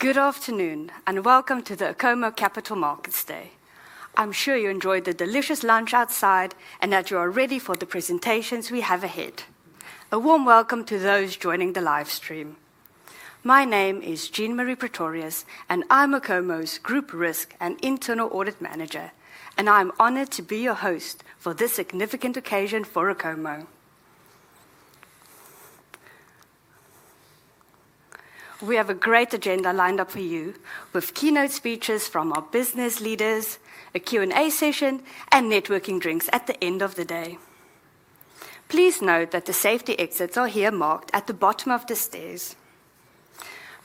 Good afternoon and welcome to the Acomo Capital Markets Day. I'm sure you enjoyed the delicious lunch outside and that you are ready for the presentations we have ahead. A warm welcome to those joining the live stream. My name is Jean-Mari Pretorius, and I'm Acomo's Group Risk and Internal Audit Manager, and I'm honored to be your host for this significant occasion for Acomo. We have a great agenda lined up for you, with keynote speeches from our business leaders, a Q&A session, and networking drinks at the end of the day. Please note that the safety exits are here marked at the bottom of the stairs.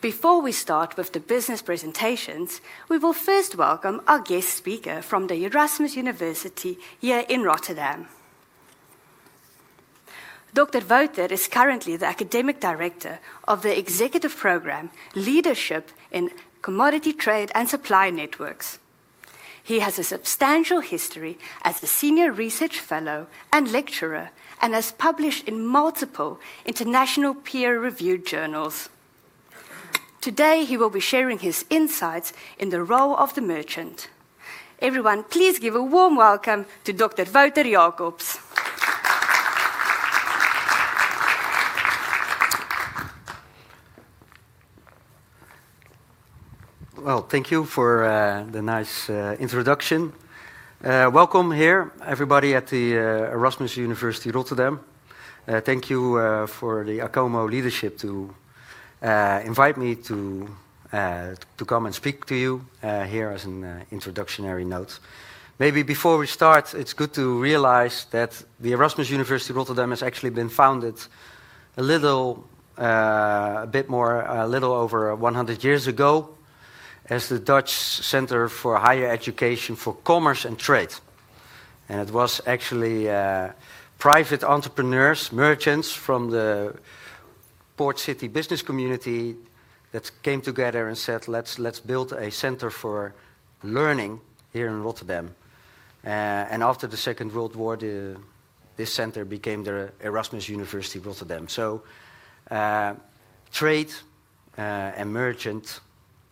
Before we start with the business presentations, we will first welcome our guest speaker from the Erasmus University here in Rotterdam. Dr. Wouter Jacobs is currently the Academic Director of the Executive Program Leadership in Commodity Trade and Supply Networks. He has a substantial history as a Senior Research Fellow and Lecturer, and has published in multiple international peer-reviewed journals. Today, he will be sharing his insights in the role of the merchant. Everyone, please give a warm welcome to Dr. Wouter Jacobs. Thank you for the nice introduction. Welcome here, everybody at the Erasmus University Rotterdam. Thank you for the Acomo leadership to invite me to come and speak to you here as an introductionary note. Maybe before we start, it's good to realize that the Erasmus University Rotterdam has actually been founded a little bit more than 100 years ago as the Dutch Center for Higher Education for Commerce and Trade. It was actually private entrepreneurs, merchants from the port city business community that came together and said, "Let's build a center for learning here in Rotterdam." After the Second World War, this center became the Erasmus University Rotterdam. Trade and merchant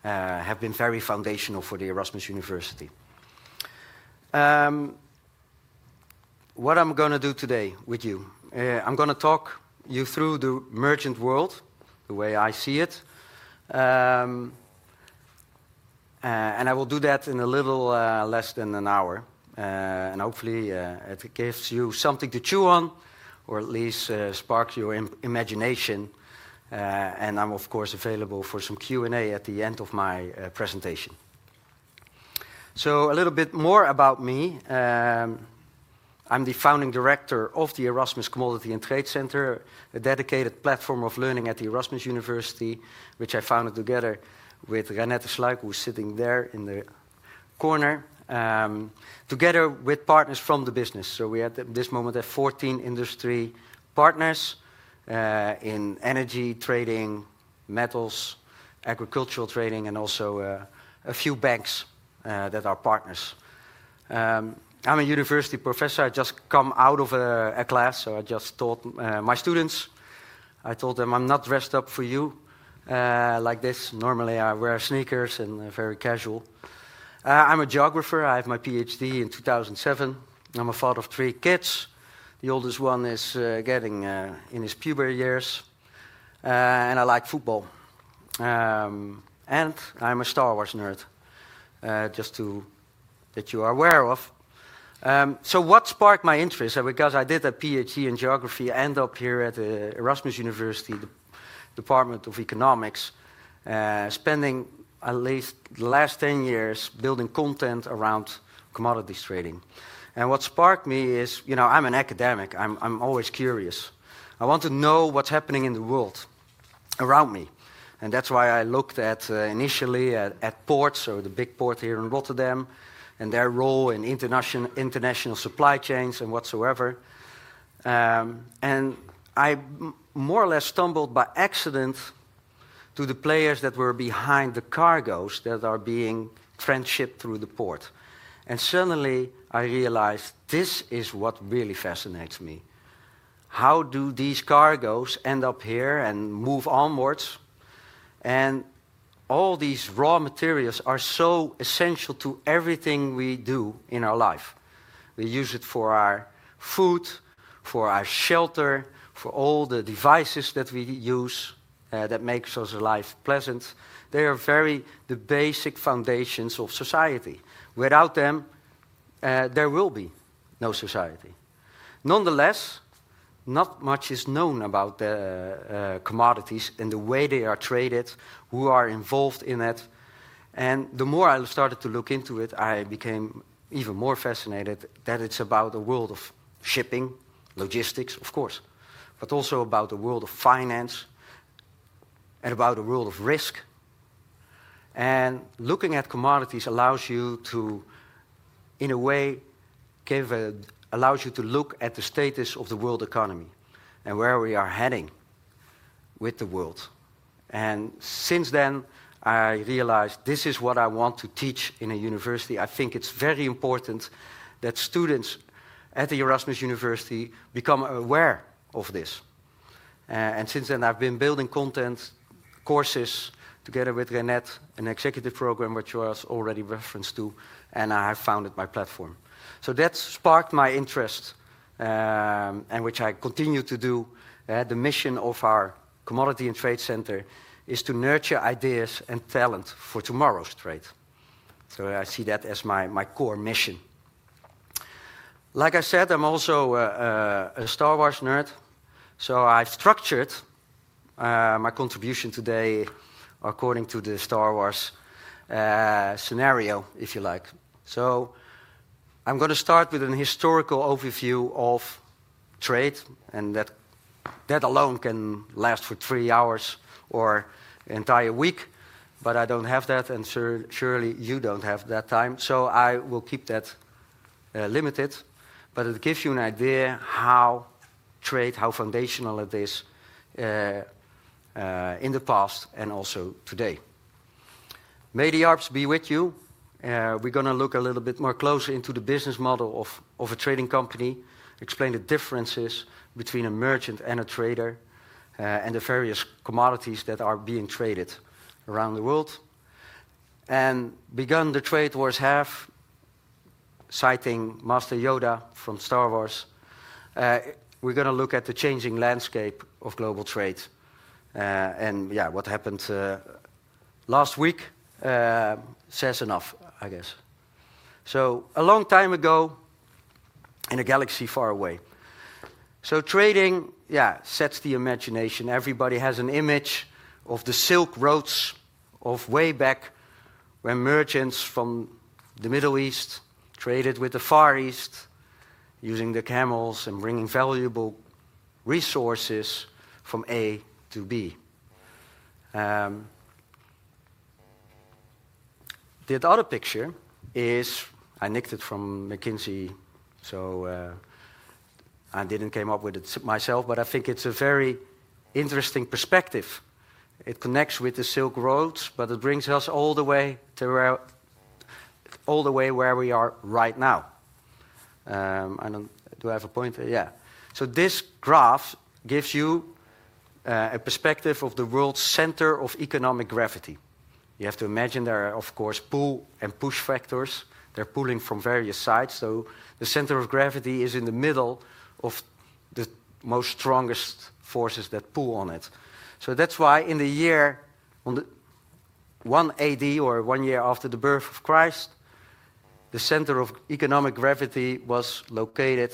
have been very foundational for the Erasmus University. What I'm going to do today with you, I'm going to talk you through the merchant world, the way I see it. I will do that in a little less than an hour. Hopefully, it gives you something to chew on, or at least sparks your imagination. I'm, of course, available for some Q&A at the end of my presentation. A little bit more about me. I'm the founding director of the Erasmus Commodity and Trade Center, a dedicated platform of learning at Erasmus University, which I founded together with Reinette Sluijk, who is sitting there in the corner, together with partners from the business. We at this moment have 14 industry partners in energy, trading, metals, agricultural trading, and also a few banks that are partners. I'm a university professor. I just come out of a class, so I just taught my students. I told them, "I'm not dressed up for you like this. Normally, I wear sneakers and very casual." I'm a geographer. I have my PhD in 2007. I'm a father of three kids. The oldest one is getting in his puberty years. I like football. I'm a Star Wars nerd, just to let you are aware of. What sparked my interest? Because I did a PhD in geography and up here at the Erasmus University, the Department of Economics, spending at least the last 10 years building content around commodities trading. What sparked me is, you know, I'm an academic. I'm always curious. I want to know what's happening in the world around me. That's why I looked at initially at ports, or the big port here in Rotterdam, and their role in international supply chains and whatsoever. I more or less stumbled by accident to the players that were behind the cargoes that are being transshipped through the port. Suddenly, I realized this is what really fascinates me. How do these cargoes end up here and move onwards? All these raw materials are so essential to everything we do in our life. We use it for our food, for our shelter, for all the devices that we use that make our life pleasant. They are the very basic foundations of society. Without them, there will be no society. Nonetheless, not much is known about the commodities and the way they are traded, who are involved in it. The more I started to look into it, I became even more fascinated that it's about the world of shipping, logistics, of course, but also about the world of finance and about the world of risk. Looking at commodities allows you to, in a way, give it allows you to look at the status of the world economy and where we are heading with the world. Since then, I realized this is what I want to teach in a university. I think it's very important that students at Erasmus University become aware of this. Since then, I've been building content courses together with Reinette and executive program, which was already referenced to, and I have founded my platform. That sparked my interest, and which I continue to do. The mission of our Commodity and Trade Center is to nurture ideas and talent for tomorrow's trade. I see that as my core mission. Like I said, I'm also a Star Wars nerd. I've structured my contribution today according to the Star Wars scenario, if you like. I'm going to start with a historical overview of trade, and that alone can last for three hours or an entire week, but I don't have that, and surely you don't have that time. I will keep that limited, but it gives you an idea how trade, how foundational it is in the past and also today. May the arts be with you. We're going to look a little bit more closer into the business model of a trading company, explain the differences between a merchant and a trader, and the various commodities that are being traded around the world. Begun the trade wars have, citing Master Yoda from Star Wars. We're going to look at the changing landscape of global trade. Yeah, what happened last week says enough, I guess. A long time ago in a galaxy far away. Trading, yeah, sets the imagination. Everybody has an image of the Silk Roads of way back when merchants from the Middle East traded with the Far East using the camels and bringing valuable resources from A to B. The other picture is I nicked it from McKinsey, so I didn't come up with it myself, but I think it's a very interesting perspective. It connects with the Silk Roads, but it brings us all the way to where we are right now. Do I have a point? Yeah. This graph gives you a perspective of the world's center of economic gravity. You have to imagine there are, of course, pull and push factors. They're pulling from various sides. The center of gravity is in the middle of the most strongest forces that pull on it. That is why in the year 1 AD, or one year after the birth of Christ, the center of economic gravity was located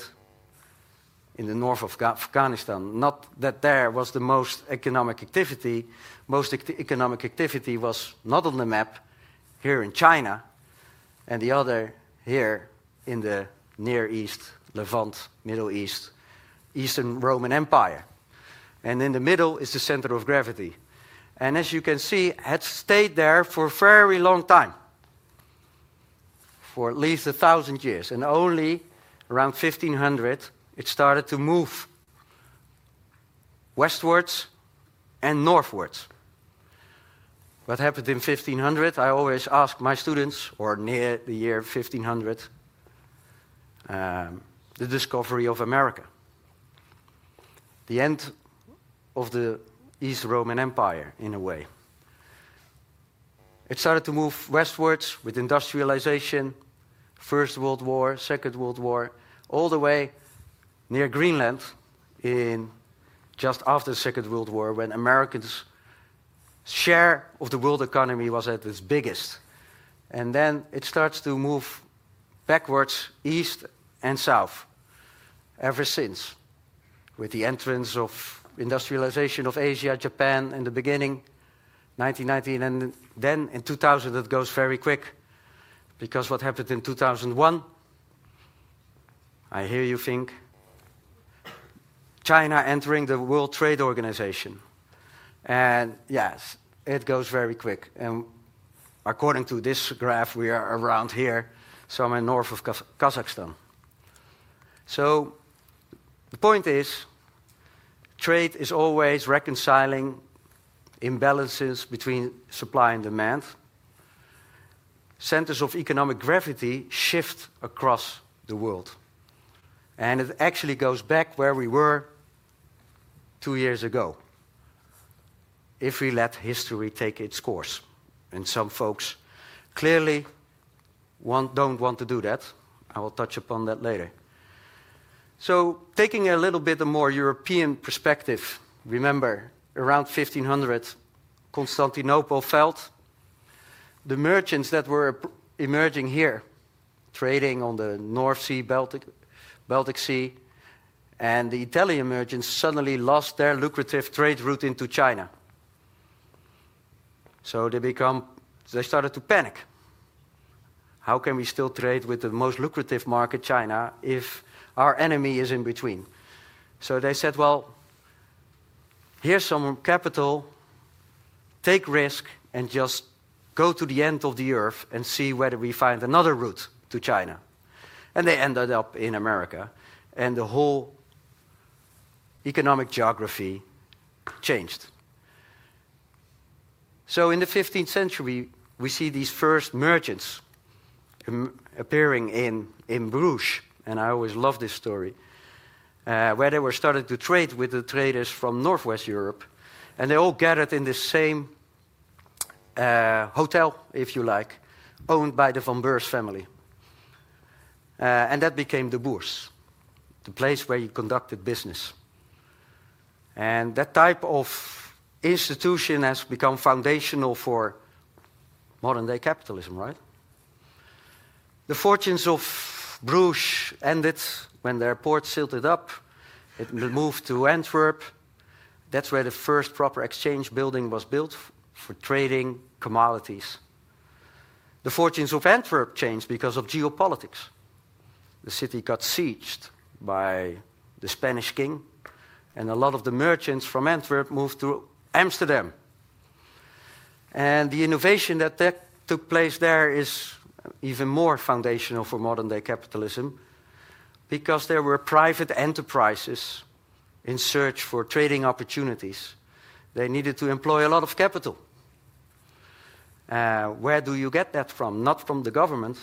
in the north of Afghanistan. Not that there was the most economic activity. Most economic activity was not on the map here in China, and the other here in the Near East, Levant, Middle East, Eastern Roman Empire. In the middle is the center of gravity. As you can see, it had stayed there for a very long time, for at least 1,000 years. Only around 1500, it started to move westwards and northwards. What happened in 1500? I always ask my students, or near the year 1500, the discovery of America, the end of the Eastern Roman Empire in a way. It started to move westwards with industrialization, First World War, Second World War, all the way near Greenland just after the Second World War when America's share of the world economy was at its biggest. It starts to move backwards, east and south ever since, with the entrance of industrialization of Asia, Japan in the beginning, 1919. In 2000, it goes very quick because what happened in 2001? I hear you think. China entering the World Trade Organization. Yes, it goes very quick. According to this graph, we are around here, somewhere north of Kazakhstan. The point is trade is always reconciling imbalances between supply and demand. Centers of economic gravity shift across the world. It actually goes back where we were two years ago if we let history take its course. Some folks clearly do not want to do that. I will touch upon that later. Taking a little bit of more European perspective, remember around 1500, Constantinople fell. The merchants that were emerging here, trading on the North Sea, Baltic Sea, and the Italian merchants suddenly lost their lucrative trade route into China. They started to panic. How can we still trade with the most lucrative market, China, if our enemy is in between? They said, "Here's some capital. Take risk and just go to the end of the earth and see whether we find another route to China." They ended up in America. The whole economic geography changed. In the 15th century, we see these first merchants appearing in Bruges. I always love this story, where they were starting to trade with the traders from Northwest Europe. They all gathered in the same hotel, if you like, owned by the Van Beuren family. That became the bourse, the place where you conducted business. That type of institution has become foundational for modern-day capitalism, right? The fortunes of Bruges ended when their ports sealed up. It moved to Antwerp. That is where the first proper exchange building was built for trading commodities. The fortunes of Antwerp changed because of geopolitics. The city got sieged by the Spanish king, and a lot of the merchants from Antwerp moved to Amsterdam. The innovation that took place there is even more foundational for modern-day capitalism because there were private enterprises in search for trading opportunities. They needed to employ a lot of capital. Where do you get that from? Not from the government.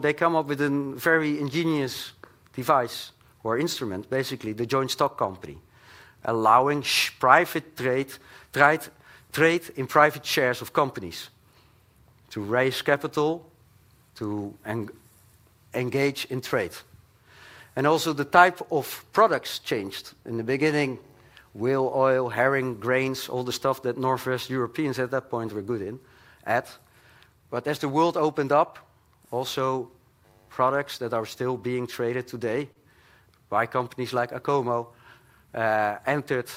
They come up with a very ingenious device or instrument, basically the Joint Stock Company, allowing private trade in private shares of companies to raise capital, to engage in trade. Also the type of products changed. In the beginning, wheel, oil, herring, grains, all the stuff that Northwest Europeans at that point were good in. As the world opened up, also products that are still being traded today by companies like Acomo entered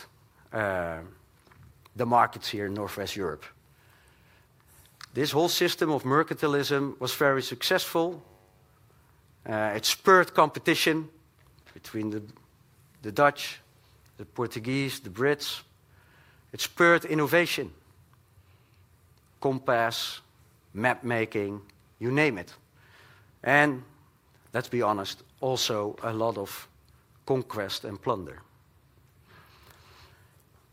the markets here in Northwest Europe. This whole system of mercantilism was very successful. It spurred competition between the Dutch, the Portuguese, the Brits. It spurred innovation, compass, map making, you name it. Let's be honest, also a lot of conquest and plunder.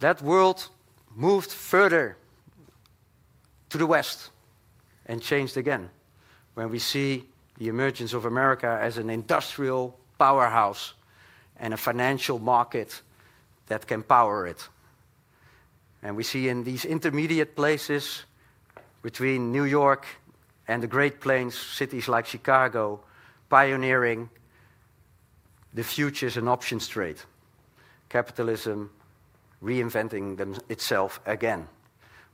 That world moved further to the west and changed again when we see the emergence of America as an industrial powerhouse and a financial market that can power it. We see in these intermediate places between New York and the Great Plains, cities like Chicago, pioneering the futures and options trade, capitalism reinventing itself again,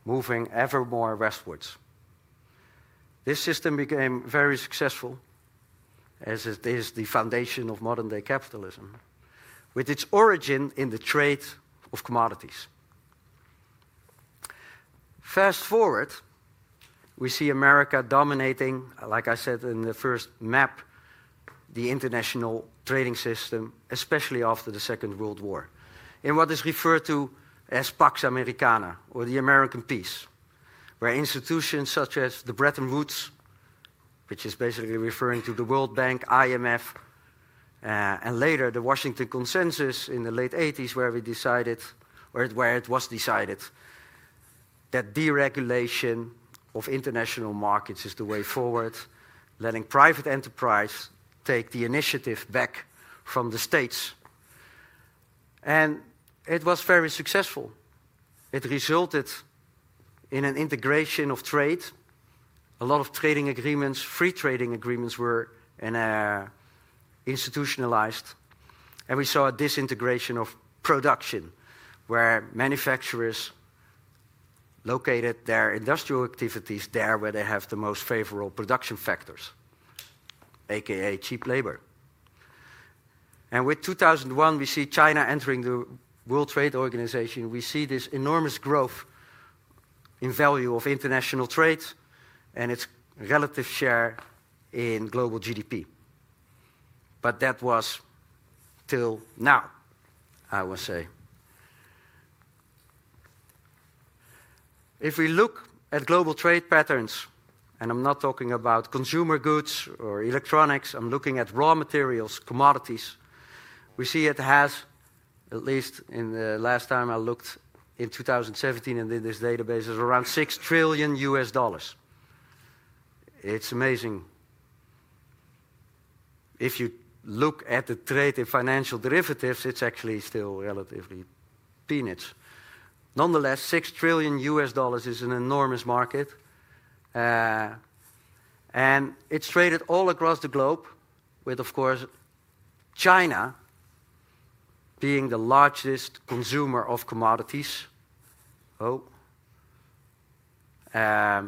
moving ever more westwards. This system became very successful as it is the foundation of modern-day capitalism, with its origin in the trade of commodities. Fast forward, we see America dominating, like I said in the first map, the international trading system, especially after the Second World War, in what is referred to as Pax Americana or the American peace, where institutions such as Bretton Woods, which is basically referring to the World Bank, IMF, and later the Washington Consensus in the late 1980s, where we decided, or where it was decided, that deregulation of international markets is the way forward, letting private enterprise take the initiative back from the states. It was very successful. It resulted in an integration of trade. A lot of trading agreements, free trading agreements were institutionalized. We saw a disintegration of production, where manufacturers located their industrial activities there where they have the most favorable production factors, a.k.a. cheap labor. With 2001, we see China entering the World Trade Organization. We see this enormous growth in value of international trade and its relative share in global GDP. That was till now, I would say. If we look at global trade patterns, and I'm not talking about consumer goods or electronics, I'm looking at raw materials, commodities, we see it has, at least in the last time I looked in 2017 and did this database, is around $6 trillion. It's amazing. If you look at the trade in financial derivatives, it's actually still relatively peanuts. Nonetheless, $6 trillion is an enormous market. It's traded all across the globe, with, of course, China being the largest consumer of commodities. Oh. The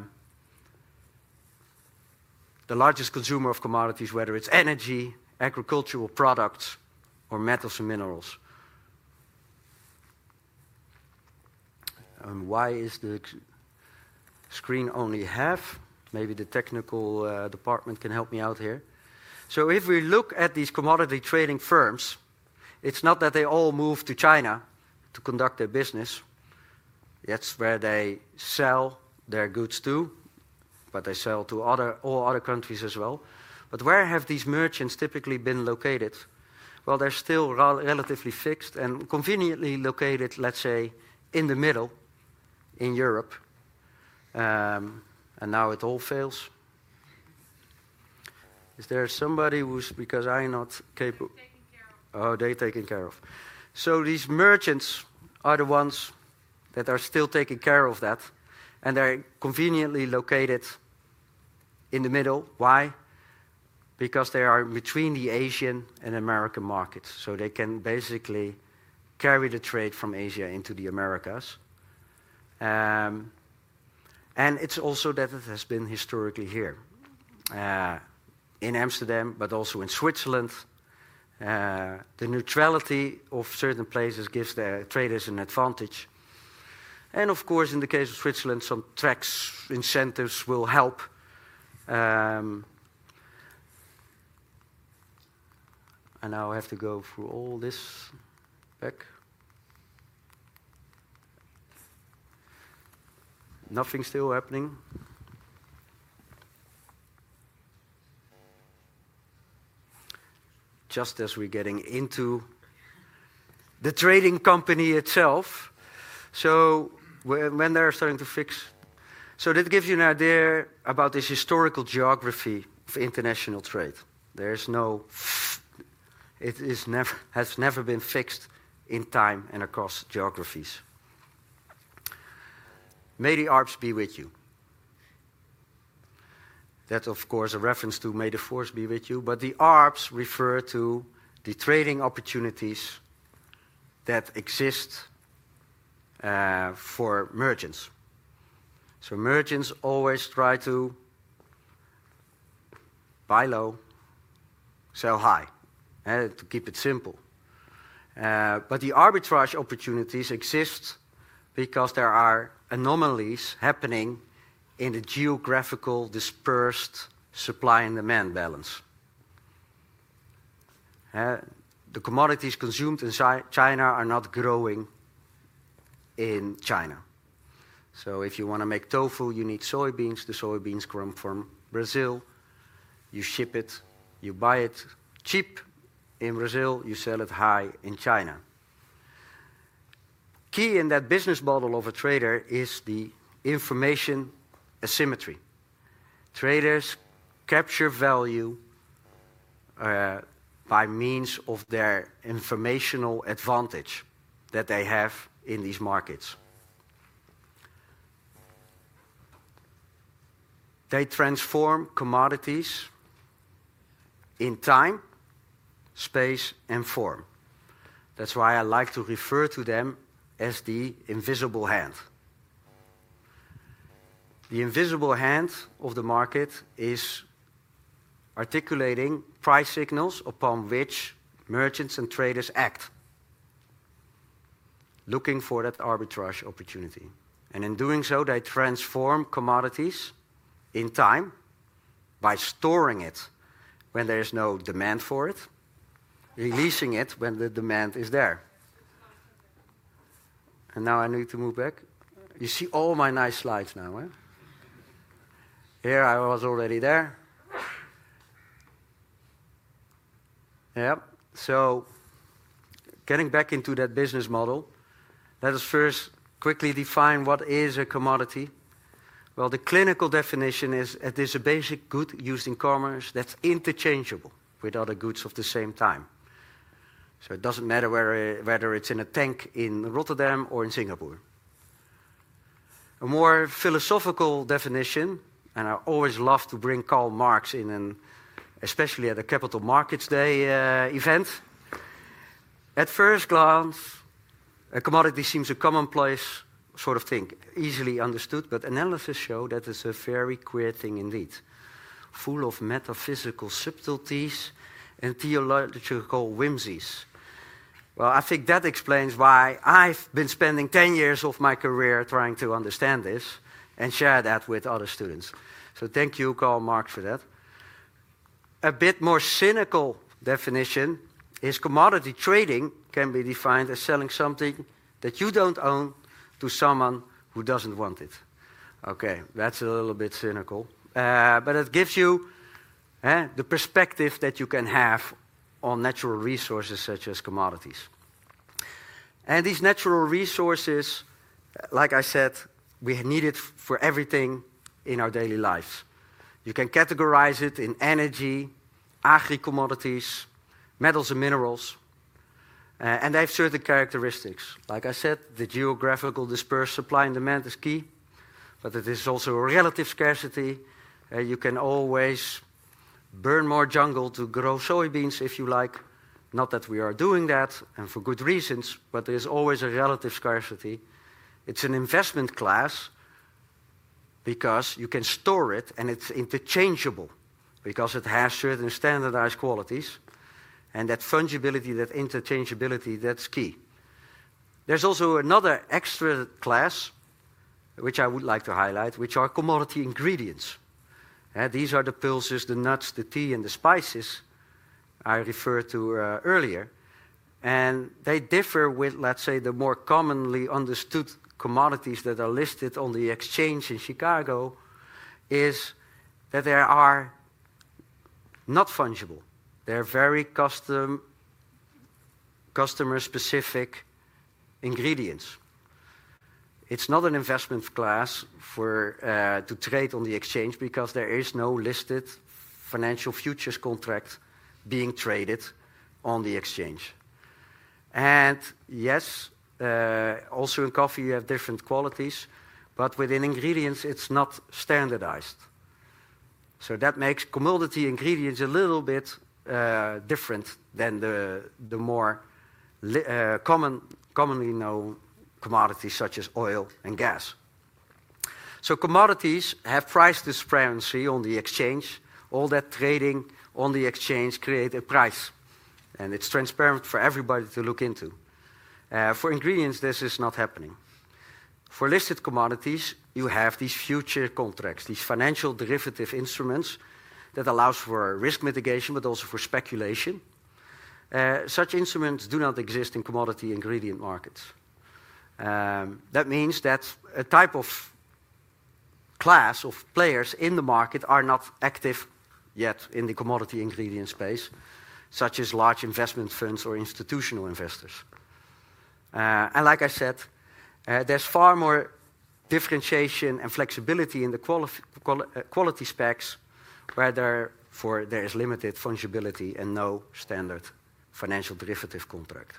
largest consumer of commodities, whether it's energy, agricultural products, or metals and minerals. Why is the screen only half? Maybe the technical department can help me out here. If we look at these commodity trading firms, it's not that they all moved to China to conduct their business. That's where they sell their goods to, but they sell to all other countries as well. Where have these merchants typically been located? They're still relatively fixed and conveniently located, let's say, in the middle in Europe. Now it all fails. Is there somebody who's because I'm not capable? Oh, they're taken care of. These merchants are the ones that are still taking care of that. They're conveniently located in the middle. Why? Because they are between the Asian and American markets. They can basically carry the trade from Asia into the Americas. It has also been historically here in Amsterdam, but also in Switzerland. The neutrality of certain places gives the traders an advantage. Of course, in the case of Switzerland, some tax incentives will help. I'll have to go through all this back. Nothing's still happening just as we're getting into the trading company itself. When they're starting to fix, that gives you an idea about this historical geography of international trade. It has never been fixed in time and across geographies. May the ARBS be with you. That's, of course, a reference to may the force be with you. The ARBS refer to the trading opportunities that exist for merchants. Merchants always try to buy low, sell high, to keep it simple. Arbitrage opportunities exist because there are anomalies happening in the geographically dispersed supply and demand balance. The commodities consumed in China are not growing in China. If you want to make tofu, you need soybeans. The soybeans come from Brazil. You ship it, you buy it cheap in Brazil, you sell it high in China. Key in that business model of a trader is the information asymmetry. Traders capture value by means of their informational advantage that they have in these markets. They transform commodities in time, space, and form. That is why I like to refer to them as the invisible hand. The invisible hand of the market is articulating price signals upon which merchants and traders act, looking for that arbitrage opportunity. In doing so, they transform commodities in time by storing it when there is no demand for it, releasing it when the demand is there. Now I need to move back. You see all my nice slides now. Here, I was already there. Yep. Getting back into that business model, let us first quickly define what is a commodity. The clinical definition is it is a basic good used in commerce that is interchangeable with other goods of the same type. It does not matter whether it is in a tank in Rotterdam or in Singapore. A more philosophical definition, and I always love to bring Karl Marx in, and especially at the Capital Markets Day event, at first glance, a commodity seems a commonplace sort of thing, easily understood. Analysis showed that it is a very queer thing indeed, full of metaphysical subtleties and theological whimsies. I think that explains why I've been spending 10 years of my career trying to understand this and share that with other students. Thank you, Acomo, for that. A bit more cynical definition is commodity trading can be defined as selling something that you don't own to someone who doesn't want it. Okay, that's a little bit cynical. It gives you the perspective that you can have on natural resources such as commodities. These natural resources, like I said, we need it for everything in our daily lives. You can categorize it in energy, agri-commodities, metals, and minerals. They have certain characteristics. Like I said, the geographically dispersed supply and demand is key. It is also a relative scarcity. You can always burn more jungle to grow soybeans if you like. Not that we are doing that, and for good reasons. There is always a relative scarcity. It's an investment class because you can store it, and it's interchangeable because it has certain standardized qualities. That fungibility, that interchangeability, that's key. There is also another extra class, which I would like to highlight, which are commodity ingredients. These are the pulses, the nuts, the tea, and the spices I referred to earlier. They differ with, let's say, the more commonly understood commodities that are listed on the exchange in Chicago in that they are not fungible. They're very customer-specific ingredients. It's not an investment class to trade on the exchange because there is no listed financial futures contract being traded on the exchange. Yes, also in coffee, you have different qualities. Within ingredients, it's not standardized. That makes commodity ingredients a little bit different than the more commonly known commodities such as oil and gas. Commodities have price disparity on the exchange. All that trading on the exchange creates a price. It is transparent for everybody to look into. For ingredients, this is not happening. For listed commodities, you have these future contracts, these financial derivative instruments that allow for risk mitigation, but also for speculation. Such instruments do not exist in commodity ingredient markets. That means that a type of class of players in the market are not active yet in the commodity ingredient space, such as large investment funds or institutional investors. Like I said, there is far more differentiation and flexibility in the quality specs where there is limited fungibility and no standard financial derivative contract.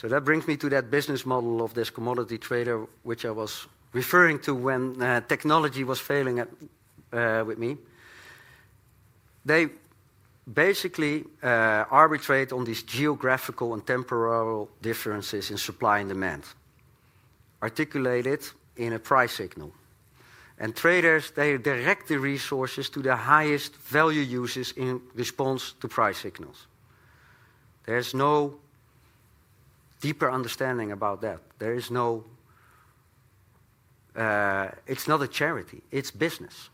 That brings me to that business model of this commodity trader, which I was referring to when technology was failing with me. They basically arbitrate on these geographical and temporal differences in supply and demand, articulated in a price signal. Traders direct the resources to the highest value uses in response to price signals. There is no deeper understanding about that. It is not a charity. It is business.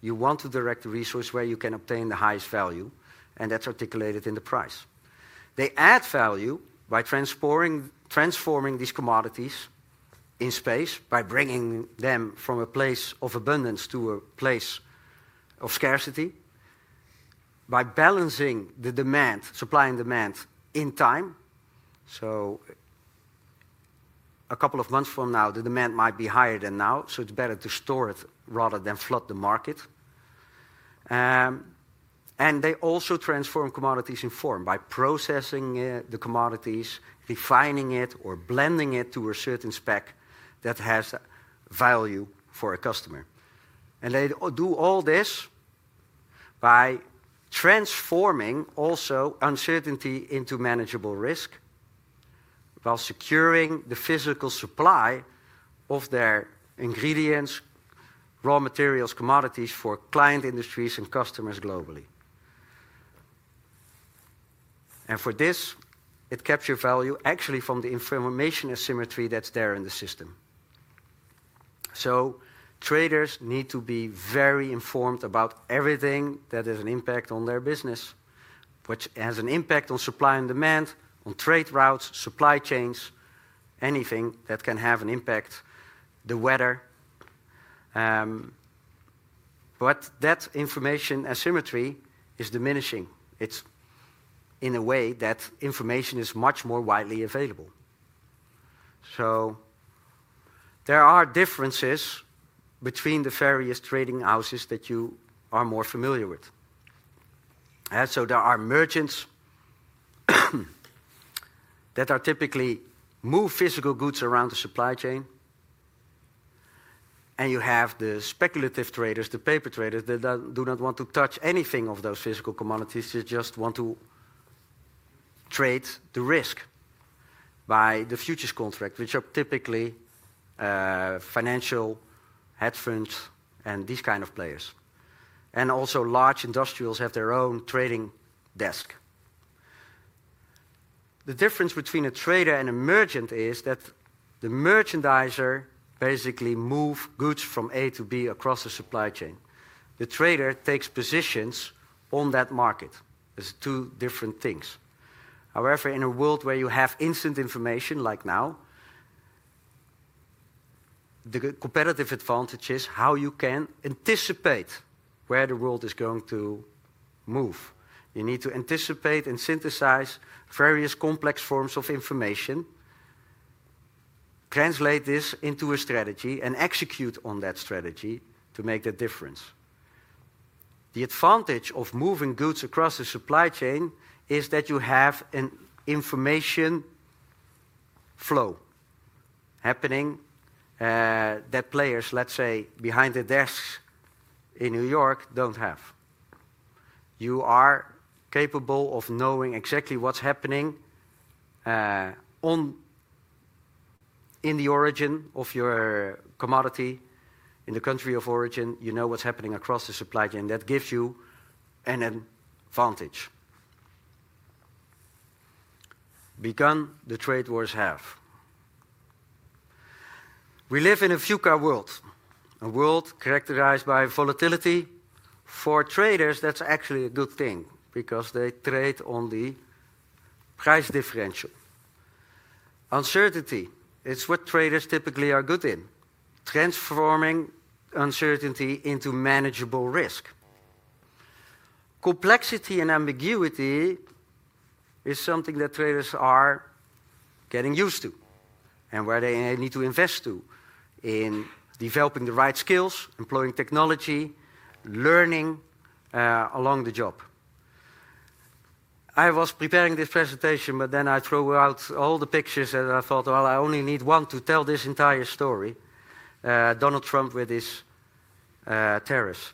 You want to direct the resource where you can obtain the highest value, and that is articulated in the price. They add value by transforming these commodities in space, by bringing them from a place of abundance to a place of scarcity, by balancing the supply and demand in time. A couple of months from now, the demand might be higher than now. It is better to store it rather than flood the market. They also transform commodities in form by processing the commodities, refining it, or blending it to a certain spec that has value for a customer. They do all this by transforming also uncertainty into manageable risk while securing the physical supply of their ingredients, raw materials, commodities for client industries and customers globally. For this, it captures value actually from the information asymmetry that's there in the system. Traders need to be very informed about everything that has an impact on their business, which has an impact on supply and demand, on trade routes, supply chains, anything that can have an impact, the weather. That information asymmetry is diminishing. It is in a way that information is much more widely available. There are differences between the various trading houses that you are more familiar with. There are merchants that typically move physical goods around the supply chain. You have the speculative traders, the paper traders that do not want to touch anything of those physical commodities. They just want to trade the risk by the futures contract, which are typically financial, hedge funds, and these kinds of players. Also, large industrials have their own trading desk. The difference between a trader and a merchant is that the merchandiser basically moves goods from A to B across the supply chain. The trader takes positions on that market. There are two different things. However, in a world where you have instant information like now, the competitive advantage is how you can anticipate where the world is going to move. You need to anticipate and synthesize various complex forms of information, translate this into a strategy, and execute on that strategy to make that difference. The advantage of moving goods across the supply chain is that you have an information flow happening that players, let's say, behind the desks in New York do not have. You are capable of knowing exactly what's happening in the origin of your commodity in the country of origin. You know what's happening across the supply chain. That gives you an advantage. Begun the trade wars have. We live in a future world, a world characterized by volatility. For traders, that's actually a good thing because they trade on the price differential. Uncertainty, it's what traders typically are good in, transforming uncertainty into manageable risk. Complexity and ambiguity is something that traders are getting used to and where they need to invest in developing the right skills, employing technology, learning along the job. I was preparing this presentation, but then I threw out all the pictures and I thought, I only need one to tell this entire story, Donald Trump with his terrorists.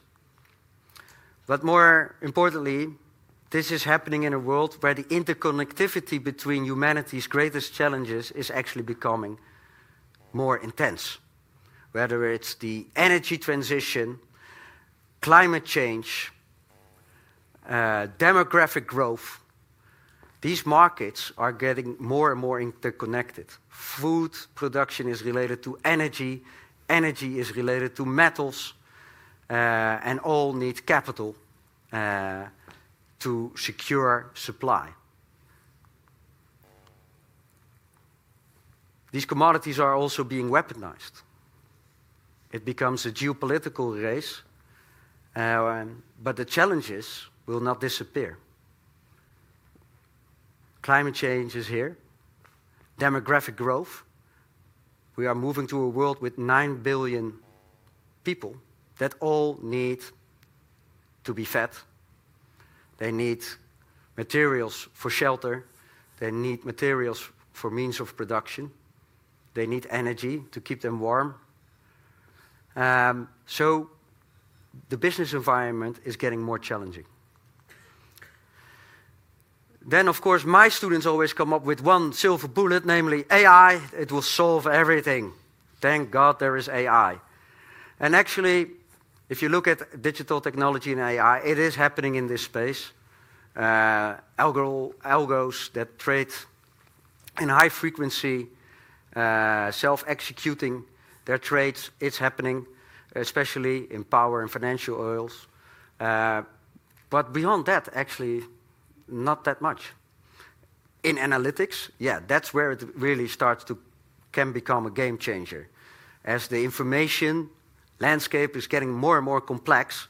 More importantly, this is happening in a world where the interconnectivity between humanity's greatest challenges is actually becoming more intense, whether it's the energy transition, climate change, demographic growth. These markets are getting more and more interconnected. Food production is related to energy. Energy is related to metals, and all need capital to secure supply. These commodities are also being weaponized. It becomes a geopolitical race. The challenges will not disappear. Climate change is here. Demographic growth. We are moving to a world with 9 billion people that all need to be fed. They need materials for shelter. They need materials for means of production. They need energy to keep them warm. The business environment is getting more challenging. Of course, my students always come up with one silver bullet, namely AI. It will solve everything. Thank God there is AI. If you look at digital technology and AI, it is happening in this space. Algos that trade in high frequency, self-executing their trades, it's happening, especially in power and financial oils. Beyond that, actually, not that much. In analytics, yeah, that's where it really starts to become a game changer as the information landscape is getting more and more complex,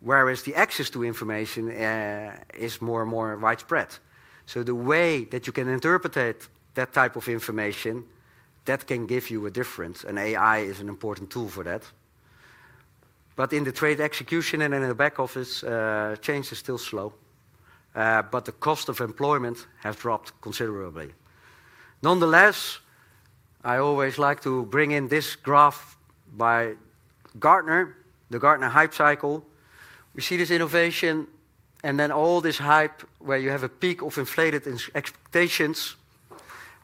whereas the access to information is more and more widespread. The way that you can interpret that type of information can give you a difference, and AI is an important tool for that. In the trade execution and in the back office, change is still slow. The cost of employment has dropped considerably. Nonetheless, I always like to bring in this graph by Gartner, the Gartner hype cycle. We see this innovation and then all this hype where you have a peak of inflated expectations,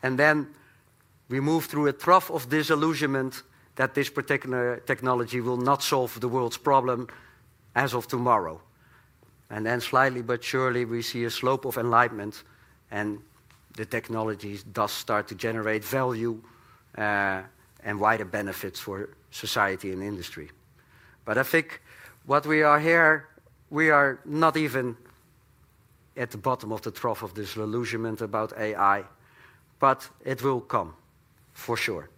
and then we move through a trough of disillusionment that this particular technology will not solve the world's problem as of tomorrow. Then slightly, but surely, we see a slope of enlightenment, and the technology does start to generate value and wider benefits for society and industry. I think what we are here, we are not even at the bottom of the trough of disillusionment about AI, but it will come for sure.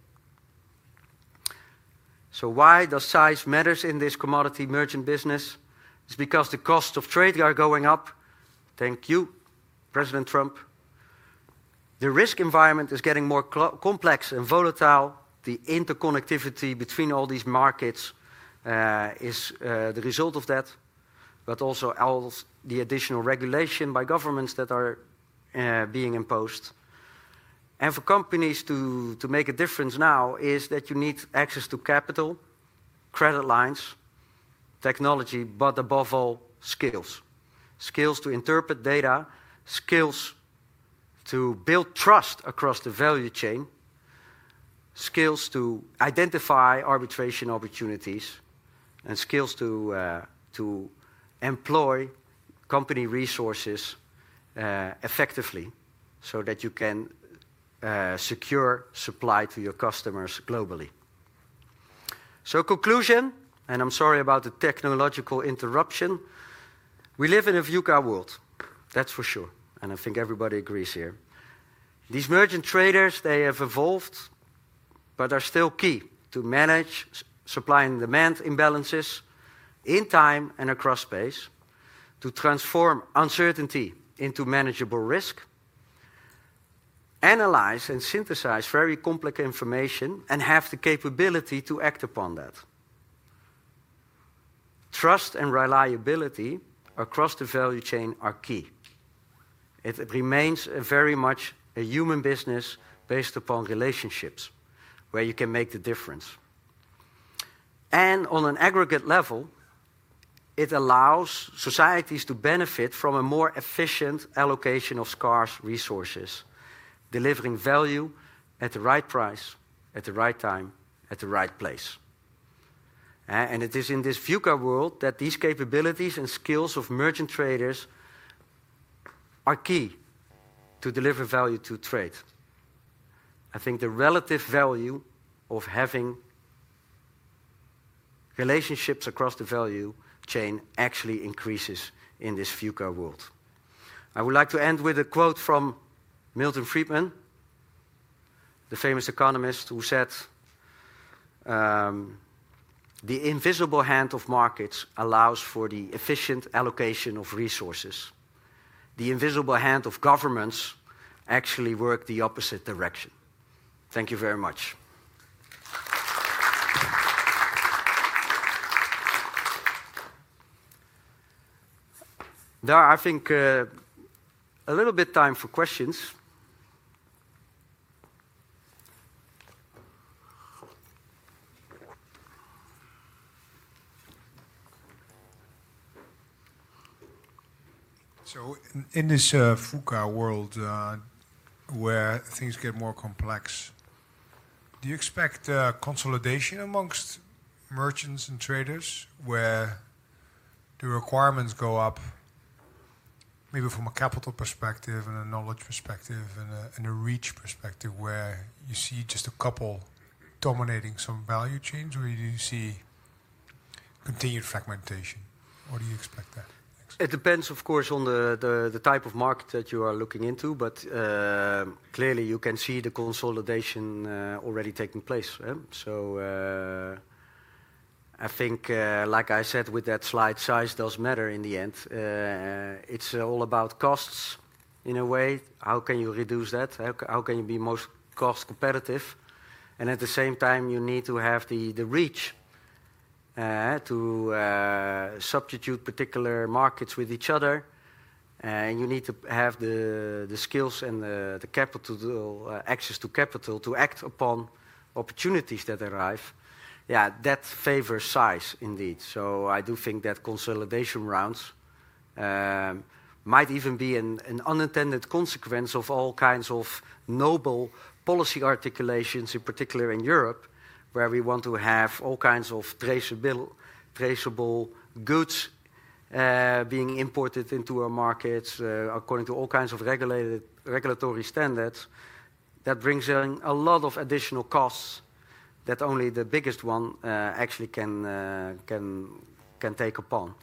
Why does size matter in this commodity merchant business? It is because the cost of trade are going up. Thank you, President Trump. The risk environment is getting more complex and volatile. The interconnectivity between all these markets is the result of that, but also the additional regulation by governments that are being imposed. For companies to make a difference now is that you need access to capital, credit lines, technology, but above all, skills. Skills to interpret data, skills to build trust across the value chain, skills to identify arbitrage opportunities, and skills to employ company resources effectively so that you can secure supply to your customers globally. In conclusion, I'm sorry about the technological interruption. We live in a future world, that's for sure. I think everybody agrees here. These merchant traders, they have evolved, but are still key to manage supply and demand imbalances in time and across space, to transform uncertainty into manageable risk, analyze and synthesize very complex information, and have the capability to act upon that. Trust and reliability across the value chain are key. It remains very much a human business based upon relationships where you can make the difference. On an aggregate level, it allows societies to benefit from a more efficient allocation of scarce resources, delivering value at the right price, at the right time, at the right place. It is in this future world that these capabilities and skills of merchant traders are key to deliver value to trade. I think the relative value of having relationships across the value chain actually increases in this future world. I would like to end with a quote from Milton Friedman, the famous economist who said, "The invisible hand of markets allows for the efficient allocation of resources. The invisible hand of governments actually works the opposite direction." Thank you very much. There are, I think, a little bit of time for questions. In this future world where things get more complex, do you expect consolidation amongst merchants and traders where the requirements go up, maybe from a capital perspective and a knowledge perspective and a reach perspective where you see just a couple dominating some value chains, or do you see continued fragmentation? Do you expect that? It depends, of course, on the type of market that you are looking into. Clearly, you can see the consolidation already taking place. I think, like I said, with that slide, size does matter in the end. It's all about costs in a way. How can you reduce that? How can you be most cost competitive? At the same time, you need to have the reach to substitute particular markets with each other. You need to have the skills and the access to capital to act upon opportunities that arrive. Yeah, that favors size indeed. I do think that consolidation rounds might even be an unintended consequence of all kinds of noble policy articulations, in particular in Europe, where we want to have all kinds of traceable goods being imported into our markets according to all kinds of regulatory standards. That brings in a lot of additional costs that only the biggest one actually can take upon,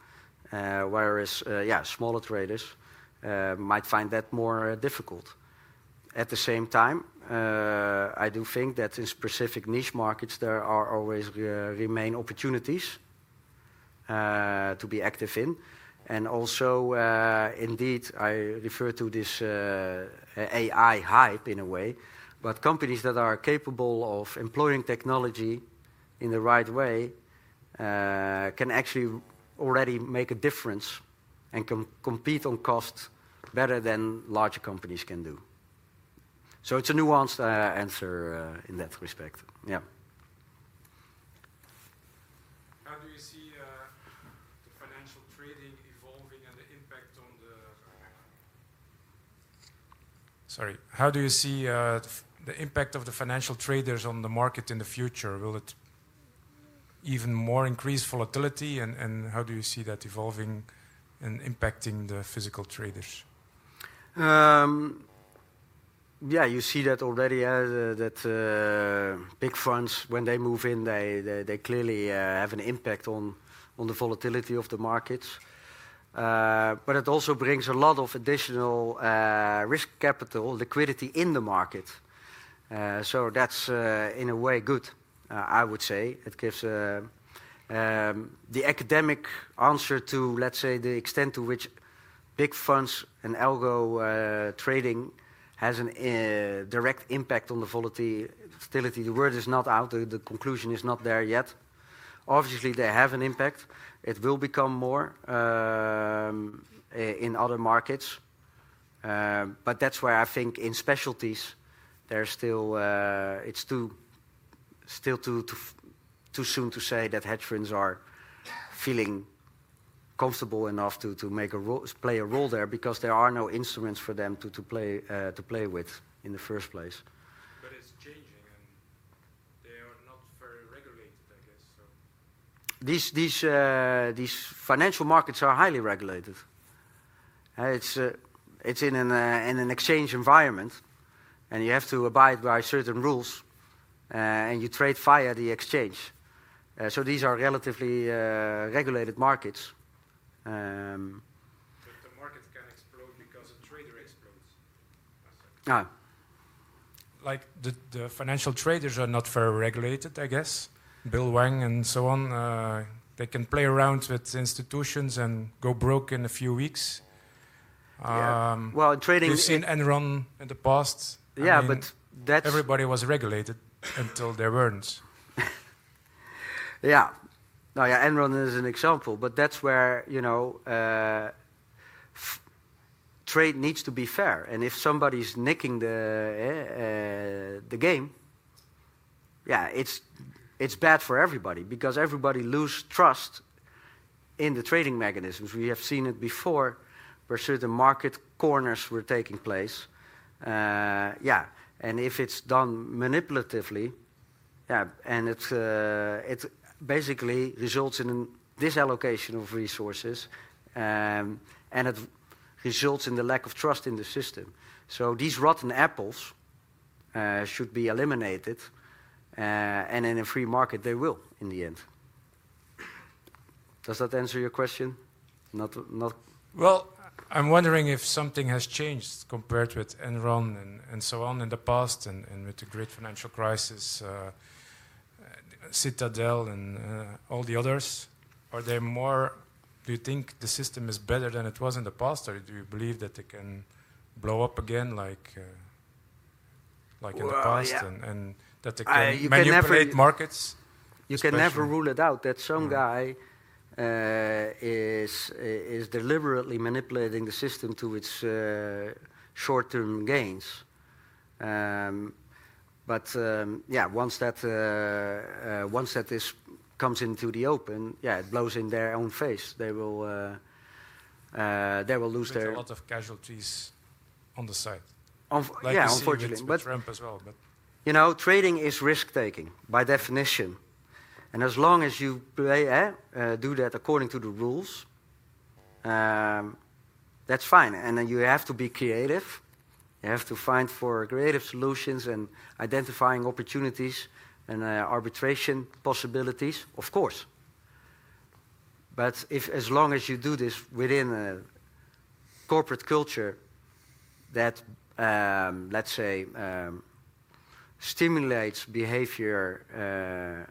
whereas, yeah, smaller traders might find that more difficult. At the same time, I do think that in specific niche markets, there always remain opportunities to be active in. Also, indeed, I refer to this AI hype in a way, but companies that are capable of employing technology in the right way can actually already make a difference and compete on cost better than large companies can do. It is a nuanced answer in that respect. Yeah. How do you see the financial trading evolving and the impact on the—sorry, how do you see the impact of the financial traders on the market in the future? Will it even more increase volatility? How do you see that evolving and impacting the physical traders? Yeah, you see that already as big funds, when they move in, they clearly have an impact on the volatility of the markets. It also brings a lot of additional risk capital liquidity in the market. That is, in a way, good, I would say. It gives the academic answer to, let's say, the extent to which big funds and algo trading has a direct impact on the volatility. The word is not out. The conclusion is not there yet. Obviously, they have an impact. It will become more in other markets. That is where I think in specialties, there is still—it is still too soon to say that hedge funds are feeling comfortable enough to play a role there because there are no instruments for them to play with in the first place. It is changing, and they are not very regulated, I guess, so. These financial markets are highly regulated. It is in an exchange environment, and you have to abide by certain rules, and you trade via the exchange. These are relatively regulated markets. The markets can explode because a trader explodes. Like the financial traders are not very regulated, I guess, Bill Wang and so on. They can play around with institutions and go broke in a few weeks. Yeah, trading—you have seen Enron in the past. Yeah, that's—everybody was regulated until they were not. Yeah. No, yeah, Enron is an example, but that's where trade needs to be fair. If somebody is nicking the game, yeah, it's bad for everybody because everybody loses trust in the trading mechanisms. We have seen it before where certain market corners were taking place. Yeah. If it's done manipulatively, yeah, it basically results in a disallocation of resources, and it results in the lack of trust in the system. These rotten apples should be eliminated. In a free market, they will in the end. Does that answer your question? I'm wondering if something has changed compared with Enron and so on in the past and with the great financial crisis, Citadel, and all the others. Are they more—do you think the system is better than it was in the past, or do you believe that they can blow up again like in the past and that they can manipulate markets? You can never rule it out that some guy is deliberately manipulating the system to its short-term gains. Yeah, once that comes into the open, it blows in their own face. They will lose their— There's a lot of casualties on the side. Yeah, unfortunately. Like Trump as well. Trading is risk-taking by definition. As long as you do that according to the rules, that's fine. You have to be creative. You have to find creative solutions and identify opportunities and arbitration possibilities, of course. As long as you do this within a corporate culture that, let's say, stimulates behavior,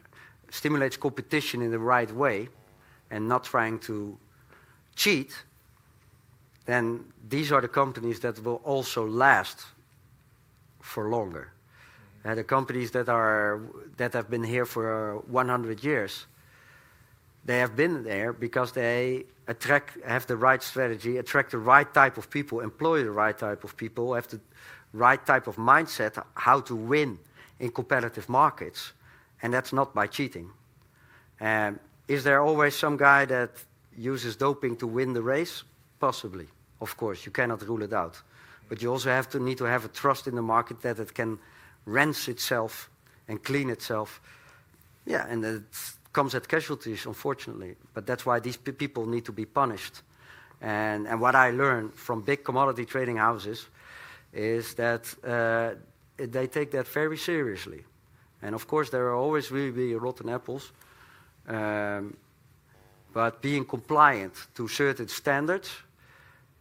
stimulates competition in the right way, and not trying to cheat, these are the companies that will also last for longer. The companies that have been here for 100 years, they have been there because they have the right strategy, attract the right type of people, employ the right type of people, have the right type of mindset how to win in competitive markets. That's not by cheating. Is there always some guy that uses doping to win the race? Possibly. Of course, you cannot rule it out. You also need to have a trust in the market that it can rent itself and clean itself. Yeah, and it comes at casualties, unfortunately. That is why these people need to be punished. What I learned from big commodity trading houses is that they take that very seriously. Of course, there will always be rotten apples. Being compliant to certain standards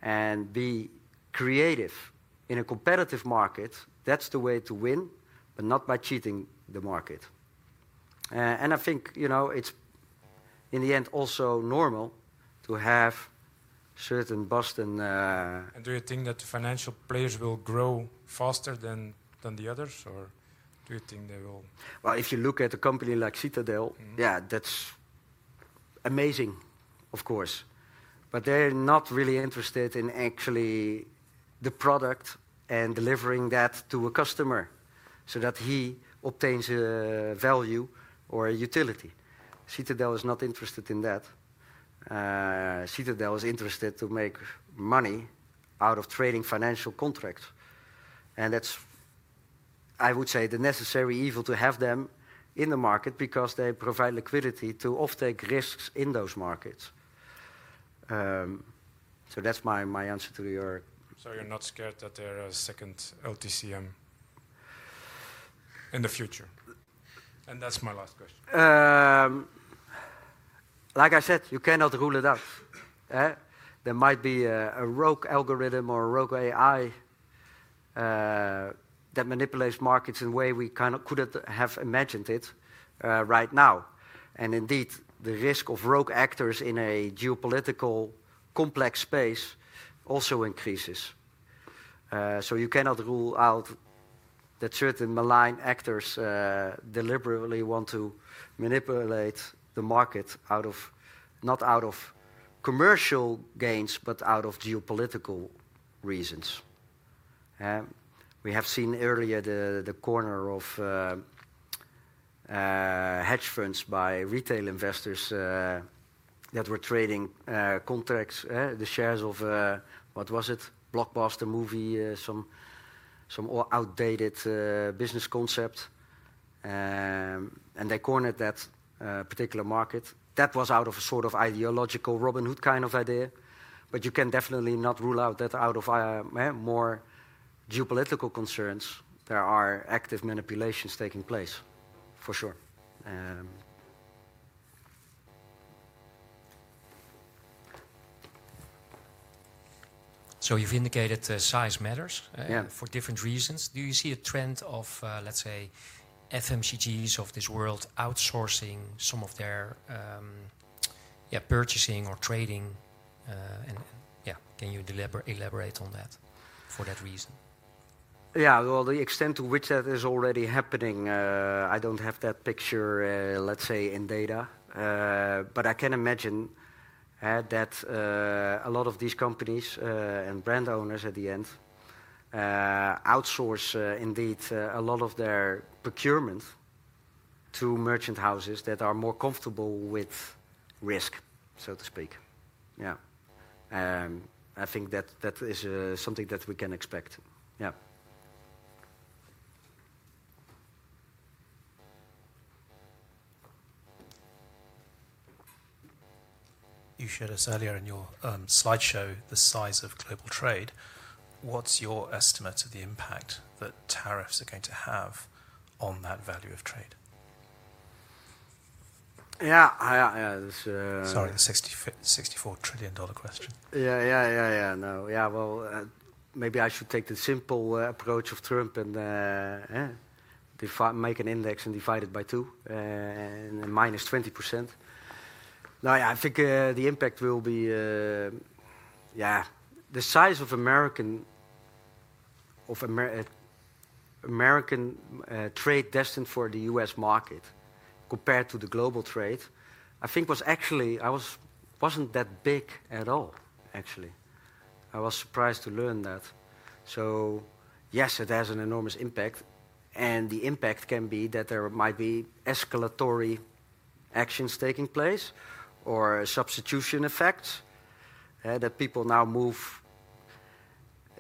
and being creative in a competitive market is the way to win, not by cheating the market. I think it is, in the end, also normal to have certain Boston— Do you think that financial players will grow faster than the others, or do you think they will? If you look at a company like Citadel, that is amazing, of course. They are not really interested in actually the product and delivering that to a customer so that he obtains value or utility. Citadel is not interested in that. Citadel is interested in making money out of trading financial contracts. That's, I would say, the necessary evil to have them in the market because they provide liquidity to offtake risks in those markets. That's my answer to your— You're not scared that there are second LTCM in the future? That's my last question. Like I said, you cannot rule it out. There might be a rogue algorithm or a rogue AI that manipulates markets in a way we couldn't have imagined right now. Indeed, the risk of rogue actors in a geopolitical complex space also increases. You cannot rule out that certain malign actors deliberately want to manipulate the market not out of commercial gains, but out of geopolitical reasons. We have seen earlier the corner of hedge funds by retail investors that were trading contracts, the shares of, what was it, Blockbuster movie, some outdated business concept. They cornered that particular market. That was out of a sort of ideological Robinhood kind of idea. You can definitely not rule out that out of more geopolitical concerns. There are active manipulations taking place, for sure. You have indicated size matters for different reasons. Do you see a trend of, let's say, FMCGs of this world outsourcing some of their purchasing or trading? Can you elaborate on that for that reason? The extent to which that is already happening, I do not have that picture, let's say, in data. I can imagine that a lot of these companies and brand owners at the end outsource indeed a lot of their procurement to merchant houses that are more comfortable with risk, so to speak. I think that is something that we can expect. You shared earlier in your slideshow the size of global trade. What's your estimate of the impact that tariffs are going to have on that value of trade? Yeah. Sorry, the $64 trillion question. No. Yeah, maybe I should take the simple approach of Trump and make an index and divide it by two and -20%. No, yeah, I think the impact will be, yeah, the size of American trade destined for the U.S. market compared to the global trade, I think was actually—I wasn't that big at all, actually. I was surprised to learn that. Yes, it has an enormous impact. The impact can be that there might be escalatory actions taking place or substitution effects that people now move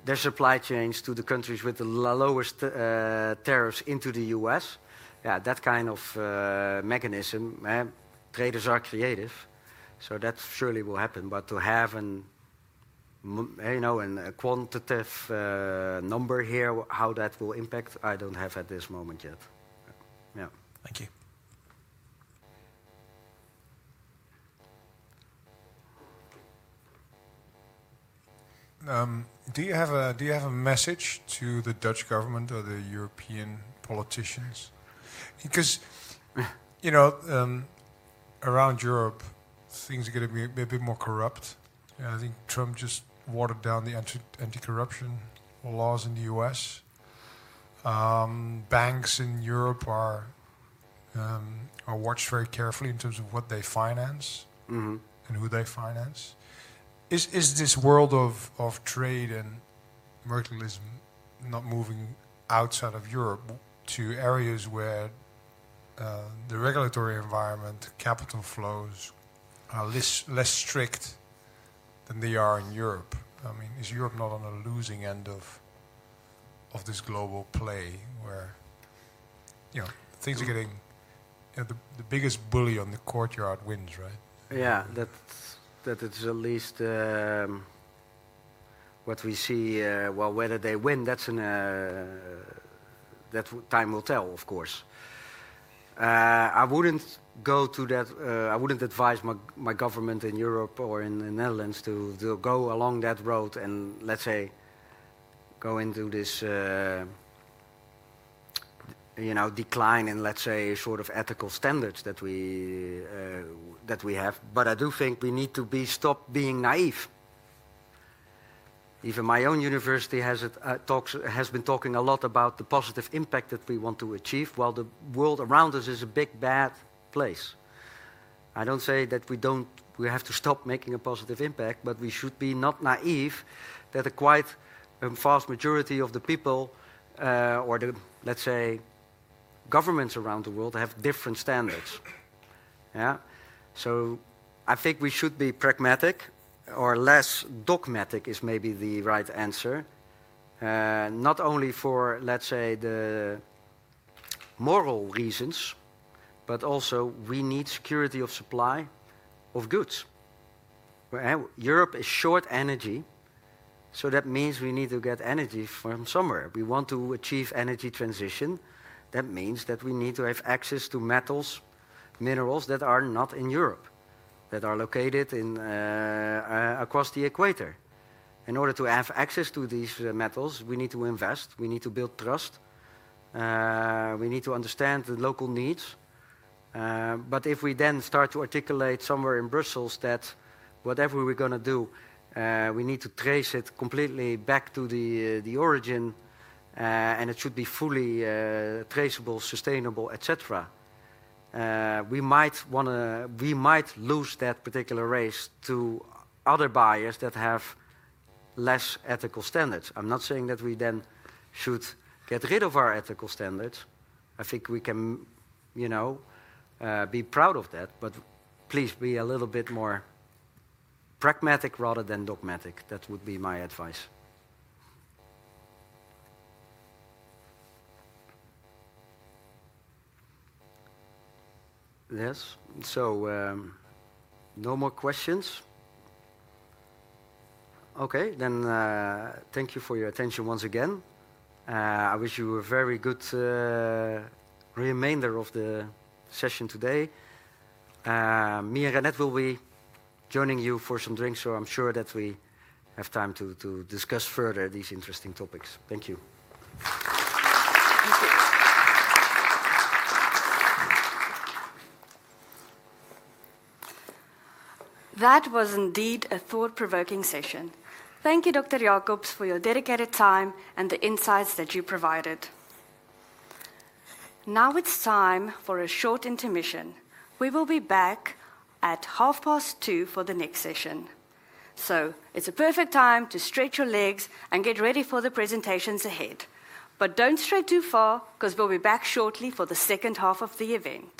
their supply chains to the countries with the lowest tariffs into the U.S.. Yeah, that kind of mechanism. Traders are creative. That surely will happen. To have a quantitative number here, how that will impact, I don't have at this moment yet. Thank you. Do you have a message to the Dutch government or the European politicians? Because around Europe, things are going to be a bit more corrupt. I think Trump just watered down the anti-corruption laws in the U.S. Banks in Europe are watched very carefully in terms of what they finance and who they finance. Is this world of trade and mercantilism not moving outside of Europe to areas where the regulatory environment, capital flows are less strict than they are in Europe? I mean, is Europe not on the losing end of this global play where things are getting—the biggest bully on the courtyard wins, right? Yeah, that is at least what we see. Whether they win, that time will tell, of course. I wouldn't go to that. I would not advise my government in Europe or in the Netherlands to go along that road and, let's say, go into this decline in, let's say, sort of ethical standards that we have. I do think we need to stop being naive. Even my own university has been talking a lot about the positive impact that we want to achieve while the world around us is a big, bad place. I do not say that we have to stop making a positive impact, but we should not be naive that a quite vast majority of the people or the, let's say, governments around the world have different standards. Yeah. I think we should be pragmatic or less dogmatic is maybe the right answer. Not only for, let's say, the moral reasons, but also we need security of supply of goods. Europe is short energy, so that means we need to get energy from somewhere. We want to achieve energy transition. That means that we need to have access to metals, minerals that are not in Europe, that are located across the equator. In order to have access to these metals, we need to invest. We need to build trust. We need to understand the local needs. If we then start to articulate somewhere in Brussels that whatever we are going to do, we need to trace it completely back to the origin, and it should be fully traceable, sustainable, etc., we might lose that particular race to other buyers that have less ethical standards. I am not saying that we then should get rid of our ethical standards. I think we can be proud of that. Please be a little bit more pragmatic rather than dogmatic. That would be my advice. Yes. No more questions. Okay. Thank you for your attention once again. I wish you a very good remainder of the session today. Me and Annette will be joining you for some drinks, so I'm sure that we have time to discuss further these interesting topics. Thank you. Thank you. That was indeed a thought-provoking session. Thank you, Dr. Jacobs, for your dedicated time and the insights that you provided. Now it's time for a short intermission. We will be back at 12:30 for the next session. It's a perfect time to stretch your legs and get ready for the presentations ahead. Don't stretch too far because we'll be back shortly for the second half of the event.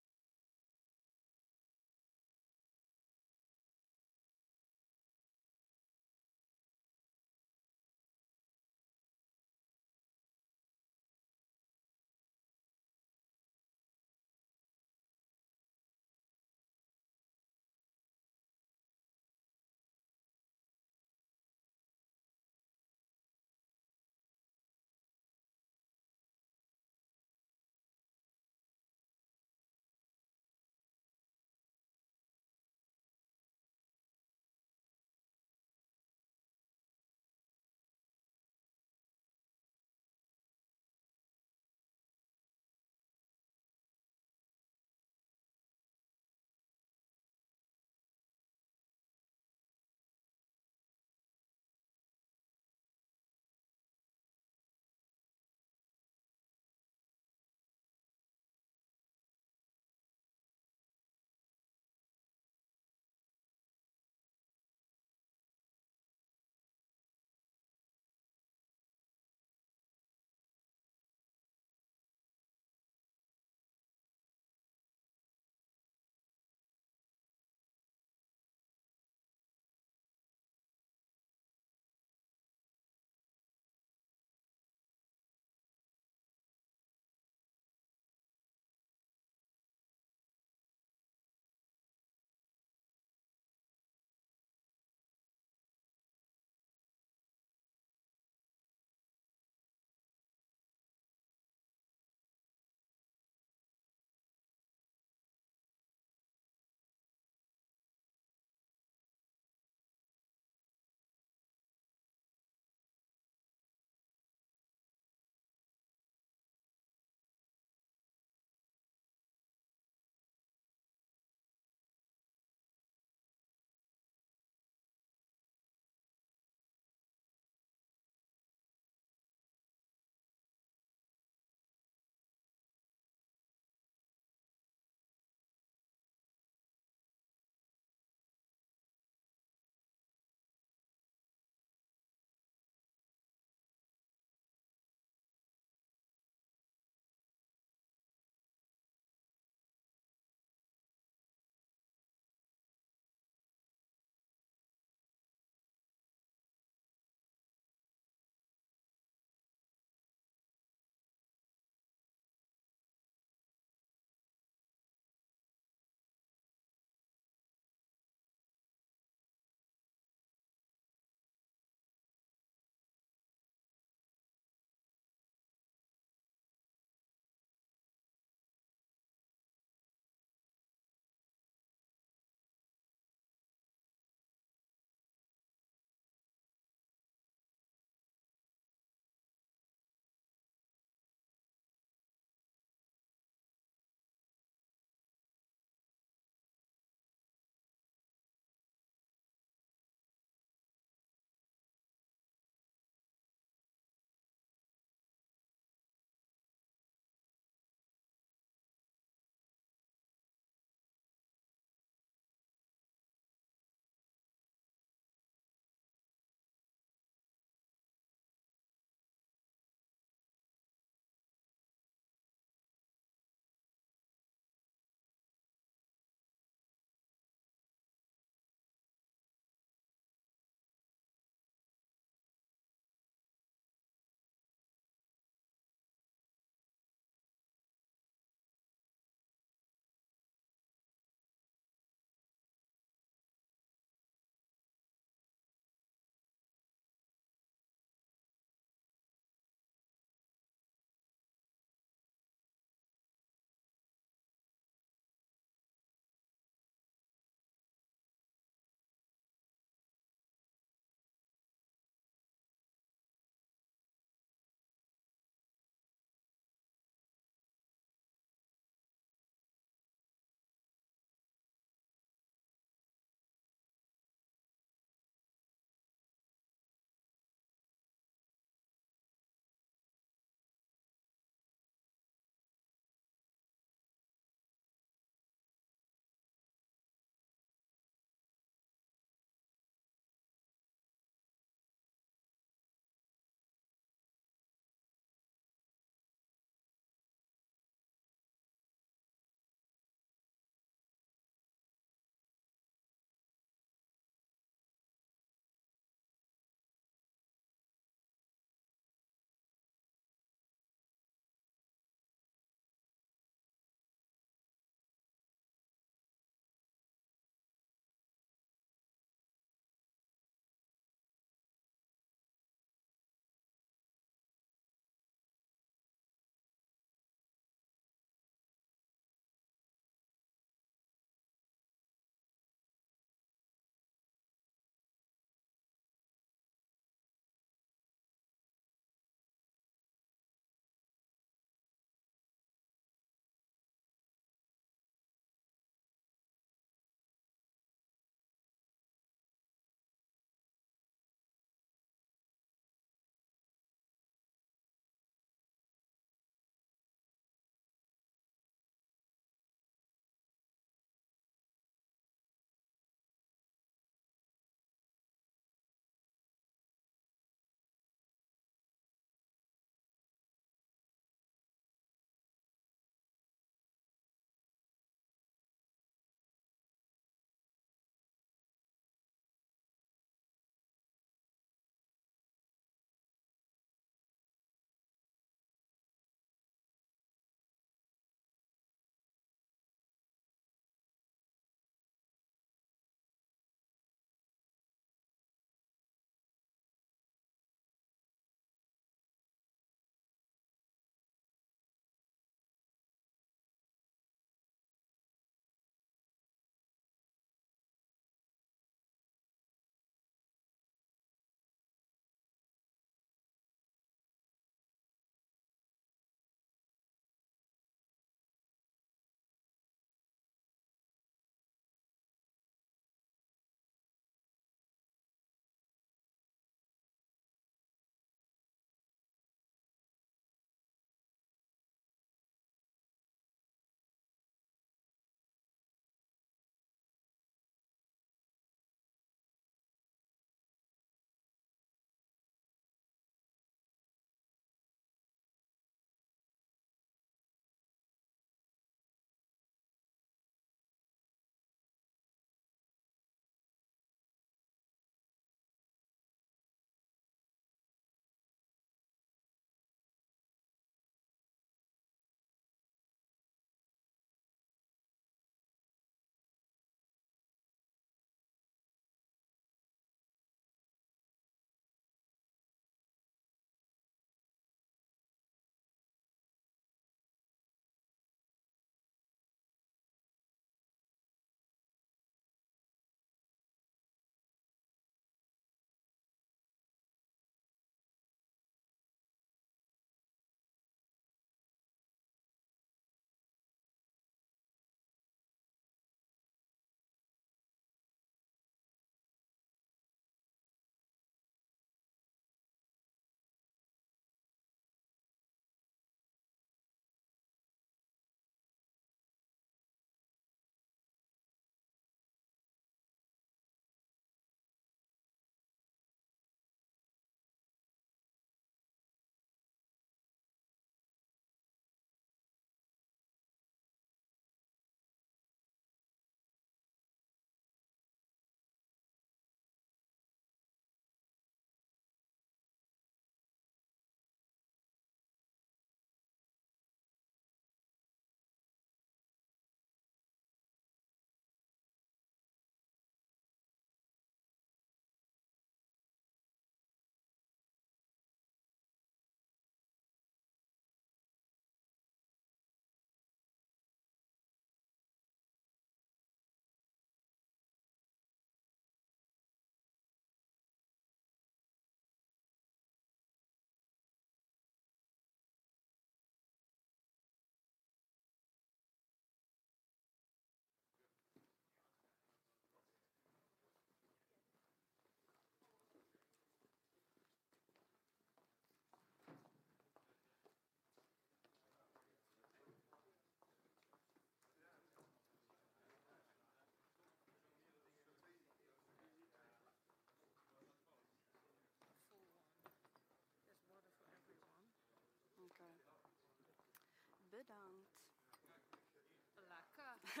Full one. There's water for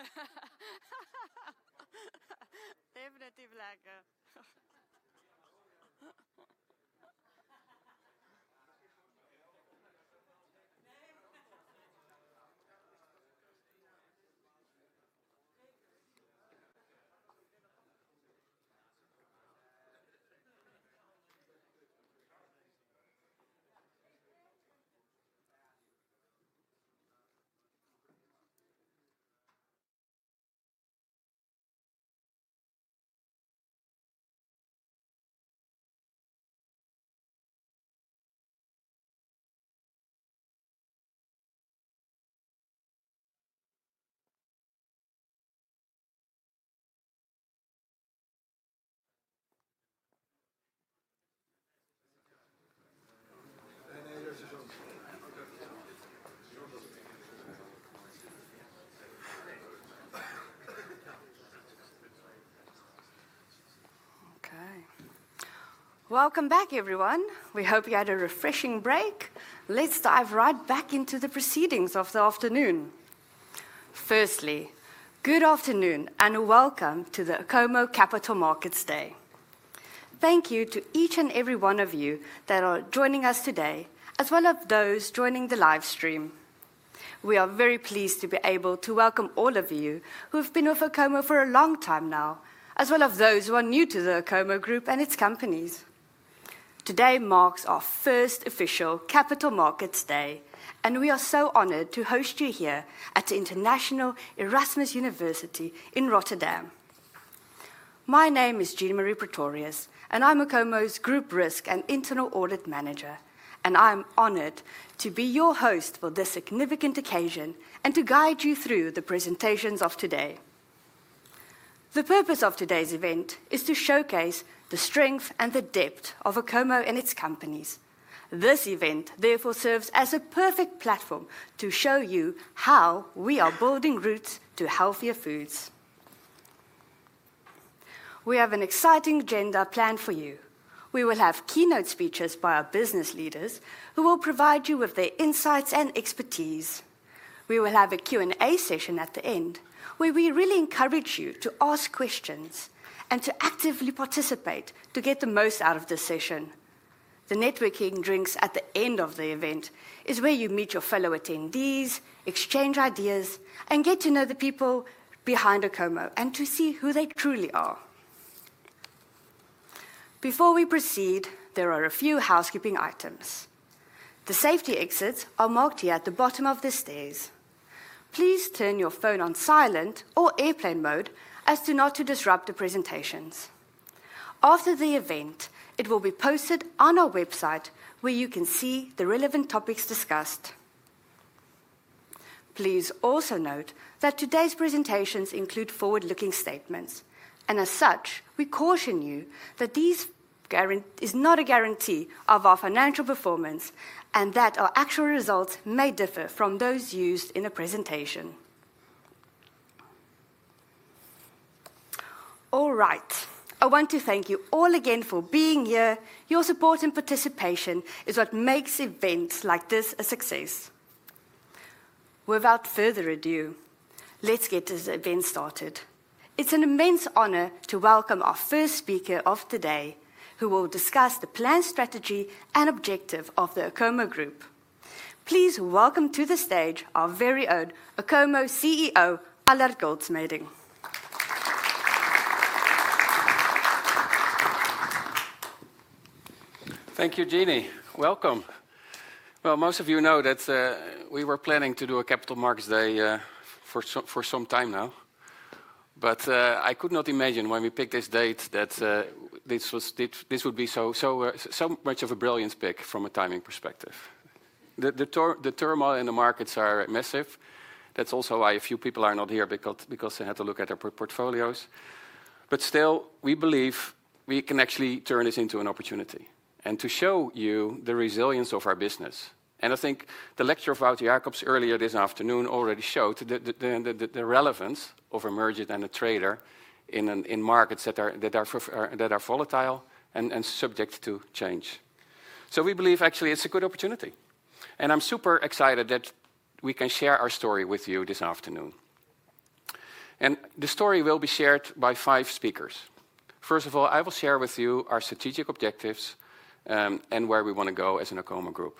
everyone. Okay. Good ones. Okay. Welcome back, everyone. We hope you had a refreshing break. Let's dive right back into the proceedings of the afternoon. Firstly, good afternoon and welcome to the Acomo Capital Markets Day. Thank you to each and every one of you that are joining us today, as well as those joining the live stream. We are very pleased to be able to welcome all of you who have been with Acomo for a long time now, as well as those who are new to the Acomo Group and its companies. Today marks our first official Capital Markets Day, and we are so honored to host you here at the International Erasmus University in Rotterdam. My name is Jean-Mari Pretorius, and I'm Acomo's Group Risk and Internal Audit Manager, and I'm honored to be your host for this significant occasion and to guide you through the presentations of today. The purpose of today's event is to showcase the strength and the depth of Acomo and its companies. This event, therefore, serves as a perfect platform to show you how we are building routes to healthier foods. We have an exciting agenda planned for you. We will have keynote speeches by our business leaders who will provide you with their insights and expertise. We will have a Q&A session at the end where we really encourage you to ask questions and to actively participate to get the most out of this session. The networking drinks at the end of the event are where you meet your fellow attendees, exchange ideas, and get to know the people behind Acomo and to see who they truly are. Before we proceed, there are a few housekeeping items. The safety exits are marked here at the bottom of the stairs. Please turn your phone on silent or airplane mode as to not disrupt the presentations. After the event, it will be posted on our website where you can see the relevant topics discussed. Please also note that today's presentations include forward-looking statements, and as such, we caution you that this is not a guarantee of our financial performance and that our actual results may differ from those used in a presentation. All right, I want to thank you all again for being here. Your support and participation is what makes events like this a success. Without further ado, let's get this event started. It's an immense honor to welcome our first speaker of the day, who will discuss the plan, strategy, and objective of the Acomo Group. Please welcome to the stage our very own Acomo CEO, Allard Goldschmeding. Thank you, Jean-Marie. Welcome. Most of you know that we were planning to do a Capital Markets Day for some time now, but I could not imagine when we picked this date that this would be so much of a brilliant pick from a timing perspective. The turmoil in the markets is massive. That is also why a few people are not here because they had to look at their portfolios. Still, we believe we can actually turn this into an opportunity to show you the resilience of our business. I think the lecture of Wouter Jacobs earlier this afternoon already showed the relevance of a merger and a trader in markets that are volatile and subject to change. We believe actually it is a good opportunity, and I am super excited that we can share our story with you this afternoon. The story will be shared by five speakers. First of all, I will share with you our strategic objectives and where we want to go as an Acomo Group.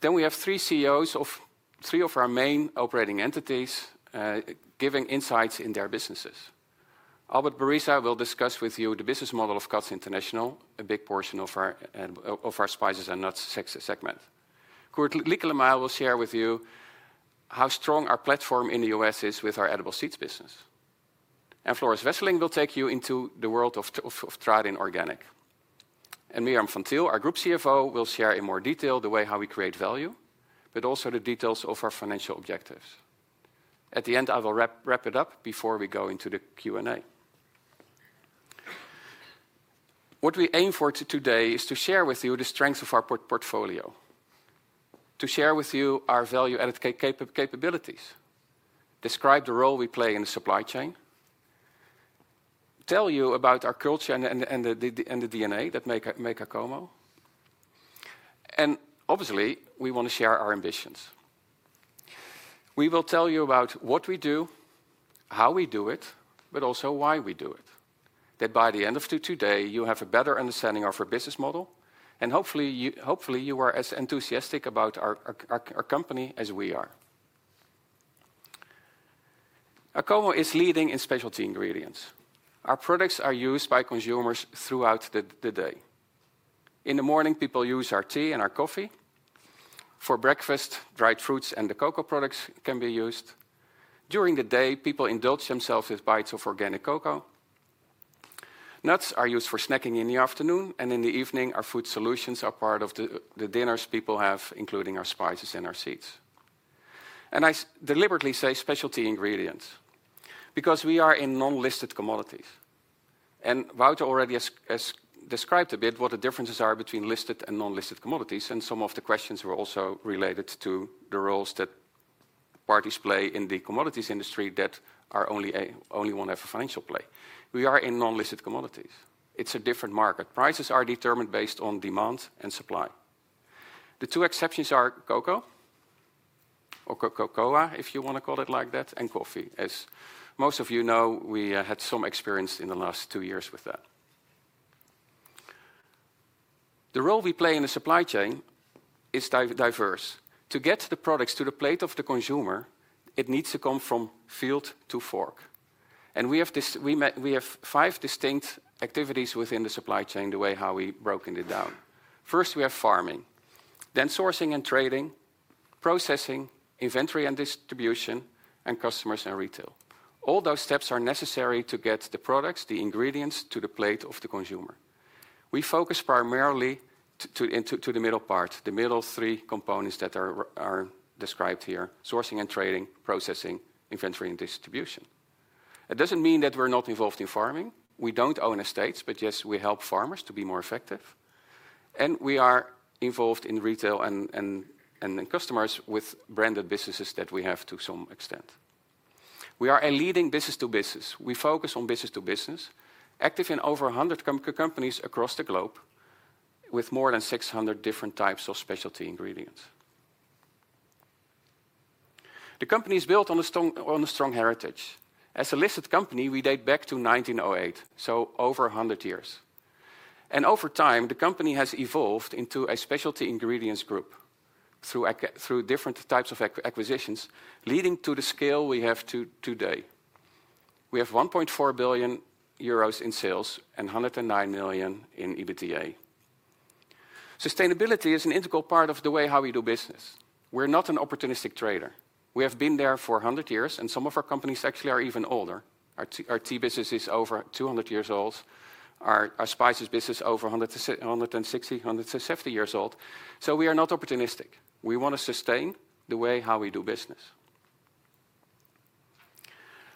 Then we have three CEOs of three of our main operating entities giving insights in their businesses. Albert Berisa will discuss with you the business model of Catz International, a big portion of our spices and nuts segment. Koert Liekelema will share with you how strong our platform in the U.S. is with our edible seeds business. Floris Wesseling will take you into the world of Tradin Organic. Mirjam van Thiel, our Group CFO, will share in more detail the way how we create value, but also the details of our financial objectives. At the end, I will wrap it up before we go into the Q&A. What we aim for today is to share with you the strengths of our portfolio, to share with you our value-added capabilities, describe the role we play in the supply chain, tell you about our culture and the DNA that make Acomo, and obviously, we want to share our ambitions. We will tell you about what we do, how we do it, but also why we do it, that by the end of today, you have a better understanding of our business model, and hopefully, you are as enthusiastic about our company as we are. Acomo is leading in specialty ingredients. Our products are used by consumers throughout the day. In the morning, people use our tea and our coffee. For breakfast, dried fruits and the cocoa products can be used. During the day, people indulge themselves with bites of organic cocoa. Nuts are used for snacking in the afternoon, and in the evening, our food solutions are part of the dinners people have, including our spices and our seeds. I deliberately say specialty ingredients because we are in non-listed commodities. Wouter already has described a bit what the differences are between listed and non-listed commodities, and some of the questions were also related to the roles that parties play in the commodities industry that only one has a financial play. We are in non-listed commodities. It's a different market. Prices are determined based on demand and supply. The two exceptions are cocoa, or Coca-Cola, if you want to call it like that, and coffee. As most of you know, we had some experience in the last two years with that. The role we play in the supply chain is diverse. To get the products to the plate of the consumer, it needs to come from field to fork. We have five distinct activities within the supply chain, the way how we broken it down. First, we have farming, then sourcing and trading, processing, inventory and distribution, and customers and retail. All those steps are necessary to get the products, the ingredients to the plate of the consumer. We focus primarily on the middle part, the middle three components that are described here: sourcing and trading, processing, inventory and distribution. It does not mean that we are not involved in farming. We do not own estates, but yes, we help farmers to be more effective. We are involved in retail and customers with branded businesses that we have to some extent. We are a leading business-to-business. We focus on business-to-business, active in over 100 companies across the globe with more than 600 different types of specialty ingredients. The company is built on a strong heritage. As a listed company, we date back to 1908, so over 100 years. Over time, the company has evolved into a specialty ingredients group through different types of acquisitions, leading to the scale we have today. We have 1.4 billion euros in sales and 109 million in EBITDA. Sustainability is an integral part of the way how we do business. We're not an opportunistic trader. We have been there for 100 years, and some of our companies actually are even older. Our tea business is over 200 years old. Our spices business is over 160-170 years old. We are not opportunistic. We want to sustain the way how we do business.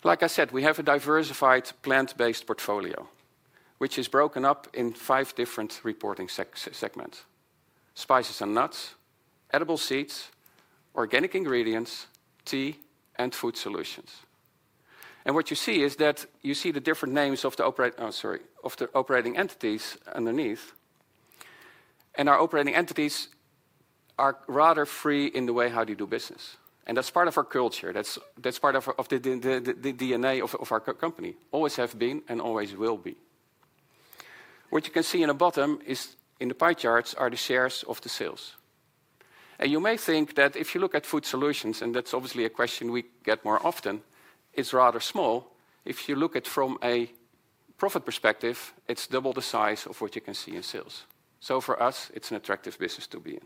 Like I said, we have a diversified plant-based portfolio, which is broken up in five different reporting segments: spices and nuts, edible seeds, organic ingredients, tea, and food solutions. What you see is that you see the different names of the operating—oh, sorry—of the operating entities underneath. Our operating entities are rather free in the way how they do business. That's part of our culture. That's part of the DNA of our company. Always have been and always will be. What you can see in the bottom is in the pie charts are the shares of the sales. You may think that if you look at food solutions, and that's obviously a question we get more often, it's rather small. If you look at it from a profit perspective, it's double the size of what you can see in sales. For us, it's an attractive business to be in.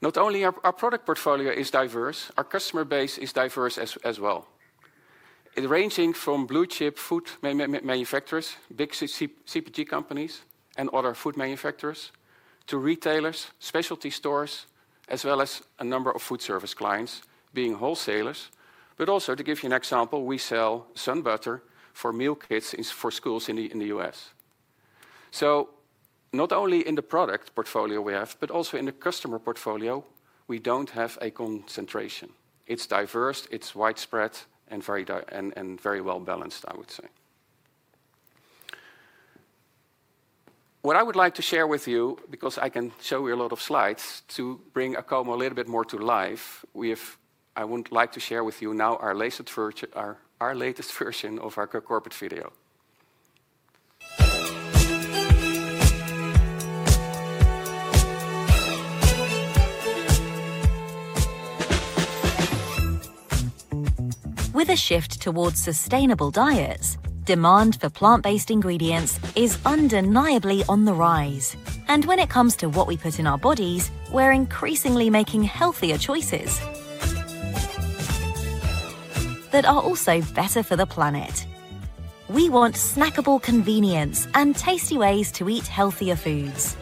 Not only is our product portfolio diverse, our customer base is diverse as well. It ranges from blue-chip food manufacturers, big CPG companies, and other food manufacturers to retailers, specialty stores, as well as a number of food service clients being wholesalers. Also, to give you an example, we sell SunButter for meal kits for schools in the U.S.. Not only in the product portfolio we have, but also in the customer portfolio, we don't have a concentration. It's diverse, it's widespread, and very well balanced, I would say. What I would like to share with you, because I can show you a lot of slides to bring Acomo a little bit more to life, I would like to share with you now our latest version of our corporate video. With a shift towards sustainable diets, demand for plant-based ingredients is undeniably on the rise. When it comes to what we put in our bodies, we're increasingly making healthier choices that are also better for the planet. We want snackable convenience and tasty ways to eat healthier foods.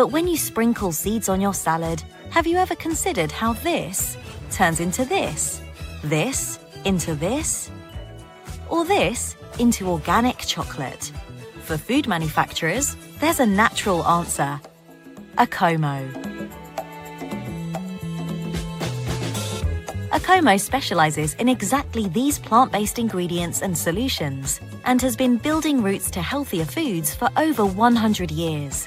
When you sprinkle seeds on your salad, have you ever considered how this turns into this? This into this? Or this into organic chocolate? For food manufacturers, there's a natural answer: ACOMO. ACOMO specializes in exactly these plant-based ingredients and solutions and has been building routes to healthier foods for over 100 years.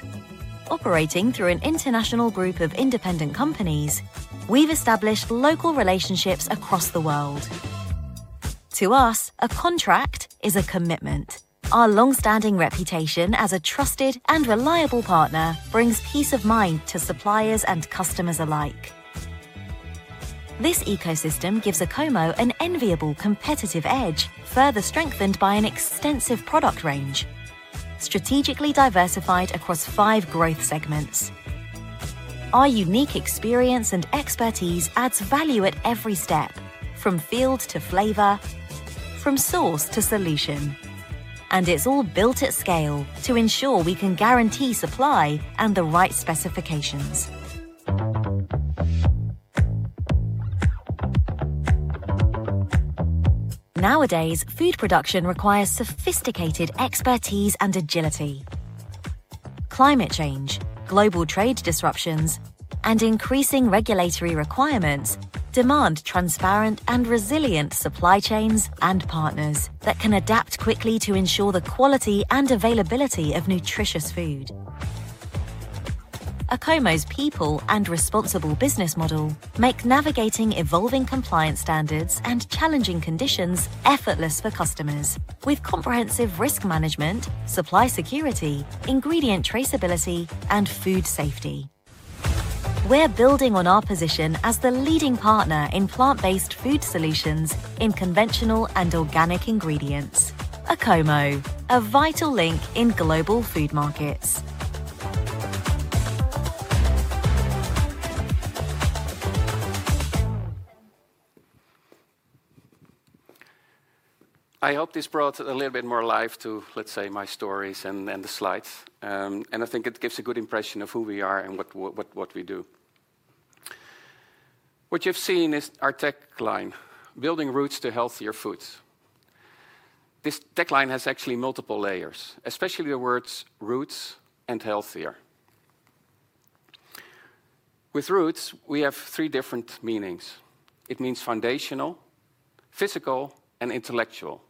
Operating through an international group of independent companies, we've established local relationships across the world. To us, a contract is a commitment. Our long-standing reputation as a trusted and reliable partner brings peace of mind to suppliers and customers alike. This ecosystem gives Acomo an enviable competitive edge, further strengthened by an extensive product range, strategically diversified across five growth segments. Our unique experience and expertise adds value at every step, from field to flavor, from source to solution. It is all built at scale to ensure we can guarantee supply and the right specifications. Nowadays, food production requires sophisticated expertise and agility. Climate change, global trade disruptions, and increasing regulatory requirements demand transparent and resilient supply chains and partners that can adapt quickly to ensure the quality and availability of nutritious food. Acomo's people and responsible business model make navigating evolving compliance standards and challenging conditions effortless for customers, with comprehensive risk management, supply security, ingredient traceability, and food safety. We are building on our position as the leading partner in plant-based food solutions in conventional and organic ingredients. Acomo, a vital link in global food markets. I hope this brought a little bit more life to, let's say, my stories and the slides. I think it gives a good impression of who we are and what we do. What you've seen is our tech line, Building Roots to Healthier Foods. This tech line has actually multiple layers, especially the words roots and healthier. With roots, we have three different meanings. It means foundational, physical, and intellectual.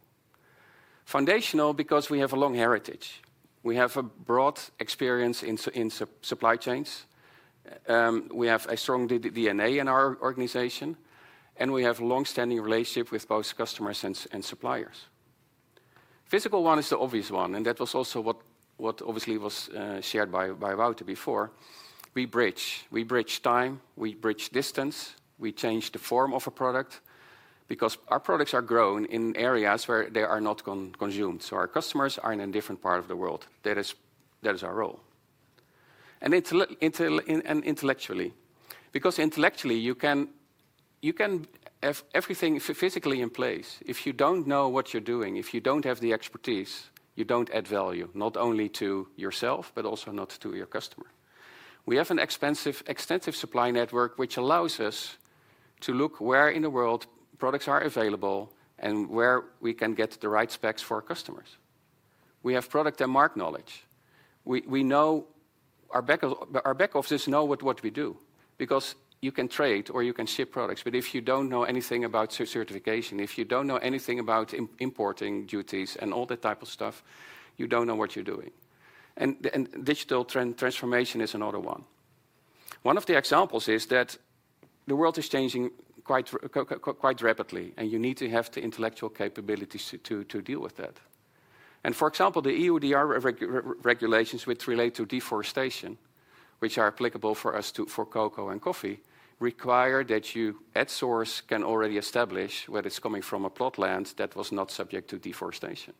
Foundational because we have a long heritage. We have a broad experience in supply chains. We have a strong DNA in our organization, and we have a long-standing relationship with both customers and suppliers. Physical one is the obvious one, and that was also what obviously was shared by Wouter before. We bridge. We bridge time. We bridge distance. We change the form of a product because our products are grown in areas where they are not consumed. Our customers are in a different part of the world. That is our role. Intellectually, because intellectually you can have everything physically in place. If you do not know what you are doing, if you do not have the expertise, you do not add value, not only to yourself, but also not to your customer. We have an extensive supply network, which allows us to look where in the world products are available and where we can get the right specs for our customers. We have product and market knowledge. We know our back office knows what we do because you can trade or you can ship products. If you do not know anything about certification, if you do not know anything about importing duties and all that type of stuff, you do not know what you are doing. Digital transformation is another one. One of the examples is that the world is changing quite rapidly, and you need to have the intellectual capabilities to deal with that. For example, the EUDR regulations, which relate to deforestation, which are applicable for us for cocoa and coffee, require that you at source can already establish whether it's coming from a plot land that was not subject to deforestation.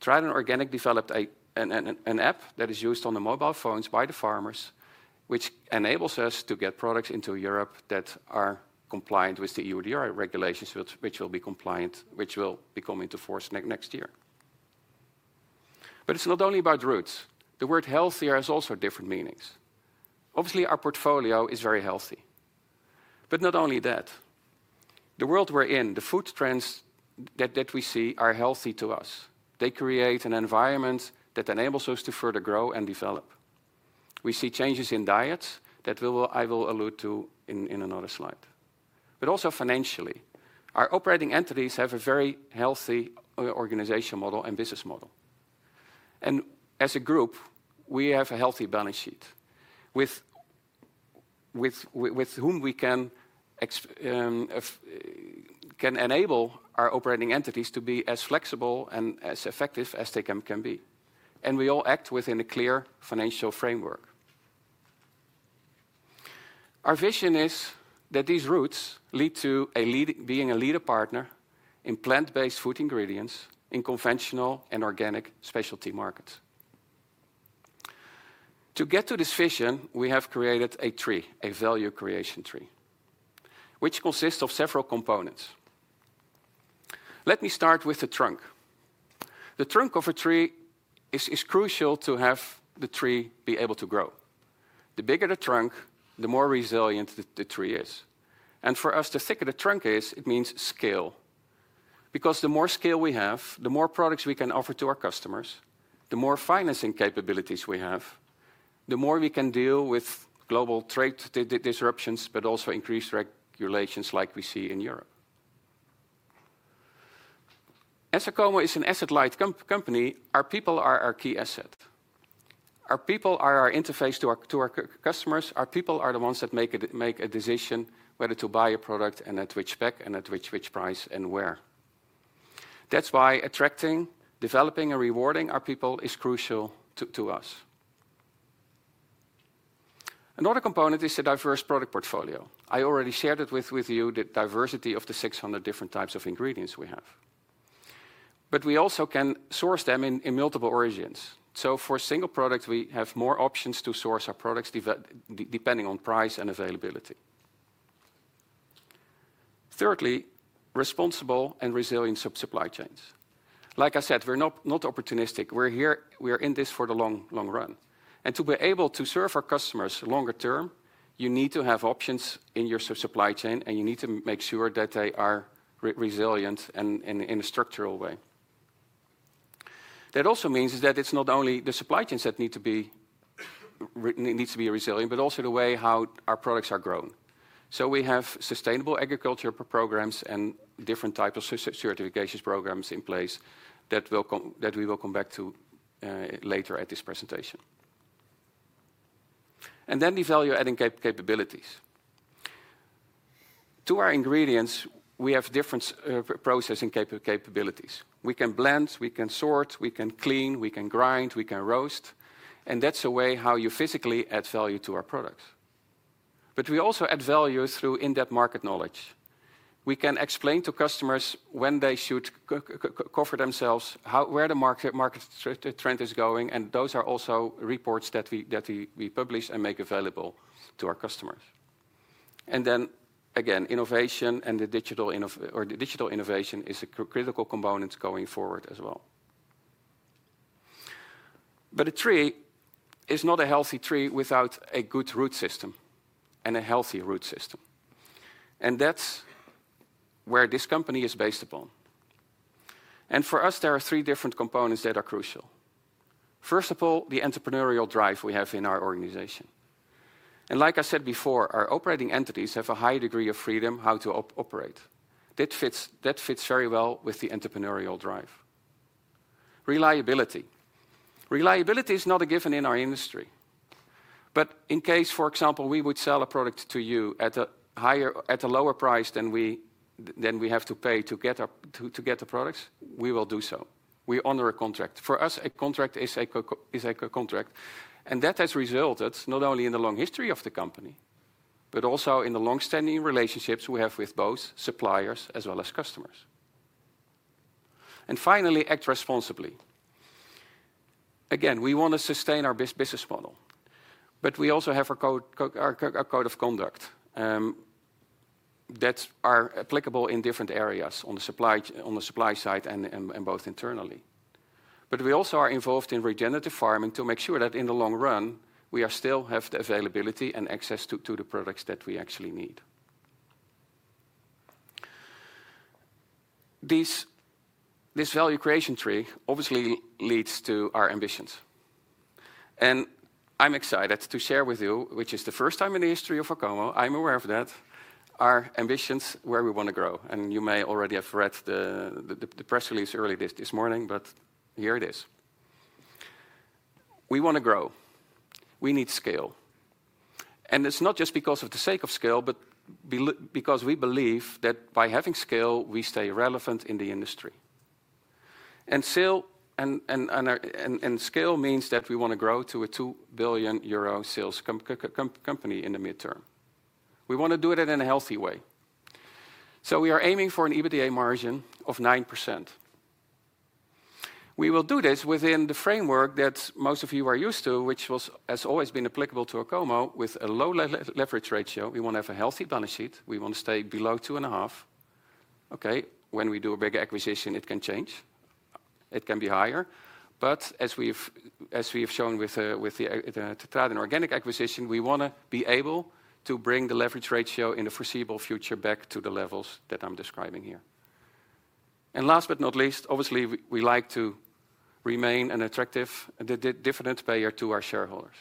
Tradin Organic developed an app that is used on the mobile phones by the farmers, which enables us to get products into Europe that are compliant with the EUDR regulations, which will be coming to force next year. It's not only about roots. The word healthier has also different meanings. Obviously, our portfolio is very healthy. Not only that. The world we're in, the food trends that we see are healthy to us. They create an environment that enables us to further grow and develop. We see changes in diets that I will allude to in another slide. Also, financially, our operating entities have a very healthy organizational model and business model. As a group, we have a healthy balance sheet with which we can enable our operating entities to be as flexible and as effective as they can be. We all act within a clear financial framework. Our vision is that these roots lead to being a leader partner in plant-based food ingredients in conventional and organic specialty markets. To get to this vision, we have created a tree, a value creation tree, which consists of several components. Let me start with the trunk. The trunk of a tree is crucial to have the tree be able to grow. The bigger the trunk, the more resilient the tree is. For us, the thicker the trunk is, it means scale. Because the more scale we have, the more products we can offer to our customers, the more financing capabilities we have, the more we can deal with global trade disruptions, but also increased regulations like we see in Europe. As Acomo is an asset-light company, our people are our key asset. Our people are our interface to our customers. Our people are the ones that make a decision whether to buy a product and at which spec and at which price and where. That's why attracting, developing, and rewarding our people is crucial to us. Another component is the diverse product portfolio. I already shared it with you, the diversity of the 600 different types of ingredients we have. We also can source them in multiple origins. For a single product, we have more options to source our products depending on price and availability. Thirdly, responsible and resilient supply chains. Like I said, we're not opportunistic. We're here; we are in this for the long run. To be able to serve our customers longer term, you need to have options in your supply chain, and you need to make sure that they are resilient and in a structural way. That also means that it's not only the supply chains that need to be resilient, but also the way how our products are grown. We have sustainable agriculture programs and different types of certification programs in place that we will come back to later at this presentation. The value-adding capabilities. To our ingredients, we have different processing capabilities. We can blend, we can sort, we can clean, we can grind, we can roast. That is a way how you physically add value to our products. We also add value through in-depth market knowledge. We can explain to customers when they should cover themselves, where the market trend is going, and those are also reports that we publish and make available to our customers. Innovation and digital innovation is a critical component going forward as well. A tree is not a healthy tree without a good root system and a healthy root system. That is where this company is based upon. For us, there are three different components that are crucial. First of all, the entrepreneurial drive we have in our organization. Like I said before, our operating entities have a high degree of freedom how to operate. That fits very well with the entrepreneurial drive. Reliability. Reliability is not a given in our industry. In case, for example, we would sell a product to you at a lower price than we have to pay to get the products, we will do so. We honor a contract. For us, a contract is a contract. That has resulted not only in the long history of the company, but also in the long-standing relationships we have with both suppliers as well as customers. Finally, act responsibly. Again, we want to sustain our business model, but we also have our code of conduct that are applicable in different areas on the supply side and both internally. We also are involved in regenerative farming to make sure that in the long run, we still have the availability and access to the products that we actually need. This value creation tree obviously leads to our ambitions. I'm excited to share with you, which is the first time in the history of Acomo, I'm aware of that, our ambitions where we want to grow. You may already have read the press release early this morning, but here it is. We want to grow. We need scale. It is not just because of the sake of scale, but because we believe that by having scale, we stay relevant in the industry. Scale means that we want to grow to a 2 billion euro sales company in the midterm. We want to do it in a healthy way. We are aiming for an EBITDA margin of 9%. We will do this within the framework that most of you are used to, which has always been applicable to Acomo with a low leverage ratio. We want to have a healthy balance sheet. We want to stay below 2.5x. Okay, when we do a big acquisition, it can change. It can be higher. As we have shown with the Tradin Organic acquisition, we want to be able to bring the leverage ratio in the foreseeable future back to the levels that I'm describing here. Last but not least, obviously, we like to remain an attractive and different payer to our shareholders.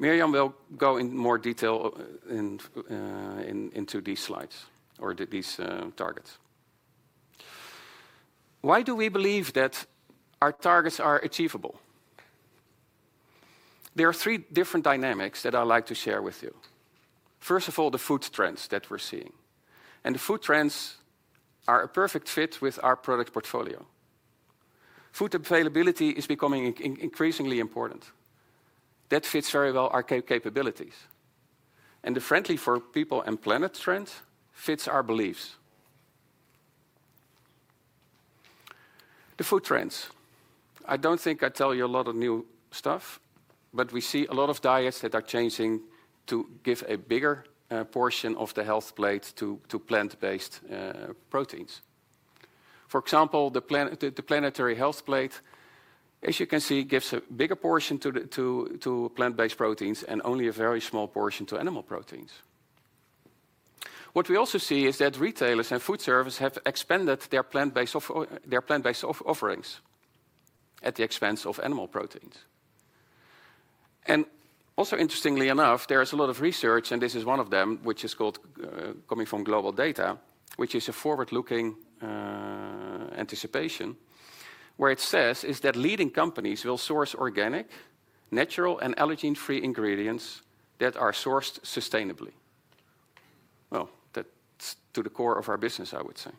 Mirjam will go in more detail into these slides or these targets. Why do we believe that our targets are achievable? There are three different dynamics that I'd like to share with you. First of all, the food trends that we're seeing. The food trends are a perfect fit with our product portfolio. Food availability is becoming increasingly important. That fits very well our capabilities. The friendly for people and planet trend fits our beliefs. The food trends. I don't think I tell you a lot of new stuff, but we see a lot of diets that are changing to give a bigger portion of the health plate to plant-based proteins. For example, the planetary health plate, as you can see, gives a bigger portion to plant-based proteins and only a very small portion to animal proteins. What we also see is that retailers and food services have expanded their plant-based offerings at the expense of animal proteins. Also, interestingly enough, there is a lot of research, and this is one of them, which is coming from GlobalData, which is a forward-looking anticipation, where it says that leading companies will source organic, natural, and allergen-free ingredients that are sourced sustainably. Well, that's to the core of our business, I would say.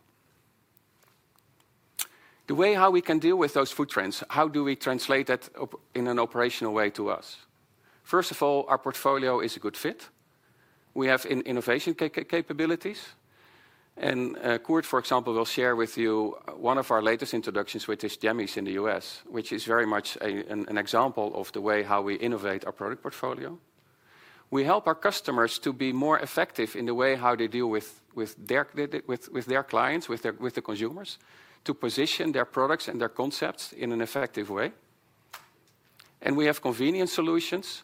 The way how we can deal with those food trends, how do we translate that in an operational way to us? First of all, our portfolio is a good fit. We have innovation capabilities. Koert, for example, will share with you one of our latest introductions, which is Jammies in the U.S., which is very much an example of the way how we innovate our product portfolio. We help our customers to be more effective in the way how they deal with their clients, with the consumers, to position their products and their concepts in an effective way. We have convenience solutions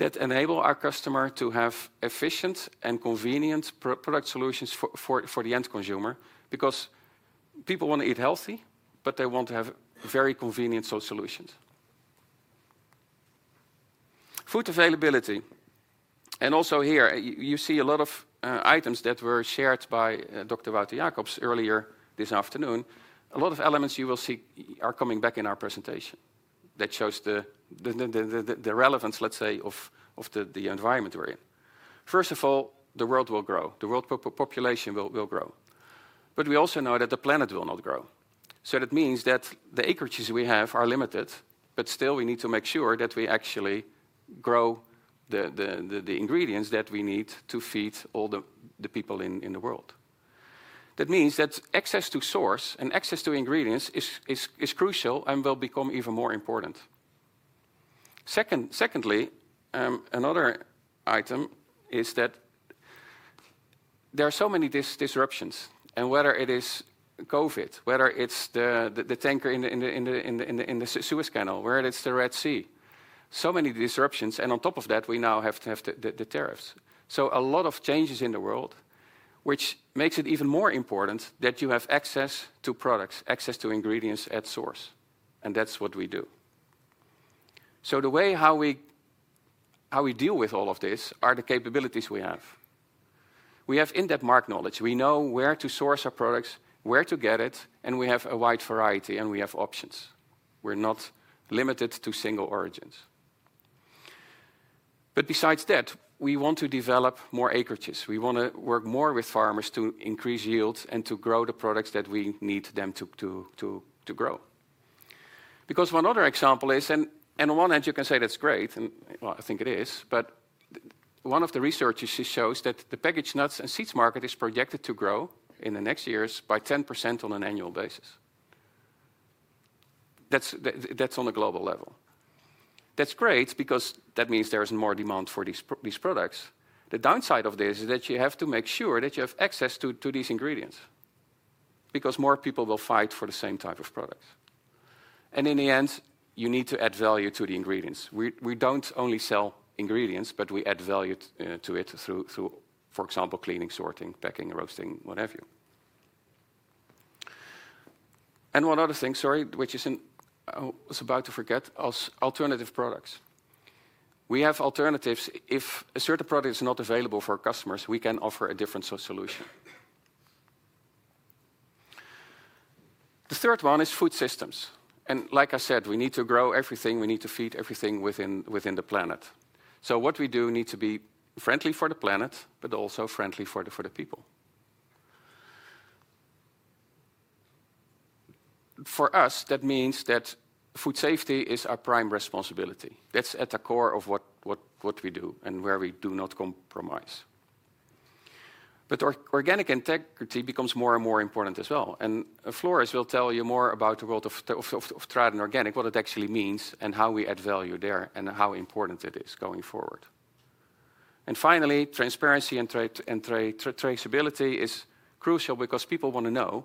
that enable our customer to have efficient and convenient product solutions for the end consumer because people want to eat healthy, but they want to have very convenient solutions. Food availability. Also here, you see a lot of items that were shared by Dr. Wouter Jacobs earlier this afternoon. A lot of elements you will see are coming back in our presentation that shows the relevance, let's say, of the environment we're in. First of all, the world will grow. The world population will grow. We also know that the planet will not grow. That means that the acreages we have are limited, but still we need to make sure that we actually grow the ingredients that we need to feed all the people in the world. That means that access to source and access to ingredients is crucial and will become even more important. Secondly, another item is that there are so many disruptions. Whether it is COVID, whether it's the tanker in the Suez Canal, whether it's the Red Sea, so many disruptions. On top of that, we now have to have the tariffs. A lot of changes in the world make it even more important that you have access to products, access to ingredients at source. That is what we do. The way we deal with all of this is through the capabilities we have. We have in-depth market knowledge. We know where to source our products, where to get it, and we have a wide variety and we have options. We are not limited to single origins. Besides that, we want to develop more acreages. We want to work more with farmers to increase yields and to grow the products that we need them to grow. Because one other example is, and on one hand, you can say that's great, and I think it is, but one of the researchers shows that the packaged nuts and seeds market is projected to grow in the next years by 10% on an annual basis. That's on a global level. That's great because that means there is more demand for these products. The downside of this is that you have to make sure that you have access to these ingredients because more people will fight for the same type of products. In the end, you need to add value to the ingredients. We don't only sell ingredients, but we add value to it through, for example, cleaning, sorting, packing, roasting, what have you. One other thing, sorry, which I was about to forget, alternative products. We have alternatives. If a certain product is not available for our customers, we can offer a different solution. The third one is food systems. Like I said, we need to grow everything. We need to feed everything within the planet. What we do needs to be friendly for the planet, but also friendly for the people. For us, that means that food safety is our prime responsibility. That's at the core of what we do and where we do not compromise. Organic integrity becomes more and more important as well. Floris will tell you more about the world of Tradin Organic, what it actually means and how we add value there and how important it is going forward. Finally, transparency and traceability is crucial because people want to know,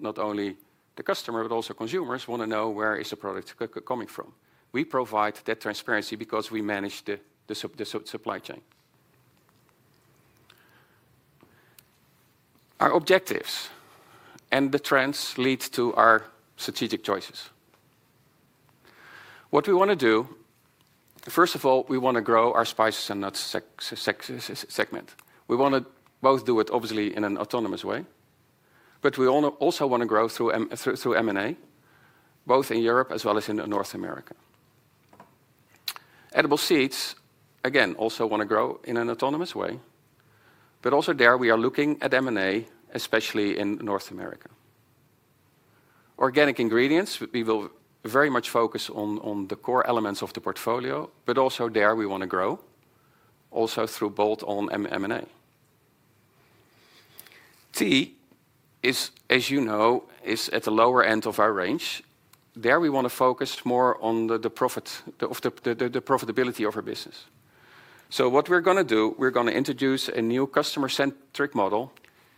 not only the customer, but also consumers want to know where is the product coming from. We provide that transparency because we manage the supply chain. Our objectives and the trends lead to our strategic choices. What we want to do, first of all, we want to grow our spices and nuts segment. We want to both do it, obviously, in an autonomous way, but we also want to grow through M&A, both in Europe as well as in North America. Edible seeds, again, also want to grow in an autonomous way. Also there, we are looking at M&A, especially in North America. Organic ingredients, we will very much focus on the core elements of the portfolio, but also there we want to grow also through bolt-on M&A. Tea is, as you know, at the lower end of our range. There we want to focus more on the profitability of our business. What we are going to do, we are going to introduce a new customer-centric model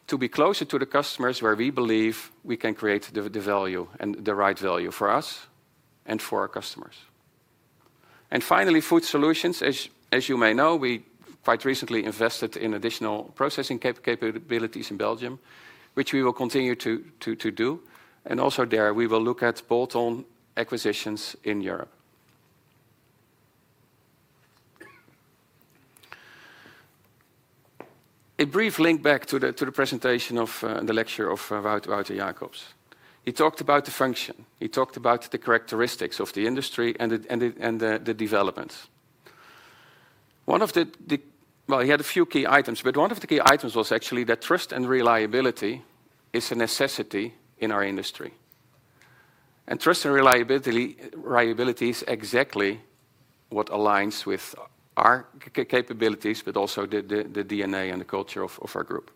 to be closer to the customers where we believe we can create the value and the right value for us and for our customers. Finally, food solutions, as you may know, we quite recently invested in additional processing capabilities in Belgium, which we will continue to do. Also there, we will look at bolt-on acquisitions in Europe. A brief link back to the presentation and the lecture of Wouter Jacobs. He talked about the function. He talked about the characteristics of the industry and the developments. One of the, well, he had a few key items, but one of the key items was actually that trust and reliability is a necessity in our industry. Trust and reliability is exactly what aligns with our capabilities, but also the DNA and the culture of our group.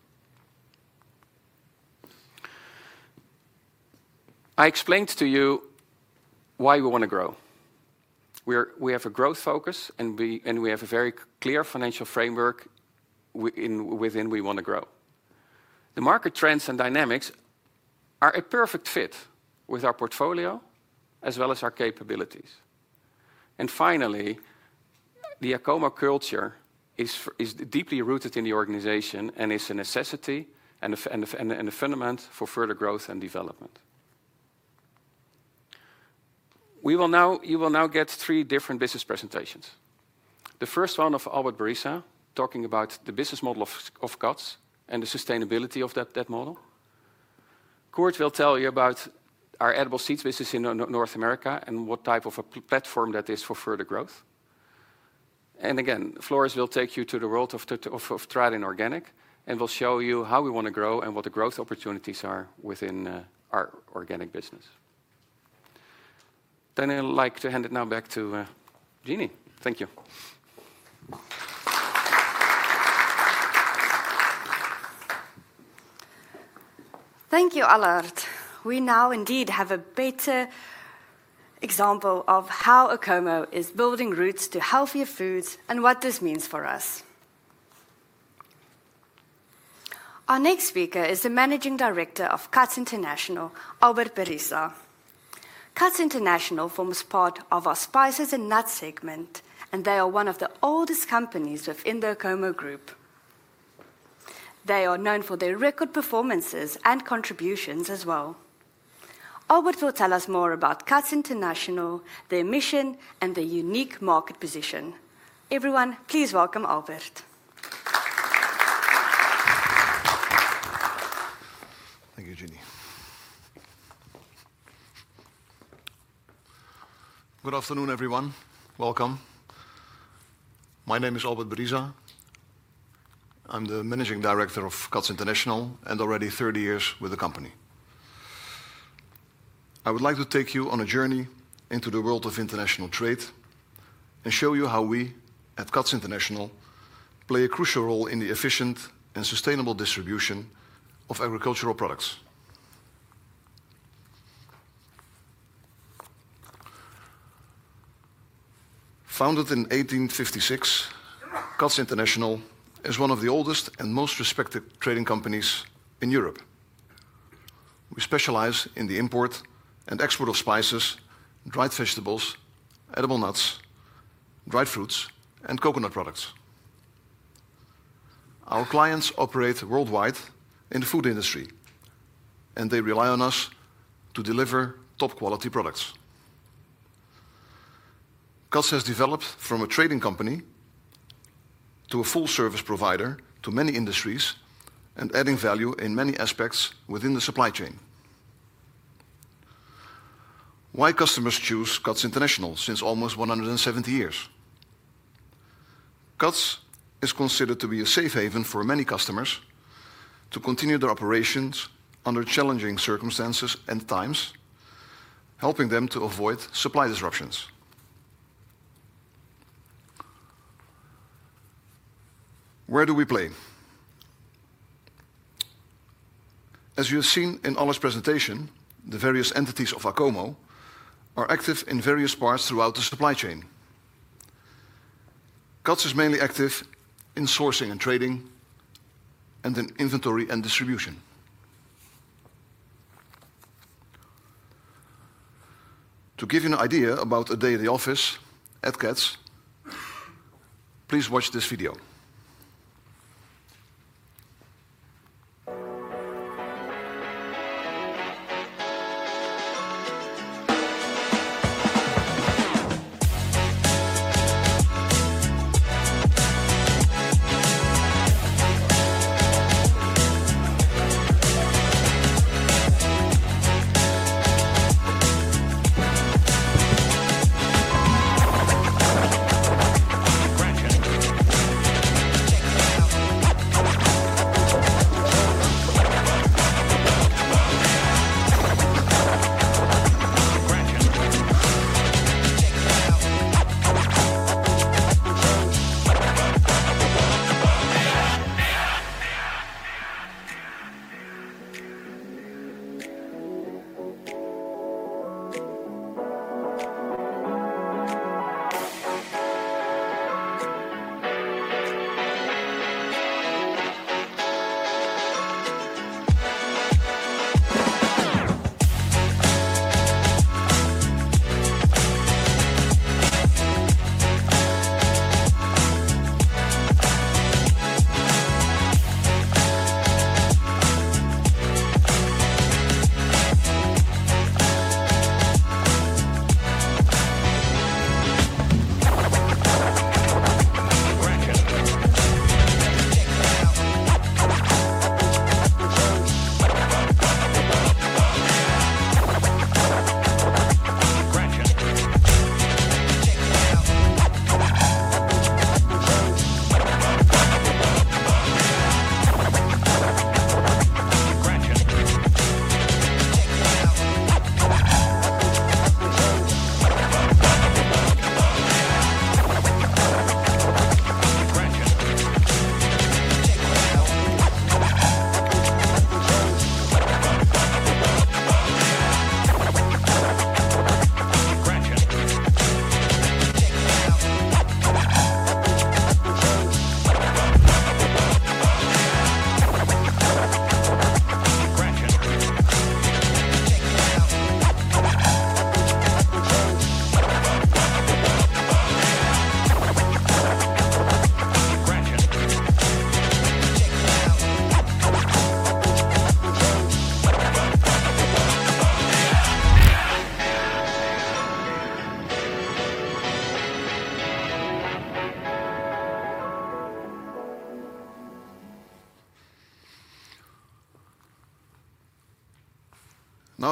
I explained to you why we want to grow. We have a growth focus, and we have a very clear financial framework within which we want to grow. The market trends and dynamics are a perfect fit with our portfolio as well as our capabilities. Finally, the Acomo culture is deeply rooted in the organization and is a necessity and a fundament for further growth and development. You will now get three different business presentations. The first one of Albert Berisa talking about the business model of Catz and the sustainability of that model. Koert will tell you about our edible seeds business in North America and what type of a platform that is for further growth. Again, Floris will take you to the world of Tradin Organic and will show you how we want to grow and what the growth opportunities are within our organic business. I would like to hand it now back to Jean. Thank you. Thank you, Allard. We now indeed have a better example of how Acomo is building routes to healthier foods and what this means for us. Our next speaker is the Managing Director of Catz International, Albert Berisa. Catz International forms part of our spices and nuts segment, and they are one of the oldest companies within the Acomo group. They are known for their record performances and contributions as well. Albert will tell us more about Catz International, their mission, and their unique market position. Everyone, please welcome Albert. Thank you, Jeannie. Good afternoon, everyone. Welcome. My name is Albert Berisa. I'm the Managing Director of Catz International and already 30 years with the company. I would like to take you on a journey into the world of international trade and show you how we at Catz International play a crucial role in the efficient and sustainable distribution of agricultural products. Founded in 1856, Catz International is one of the oldest and most respected trading companies in Europe. We specialize in the import and export of spices, dried vegetables, edible nuts, dried fruits, and coconut products. Our clients operate worldwide in the food industry, and they rely on us to deliver top-quality products. Catz has developed from a trading company to a full-service provider to many industries and adding value in many aspects within the supply chain. Why do customers choose Catz International since almost 170 years? Catz is considered to be a safe haven for many customers to continue their operations under challenging circumstances and times, helping them to avoid supply disruptions. Where do we play? As you have seen in Allard's presentation, the various entities of Acomo are active in various parts throughout the supply chain. Catz is mainly active in sourcing and trading and in inventory and distribution. To give you an idea about a daily office at Catz, please watch this video.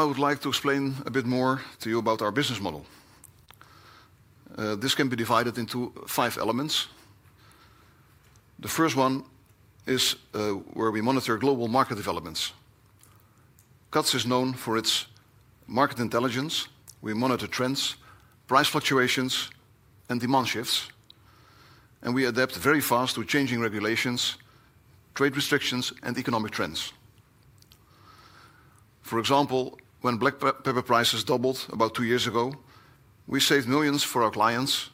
Now I would like to explain a bit more to you about our business model. This can be divided into five elements. The first one is where we monitor global market developments. Catz is known for its market intelligence. We monitor trends, price fluctuations, and demand shifts. We adapt very fast to changing regulations, trade restrictions, and economic trends. For example, when black pepper prices doubled about two years ago, we saved millions for our clients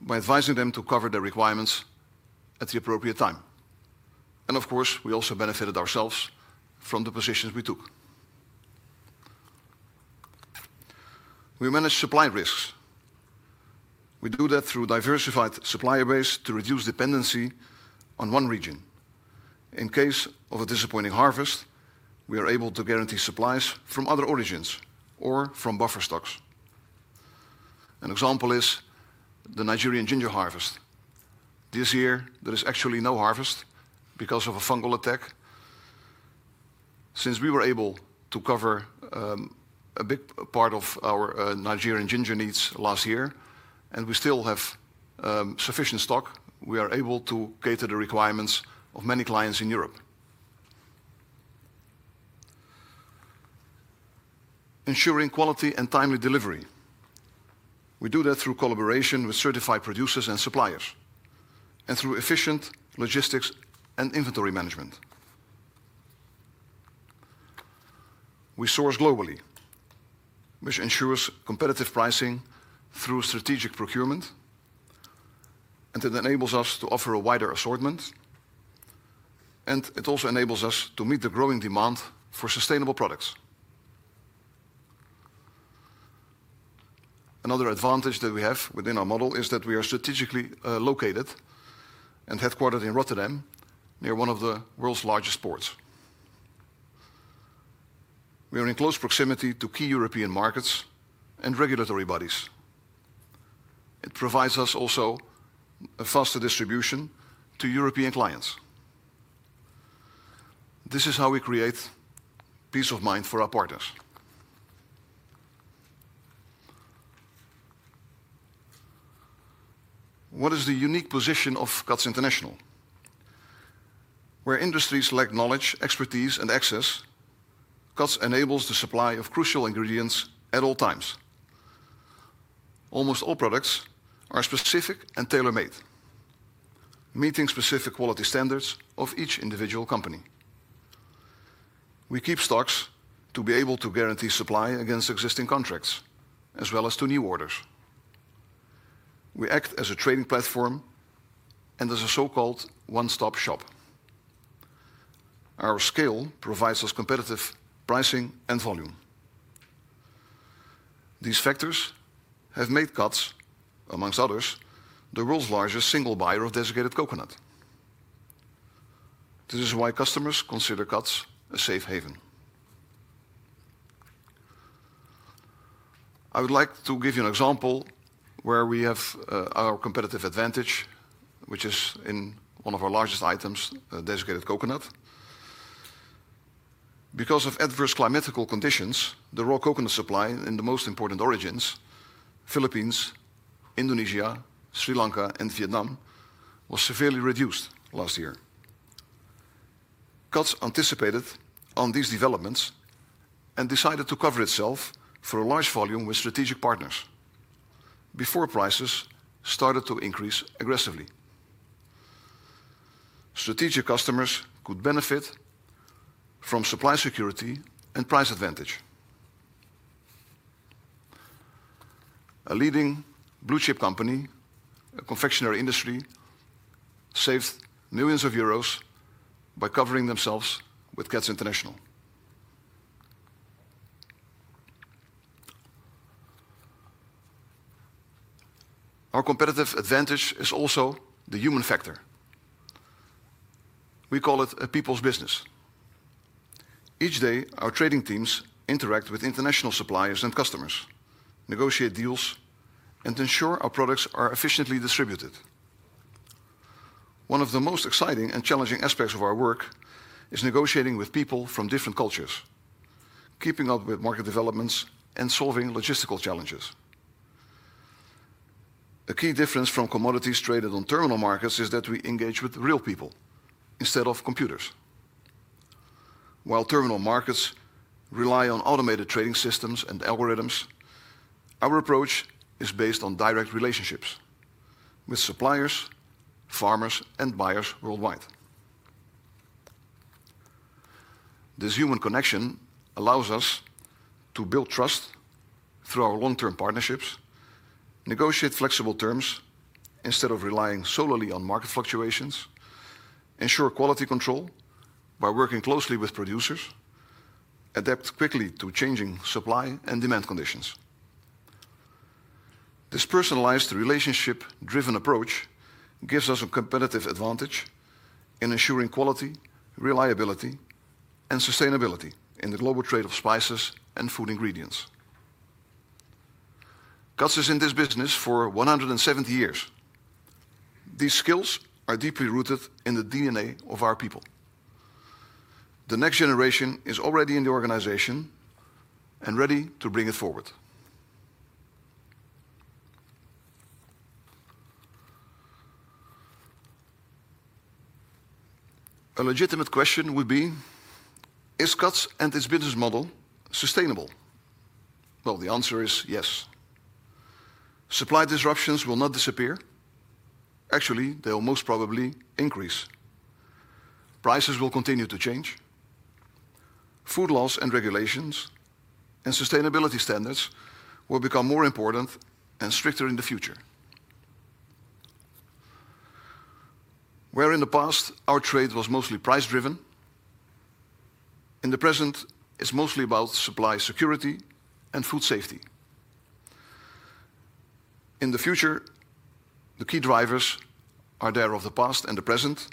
by advising them to cover their requirements at the appropriate time. Of course, we also benefited ourselves from the positions we took. We manage supply risks. We do that through a diversified supplier base to reduce dependency on one region. In case of a disappointing harvest, we are able to guarantee supplies from other origins or from buffer stocks. An example is the Nigerian ginger harvest. This year, there is actually no harvest because of a fungal attack. Since we were able to cover a big part of our Nigerian ginger needs last year, and we still have sufficient stock, we are able to cater to the requirements of many clients in Europe. Ensuring quality and timely delivery. We do that through collaboration with certified producers and suppliers, and through efficient logistics and inventory management. We source globally, which ensures competitive pricing through strategic procurement, and it enables us to offer a wider assortment. It also enables us to meet the growing demand for sustainable products. Another advantage that we have within our model is that we are strategically located and headquartered in Rotterdam, near one of the world's largest ports. We are in close proximity to key European markets and regulatory bodies. It provides us also a faster distribution to European clients. This is how we create peace of mind for our partners. What is the unique position of Catz International? Where industries lack knowledge, expertise, and access, Catz enables the supply of crucial ingredients at all times. Almost all products are specific and tailor-made, meeting specific quality standards of each individual company. We keep stocks to be able to guarantee supply against existing contracts, as well as to new orders. We act as a trading platform and as a so-called one-stop shop. Our scale provides us competitive pricing and volume. These factors have made Catz, amongst others, the world's largest single buyer of desiccated coconut. This is why customers consider Catz a safe haven. I would like to give you an example where we have our competitive advantage, which is in one of our largest items, desiccated coconut. Because of adverse climatical conditions, the raw coconut supply in the most important origins—Philippines, Indonesia, Sri Lanka, and Vietnam—was severely reduced last year. Catz anticipated on these developments and decided to cover itself for a large volume with strategic partners before prices started to increase aggressively. Strategic customers could benefit from supply security and price advantage. A leading blue-chip company, a confectionery industry, saved millions of Euros by covering themselves with Catz International. Our competitive advantage is also the human factor. We call it a people's business. Each day, our trading teams interact with international suppliers and customers, negotiate deals, and ensure our products are efficiently distributed. One of the most exciting and challenging aspects of our work is negotiating with people from different cultures, keeping up with market developments and solving logistical challenges. A key difference from commodities traded on terminal markets is that we engage with real people instead of computers. While terminal markets rely on automated trading systems and algorithms, our approach is based on direct relationships with suppliers, farmers, and buyers worldwide. This human connection allows us to build trust through our long-term partnerships, negotiate flexible terms instead of relying solely on market fluctuations, ensure quality control by working closely with producers, and adapt quickly to changing supply and demand conditions. This personalized, relationship-driven approach gives us a competitive advantage in ensuring quality, reliability, and sustainability in the global trade of spices and food ingredients. Catz is in this business for 170 years. These skills are deeply rooted in the DNA of our people. The next generation is already in the organization and ready to bring it forward. A legitimate question would be: Is Catz and its business model sustainable? The answer is yes. Supply disruptions will not disappear. Actually, they will most probably increase. Prices will continue to change. Food laws and regulations and sustainability standards will become more important and stricter in the future. Where in the past our trade was mostly price-driven, in the present it's mostly about supply security and food safety. In the future, the key drivers are there of the past and the present,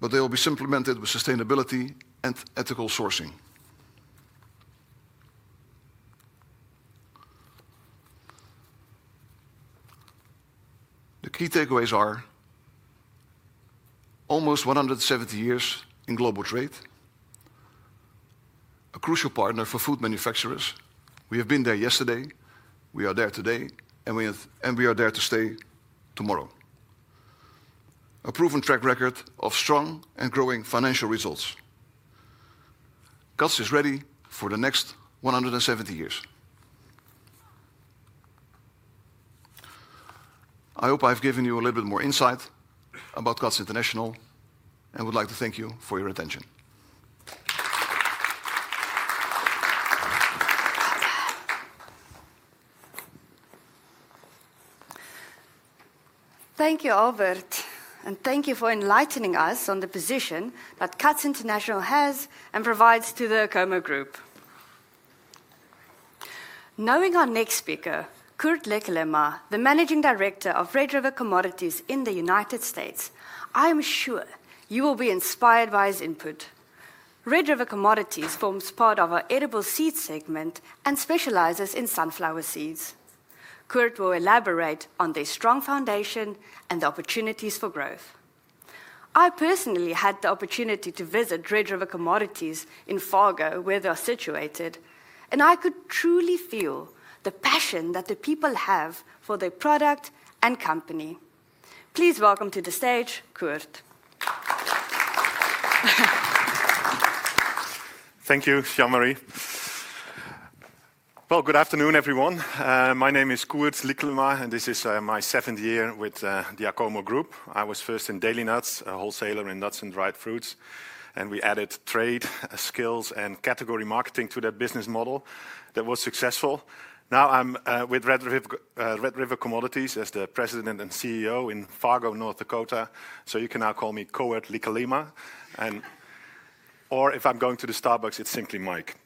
but they will be supplemented with sustainability and ethical sourcing. The key takeaways are: almost 170 years in global trade, a crucial partner for food manufacturers. We have been there yesterday, we are there today, and we are there to stay tomorrow. A proven track record of strong and growing financial results. Catz is ready for the next 170 years. I hope I've given you a little bit more insight about Catz International and would like to thank you for your attention. Thank you, Albert, and thank you for enlightening us on the position that Catz International has and provides to the Acomo Group. Knowing our next speaker, Koert Liekelema, the Managing Director of Red River Commodities in the United States, I am sure you will be inspired by his input. Red River Commodities forms part of our edible seeds segment and specializes in sunflower seeds. Koert will elaborate on their strong foundation and the opportunities for growth. I personally had the opportunity to visit Red River Commodities in Fargo, where they are situated, and I could truly feel the passion that the people have for their product and company. Please welcome to the stage, Koert. Thank you, Jean-Marie. Good afternoon, everyone. My name is Koert Liekelema, and this is my seventh year with the Acomo Group. I was first in Delinuts, a wholesaler in nuts and dried fruits, and we added trade, skills, and category marketing to that business model that was successful. Now I'm with Red River Commodities as the President and CEO in Fargo, North Dakota, so you can now call me Kurt Liekelmeijer. Or if I'm going to the Starbucks, it's simply Mike.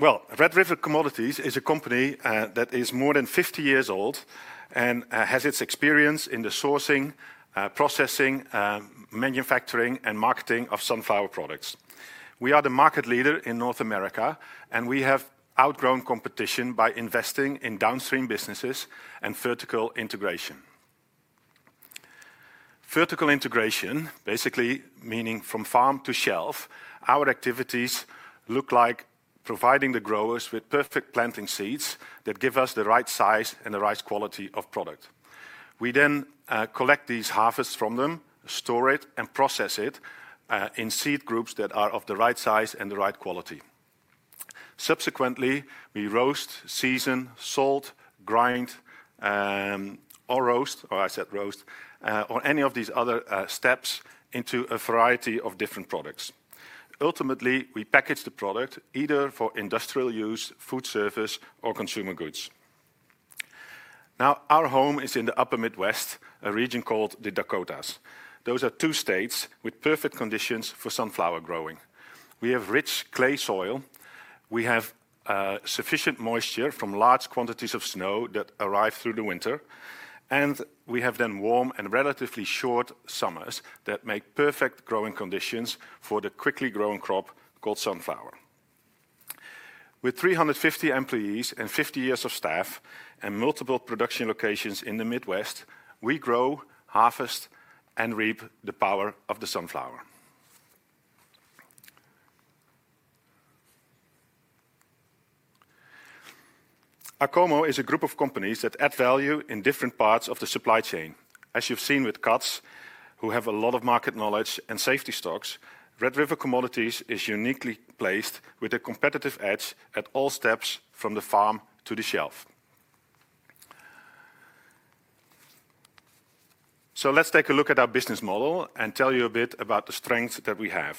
Red River Commodities is a company that is more than 50 years old and has its experience in the sourcing, processing, manufacturing, and marketing of sunflower products. We are the market leader in North America, and we have outgrown competition by investing in downstream businesses and vertical integration. Vertical integration, basically meaning from farm to shelf, our activities look like providing the growers with perfect planting seeds that give us the right size and the right quality of product. We then collect these harvests from them, store it, and process it in seed groups that are of the right size and the right quality. Subsequently, we roast, season, salt, grind, or roast, or I said roast, or any of these other steps into a variety of different products. Ultimately, we package the product either for industrial use, food service, or consumer goods. Now, our home is in the Upper Midwest, a region called the Dakotas. Those are two states with perfect conditions for sunflower growing. We have rich clay soil. We have sufficient moisture from large quantities of snow that arrive through the winter, and we have then warm and relatively short summers that make perfect growing conditions for the quickly growing crop called sunflower. With 350 employees and 50 years of staff and multiple production locations in the Midwest, we grow, harvest, and reap the power of the sunflower. Acomo is a group of companies that add value in different parts of the supply chain. As you've seen with Catz, who have a lot of market knowledge and safety stocks, Red River Commodities is uniquely placed with a competitive edge at all steps from the farm to the shelf. Let's take a look at our business model and tell you a bit about the strengths that we have.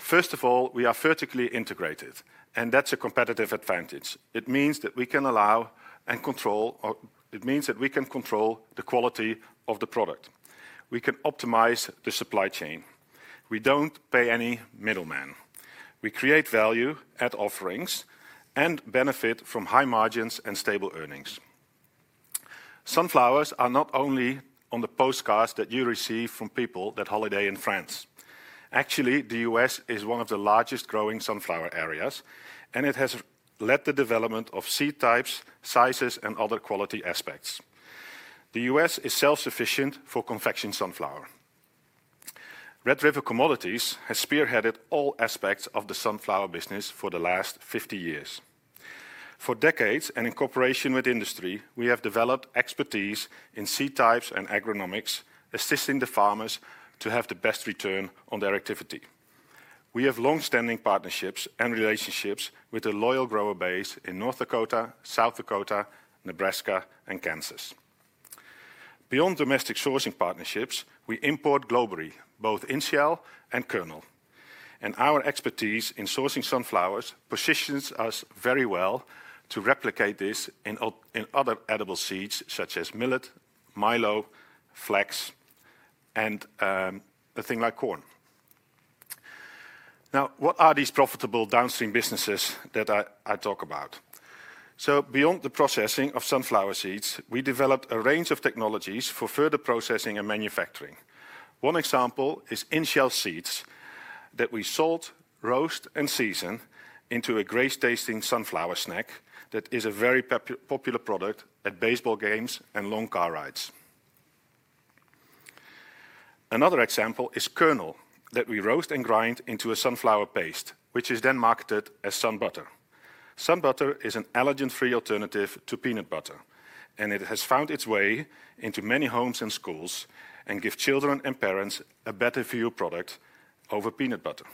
First of all, we are vertically integrated, and that's a competitive advantage. It means that we can allow and control, or it means that we can control the quality of the product. We can optimize the supply chain. We don't pay any middleman. We create value, add offerings, and benefit from high margins and stable earnings. Sunflowers are not only on the postcards that you receive from people that holiday in France. Actually, the U.S. is one of the largest growing sunflower areas, and it has led to the development of seed types, sizes, and other quality aspects. The U.S. is self-sufficient for confectioned sunflower. Red River Commodities has spearheaded all aspects of the sunflower business for the last 50 years. For decades and in cooperation with industry, we have developed expertise in seed types and agronomics, assisting the farmers to have the best return on their activity. We have long-standing partnerships and relationships with a loyal grower base in North Dakota, South Dakota, Nebraska, and Kansas. Beyond domestic sourcing partnerships, we import globally both in-shell and kernel, and our expertise in sourcing sunflowers positions us very well to replicate this in other edible seeds such as millet, milo, flax, and a thing like corn. Now, what are these profitable downstream businesses that I talk about? Beyond the processing of sunflower seeds, we developed a range of technologies for further processing and manufacturing. One example is in-shell seeds that we salt, roast, and season into a great-tasting sunflower snack that is a very popular product at baseball games and long car rides. Another example is kernel that we roast and grind into a sunflower paste, which is then marketed as SunButter. SunButter is an allergen-free alternative to peanut butter, and it has found its way into many homes and schools and gives children and parents a better-view product over peanut butter.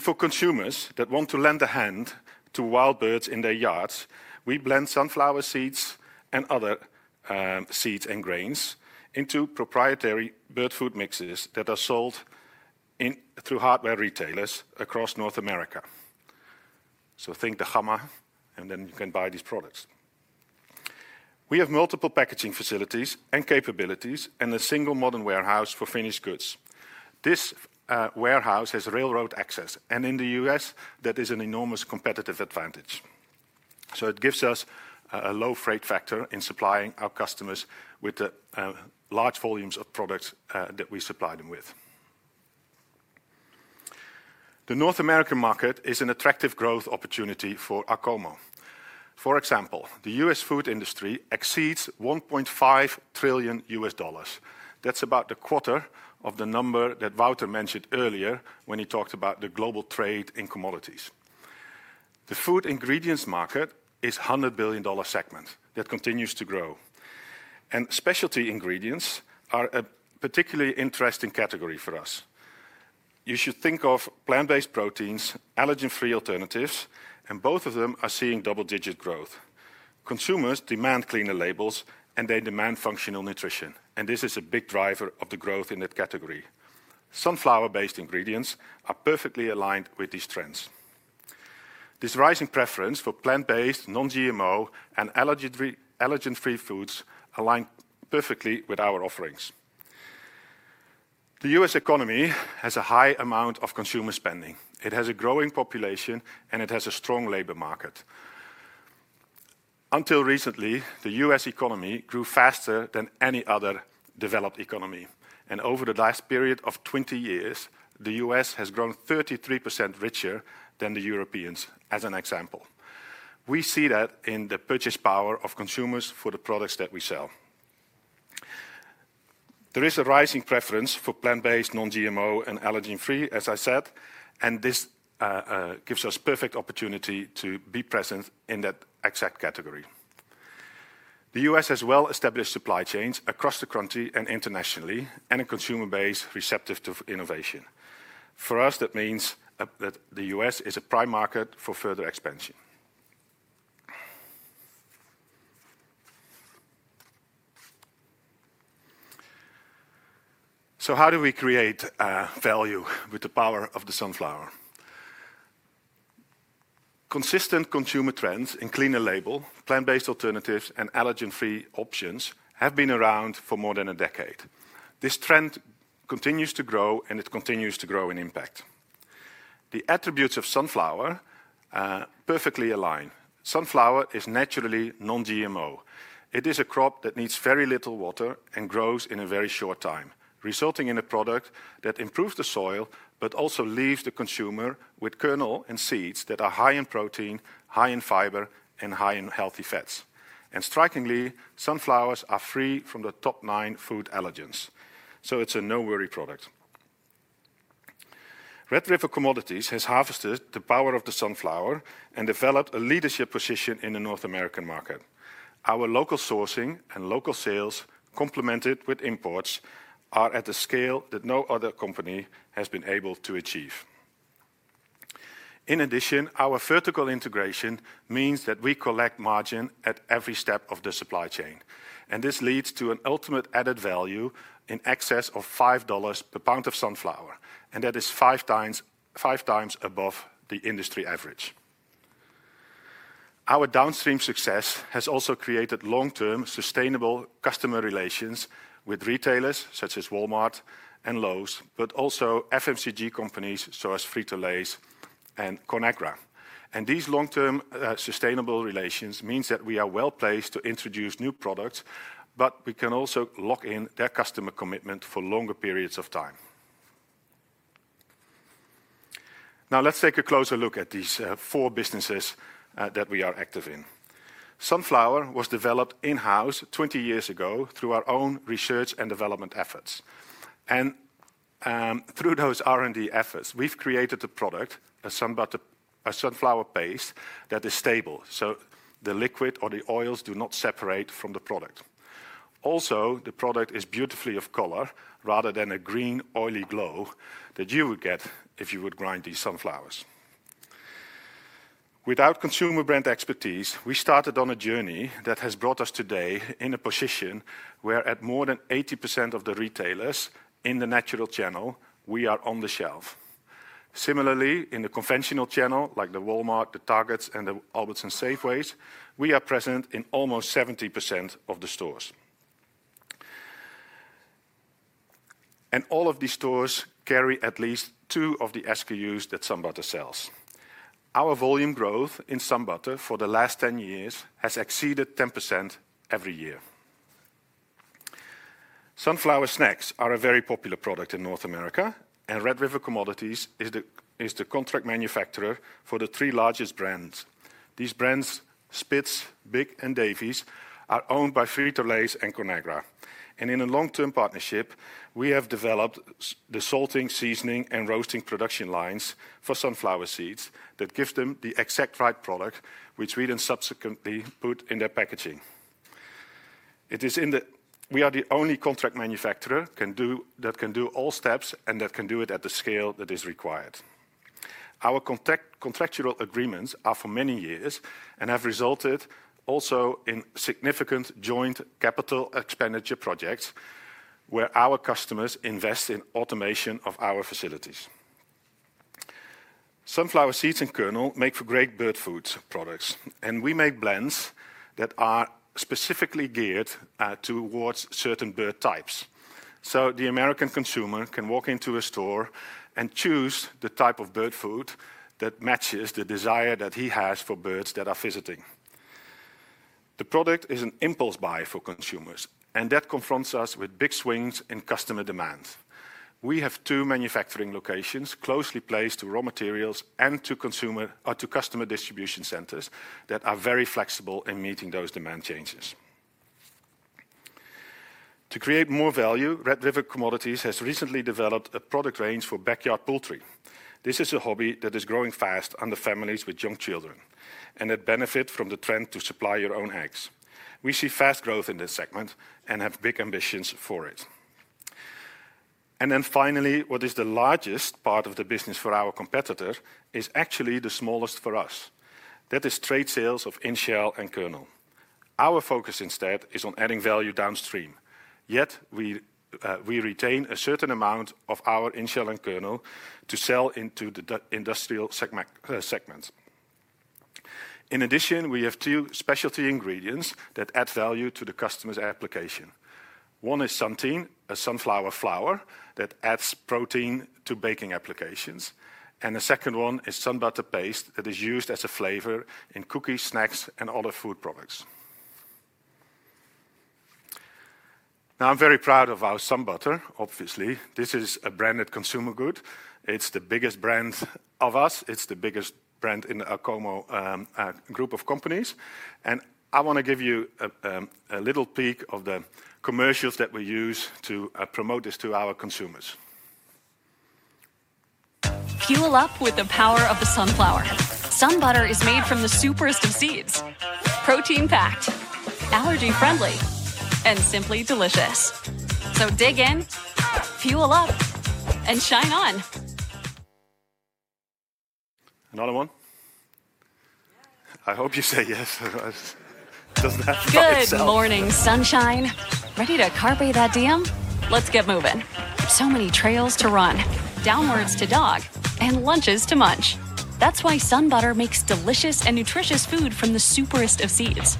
For consumers that want to lend a hand to wild birds in their yards, we blend sunflower seeds and other seeds and grains into proprietary bird food mixes that are sold through hardware retailers across North America. Think the Hammer, and then you can buy these products. We have multiple packaging facilities and capabilities and a single modern warehouse for finished goods. This warehouse has railroad access, and in the U.S., that is an enormous competitive advantage. It gives us a low freight factor in supplying our customers with the large volumes of products that we supply them with. The North American market is an attractive growth opportunity for Acomo. For example, the U.S. food industry exceeds $1.5 trillion. That is about a quarter of the number that Wouter mentioned earlier when he talked about the global trade in commodities. The food ingredients market is a $100 billion segment that continues to grow. Specialty ingredients are a particularly interesting category for us. You should think of plant-based proteins, allergen-free alternatives, and both of them are seeing double-digit growth. Consumers demand cleaner labels, and they demand functional nutrition, and this is a big driver of the growth in that category. Sunflower-based ingredients are perfectly aligned with these trends. This rising preference for plant-based, non-GMO, and allergen-free foods aligns perfectly with our offerings. The U.S. economy has a high amount of consumer spending. It has a growing population, and it has a strong labor market. Until recently, the U.S. economy grew faster than any other developed economy. Over the last period of 20 years, the U.S. has grown 33% richer than the Europeans, as an example. We see that in the purchase power of consumers for the products that we sell. There is a rising preference for plant-based, non-GMO, and allergen-free, as I said, and this gives us perfect opportunity to be present in that exact category. The U.S. has well-established supply chains across the country and internationally, and a consumer base receptive to innovation. For us, that means that the U.S. is a prime market for further expansion. How do we create value with the power of the sunflower? Consistent consumer trends in cleaner label, plant-based alternatives, and allergen-free options have been around for more than a decade. This trend continues to grow, and it continues to grow in impact. The attributes of sunflower perfectly align. Sunflower is naturally non-GMO. It is a crop that needs very little water and grows in a very short time, resulting in a product that improves the soil but also leaves the consumer with kernel and seeds that are high in protein, high in fiber, and high in healthy fats. Strikingly, sunflowers are free from the top nine food allergens. It is a no-worry product. Red River Commodities has harvested the power of the sunflower and developed a leadership position in the North American market. Our local sourcing and local sales, complemented with imports, are at a scale that no other company has been able to achieve. In addition, our vertical integration means that we collect margin at every step of the supply chain. This leads to an ultimate added value in excess of $5 per pound of sunflower, and that is 5x above the industry average. Our downstream success has also created long-term sustainable customer relations with retailers such as Walmart and Lowe's, but also FMCG companies such as Frito-Lay and Conagra Brands. These long-term sustainable relations mean that we are well placed to introduce new products, but we can also lock in their customer commitment for longer periods of time. Now, let's take a closer look at these four businesses that we are active in. Sunflower was developed in-house 20 years ago through our own research and development efforts. Through those R&D efforts, we've created a product, a sunflower paste that is stable. The liquid or the oils do not separate from the product. Also, the product is beautifully of color rather than a green oily glow that you would get if you would grind these sunflowers. Without consumer brand expertise, we started on a journey that has brought us today in a position where at more than 80% of the retailers in the natural channel, we are on the shelf. Similarly, in the conventional channel like Walmart, Target, and Albertsons Safeway, we are present in almost 70% of the stores. All of these stores carry at least two of the SKUs that SunButter sells. Our volume growth in SunButter for the last 10 years has exceeded 10% every year. Sunflower snacks are a very popular product in North America, and Red River Commodities is the contract manufacturer for the three largest brands. These brands, Spitz, Big, and Davis, are owned by Frito-Lay and Conagra Brands. In a long-term partnership, we have developed the salting, seasoning, and roasting production lines for sunflower seeds that give them the exact right product, which we then subsequently put in their packaging. We are the only contract manufacturer that can do all steps and that can do it at the scale that is required. Our contractual agreements are for many years and have resulted also in significant joint capital expenditure projects where our customers invest in automation of our facilities. Sunflower seeds and kernel make for great bird food products, and we make blends that are specifically geared towards certain bird types. The American consumer can walk into a store and choose the type of bird food that matches the desire that he has for birds that are visiting. The product is an impulse buy for consumers, and that confronts us with big swings in customer demands. We have two manufacturing locations closely placed to raw materials and to customer distribution centers that are very flexible in meeting those demand changes. To create more value, Red River Commodities has recently developed a product range for backyard poultry. This is a hobby that is growing fast under families with young children, and it benefits from the trend to supply your own eggs. We see fast growth in this segment and have big ambitions for it. Finally, what is the largest part of the business for our competitor is actually the smallest for us. That is trade sales of in-shell and kernel. Our focus instead is on adding value downstream. Yet we retain a certain amount of our in-shell and kernel to sell into the industrial segment. In addition, we have two specialty ingredients that add value to the customer's application. One is Suntein, a sunflower flour that adds protein to baking applications. The second one is SunButter paste that is used as a flavor in cookies, snacks, and other food products. Now, I'm very proud of our SunButter, obviously. This is a branded consumer good. It's the biggest brand of us. It's the biggest brand in the Acomo group of companies. I want to give you a little peek of the commercials that we use to promote this to our consumers. Fuel up with the power of the sunflower. SunButter is made from the superest of seeds, protein-packed, allergy-friendly, and simply delicious. Dig in, fuel up, and shine on. Another one? I hope you say yes. Doesn't have to. Good morning, sunshine. Ready to carpe that dam? Let's get moving. So many trails to run, downwards to dog, and lunches to munch. That's why SunButter makes delicious and nutritious food from the superest of seeds.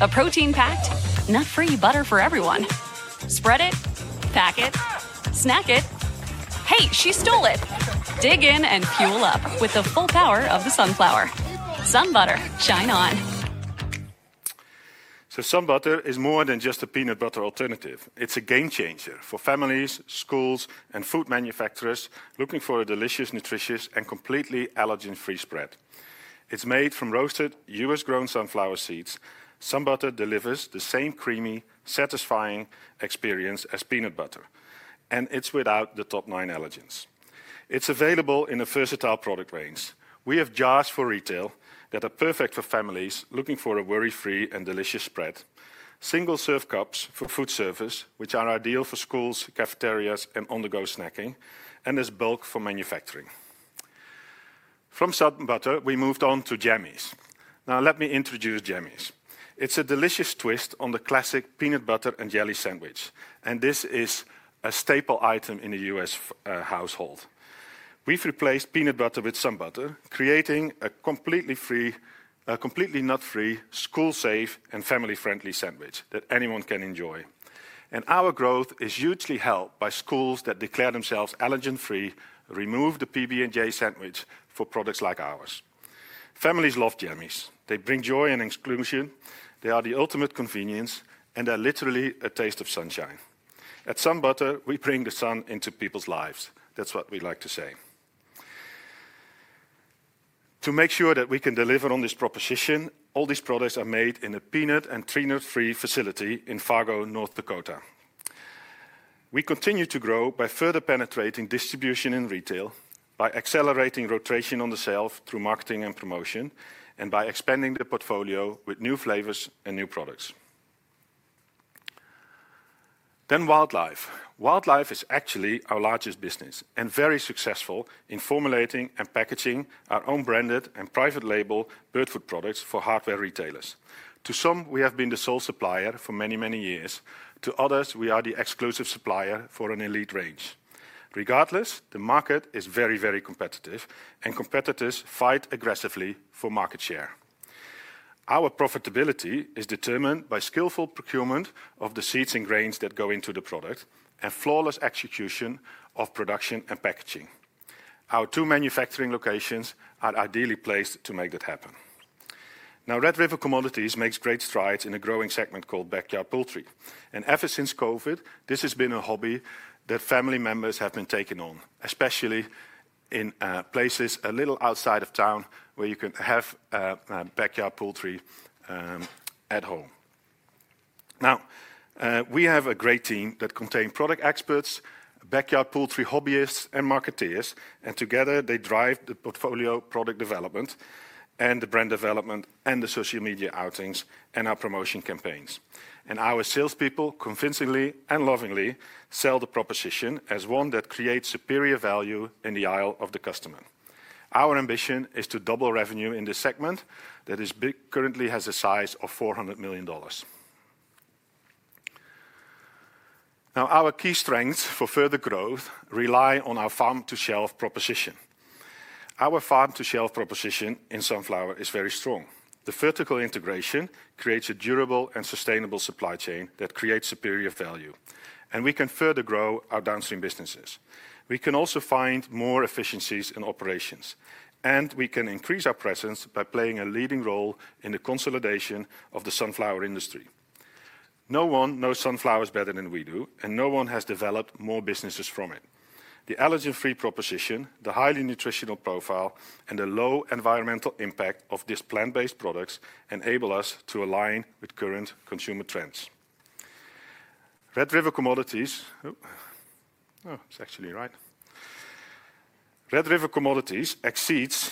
A protein-packed, nut-free butter for everyone. Spread it, pack it, snack it. Hey, she stole it. Dig in and fuel up with the full power of the sunflower. SunButter, shine on. SunButter is more than just a peanut butter alternative. It is a game changer for families, schools, and food manufacturers looking for a delicious, nutritious, and completely allergen-free spread. It is made from roasted, U.S.-grown sunflower seeds. SunButter delivers the same creamy, satisfying experience as peanut butter. It is without the top nine allergens. It is available in a versatile product range. We have jars for retail that are perfect for families looking for a worry-free and delicious spread. Single-serve cups for food service, which are ideal for schools, cafeterias, and on-the-go snacking, and there is bulk for manufacturing. From SunButter, we moved on to Jammies. Now, let me introduce Jammies. It is a delicious twist on the classic peanut butter and jelly sandwich. This is a staple item in the U.S. household. have replaced peanut butter with SunButter, creating a completely nut-free, school-safe, and family-friendly sandwich that anyone can enjoy. Our growth is hugely helped by schools that declare themselves allergen-free and remove the PB&J sandwich for products like ours. Families love Jammies. They bring joy and exclusion. They are the ultimate convenience, and they are literally a taste of sunshine. At SunButter, we bring the sun into people's lives. That is what we like to say. To make sure that we can deliver on this proposition, all these products are made in a peanut and tree nut-free facility in Fargo, North Dakota. We continue to grow by further penetrating distribution and retail, by accelerating rotation on the shelf through marketing and promotion, and by expanding the portfolio with new flavors and new products. Then wildlife. Wildlife is actually our largest business and very successful in formulating and packaging our own branded and private label bird food products for hardware retailers. To some, we have been the sole supplier for many, many years. To others, we are the exclusive supplier for an elite range. Regardless, the market is very, very competitive, and competitors fight aggressively for market share. Our profitability is determined by skillful procurement of the seeds and grains that go into the product and flawless execution of production and packaging. Our two manufacturing locations are ideally placed to make that happen. Now, Red River Commodities makes great strides in a growing segment called backyard poultry. Ever since COVID, this has been a hobby that family members have been taking on, especially in places a little outside of town where you can have backyard poultry at home. Now, we have a great team that contains product experts, backyard poultry hobbyists, and marketeers. Together, they drive the portfolio product development and the brand development and the social media outings and our promotion campaigns. Our salespeople, convincingly and lovingly, sell the proposition as one that creates superior value in the eyes of the customer. Our ambition is to double revenue in this segment that currently has a size of $400 million. Our key strengths for further growth rely on our farm-to-shelf proposition. Our farm-to-shelf proposition in sunflower is very strong. The vertical integration creates a durable and sustainable supply chain that creates superior value. We can further grow our downstream businesses. We can also find more efficiencies in operations. We can increase our presence by playing a leading role in the consolidation of the sunflower industry. No one knows sunflowers better than we do, and no one has developed more businesses from it. The allergen-free proposition, the highly nutritional profile, and the low environmental impact of these plant-based products enable us to align with current consumer trends. Red River Commodities, oh, it's actually right. Red River Commodities exceeds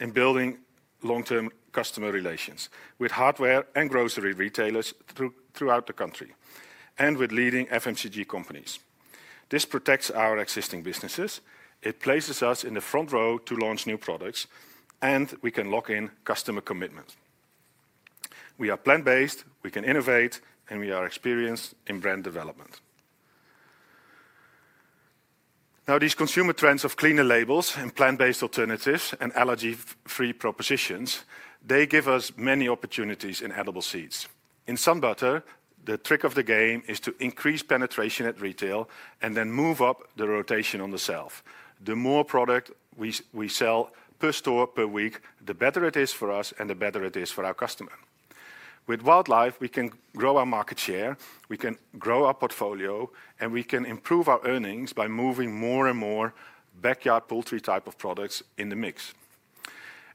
in building long-term customer relations with hardware and grocery retailers throughout the country and with leading FMCG companies. This protects our existing businesses. It places us in the front row to launch new products, and we can lock in customer commitment. We are plant-based. We can innovate, and we are experienced in brand development. Now, these consumer trends of cleaner labels and plant-based alternatives and allergen-free propositions, they give us many opportunities in edible seeds. In SunButter, the trick of the game is to increase penetration at retail and then move up the rotation on the shelf. The more product we sell per store per week, the better it is for us and the better it is for our customer. With wildlife, we can grow our market share, we can grow our portfolio, and we can improve our earnings by moving more and more backyard poultry type of products in the mix.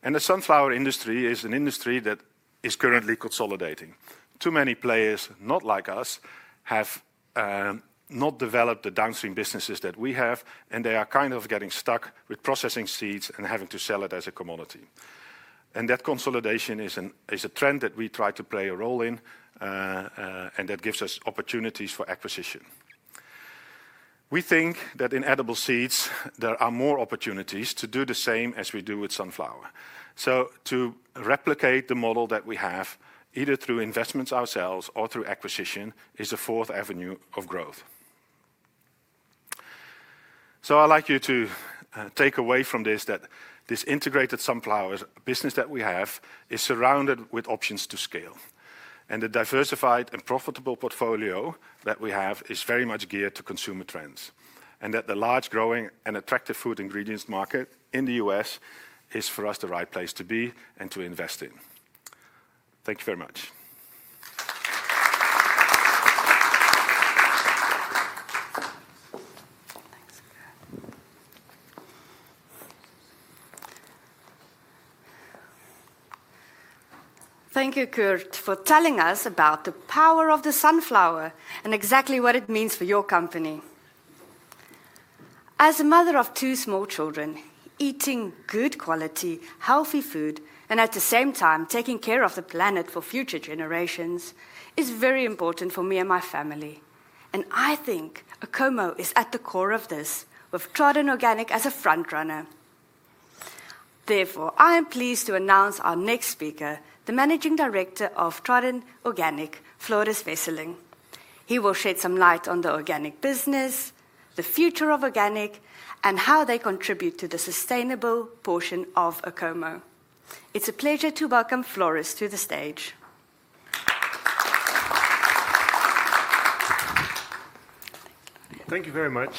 The sunflower industry is an industry that is currently consolidating. Too many players, not like us, have not developed the downstream businesses that we have, and they are kind of getting stuck with processing seeds and having to sell it as a commodity. That consolidation is a trend that we try to play a role in, and that gives us opportunities for acquisition. We think that in edible seeds, there are more opportunities to do the same as we do with sunflower. To replicate the model that we have, either through investments ourselves or through acquisition, is a fourth avenue of growth. I would like you to take away from this that this integrated sunflower business that we have is surrounded with options to scale. The diversified and profitable portfolio that we have is very much geared to consumer trends. The large growing and attractive food ingredients market in the U.S. is for us the right place to be and to invest in. Thank you very much. Thank you, Koert, for telling us about the power of the sunflower and exactly what it means for your company. As a mother of two small children, eating good quality, healthy food, and at the same time taking care of the planet for future generations is very important for me and my family. I think Acomo is at the core of this, with Tradin Organic as a front-runner. Therefore, I am pleased to announce our next speaker, the Managing Director of Tradin Organic, Floris Wesseling. He will shed some light on the organic business, the future of organic, and how they contribute to the sustainable portion of Acomo. It's a pleasure to welcome Floris to the stage. Thank you very much.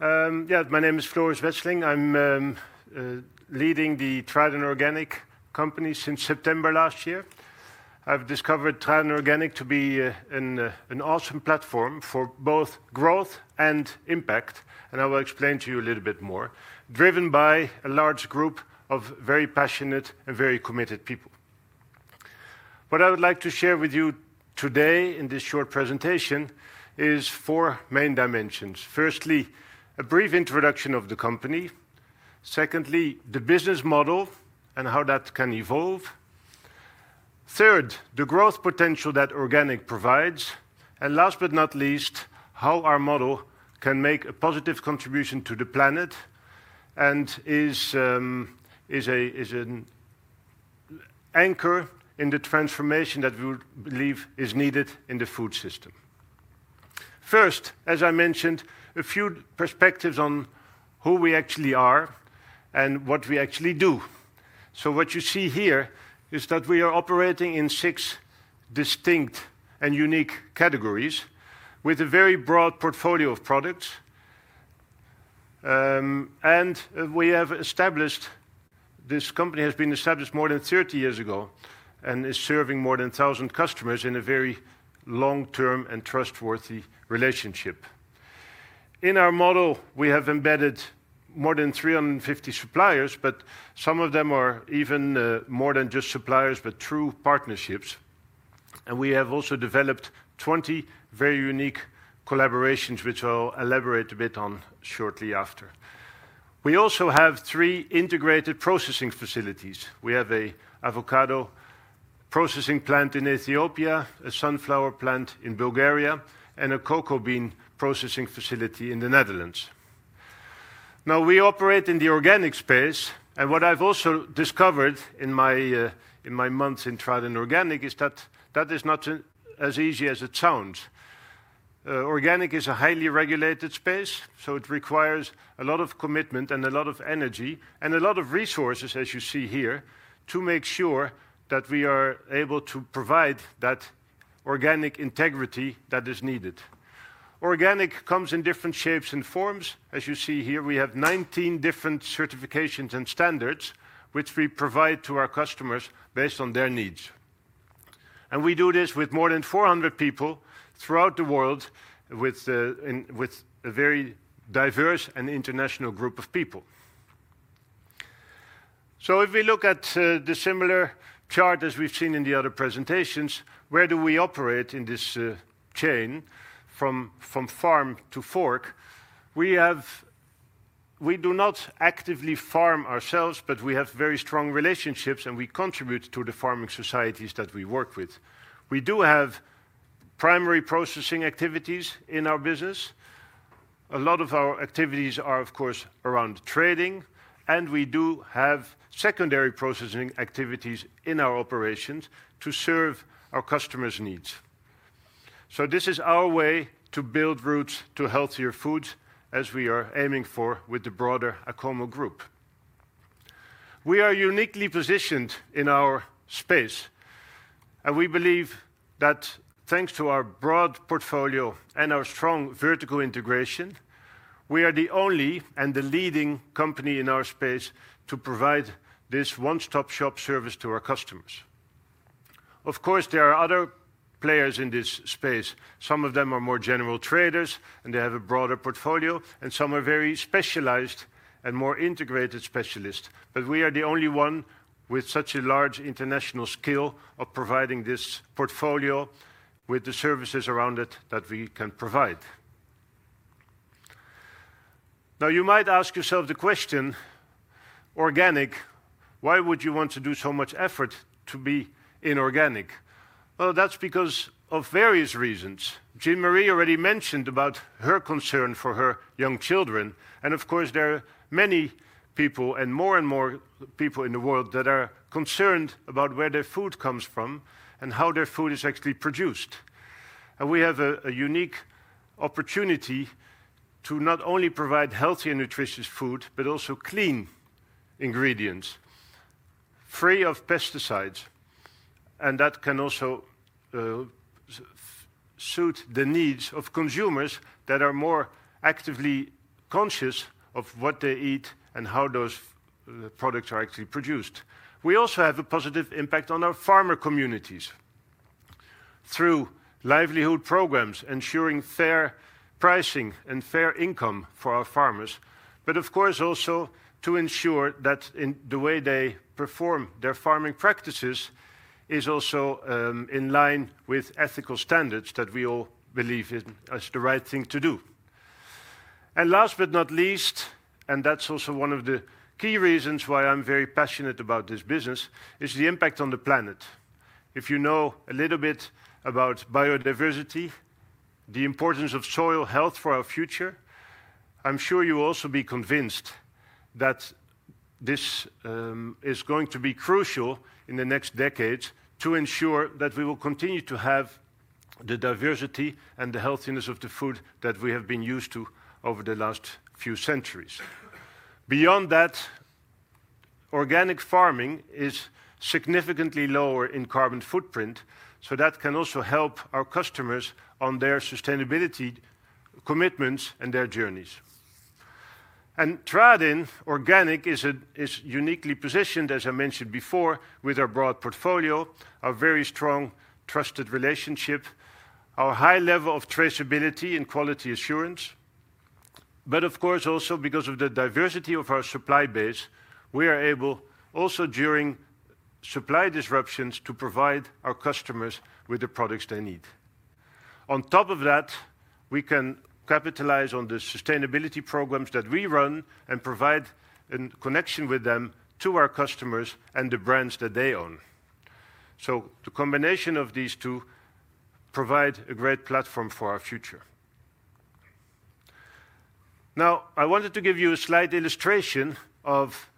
Yeah, my name is Floris Wesseling. I'm leading the Tradin Organic company since September last year. I've discovered Tradin Organic to be an awesome platform for both growth and impact. I will explain to you a little bit more. Driven by a large group of very passionate and very committed people. What I would like to share with you today in this short presentation is four main dimensions. Firstly, a brief introduction of the company. Secondly, the business model and how that can evolve. Third, the growth potential that organic provides. Last but not least, how our model can make a positive contribution to the planet and is an anchor in the transformation that we believe is needed in the food system. First, as I mentioned, a few perspectives on who we actually are and what we actually do. What you see here is that we are operating in six distinct and unique categories with a very broad portfolio of products. We have established this company more than 30 years ago and are serving more than 1,000 customers in a very long-term and trustworthy relationship. In our model, we have embedded more than 350 suppliers, but some of them are even more than just suppliers, but true partnerships. We have also developed 20 very unique collaborations, which I'll elaborate a bit on shortly after. We also have three integrated processing facilities. We have an avocado processing plant in Ethiopia, a sunflower plant in Bulgaria, and a cocoa bean processing facility in the Netherlands. We operate in the organic space. What I've also discovered in my months in Tradin Organic is that that is not as easy as it sounds. Organic is a highly regulated space, so it requires a lot of commitment and a lot of energy and a lot of resources, as you see here, to make sure that we are able to provide that organic integrity that is needed. Organic comes in different shapes and forms. As you see here, we have 19 different certifications and standards which we provide to our customers based on their needs. We do this with more than 400 people throughout the world with a very diverse and international group of people. If we look at the similar chart as we've seen in the other presentations, where do we operate in this chain from farm to fork? We do not actively farm ourselves, but we have very strong relationships and we contribute to the farming societies that we work with. We do have primary processing activities in our business. A lot of our activities are, of course, around trading. We do have secondary processing activities in our operations to serve our customers' needs. This is our way to build routes to healthier foods, as we are aiming for with the broader Acomo group. We are uniquely positioned in our space, and we believe that thanks to our broad portfolio and our strong vertical integration, we are the only and the leading company in our space to provide this one-stop shop service to our customers. Of course, there are other players in this space. Some of them are more general traders, and they have a broader portfolio, and some are very specialized and more integrated specialists. We are the only one with such a large international scale of providing this portfolio with the services around it that we can provide. Now, you might ask yourself the question, "Organic, why would you want to do so much effort to be in organic?" That is because of various reasons. Jean-Marie already mentioned about her concern for her young children. Of course, there are many people and more and more people in the world that are concerned about where their food comes from and how their food is actually produced. We have a unique opportunity to not only provide healthy and nutritious food, but also clean ingredients, free of pesticides. That can also suit the needs of consumers that are more actively conscious of what they eat and how those products are actually produced. We also have a positive impact on our farmer communities through livelihood programs, ensuring fair pricing and fair income for our farmers. Of course, also to ensure that in the way they perform their farming practices is also in line with ethical standards that we all believe is the right thing to do. Last but not least, and that is also one of the key reasons why I'm very passionate about this business, is the impact on the planet. If you know a little bit about biodiversity, the importance of soil health for our future, I'm sure you will also be convinced that this is going to be crucial in the next decades to ensure that we will continue to have the diversity and the healthiness of the food that we have been used to over the last few centuries. Beyond that, organic farming is significantly lower in carbon footprint, so that can also help our customers on their sustainability commitments and their journeys. Tradin Organic is uniquely positioned, as I mentioned before, with our broad portfolio, our very strong trusted relationship, our high level of traceability and quality assurance. Of course, also because of the diversity of our supply base, we are able also during supply disruptions to provide our customers with the products they need. On top of that, we can capitalize on the sustainability programs that we run and provide a connection with them to our customers and the brands that they own. The combination of these two provides a great platform for our future. I wanted to give you a slight illustration of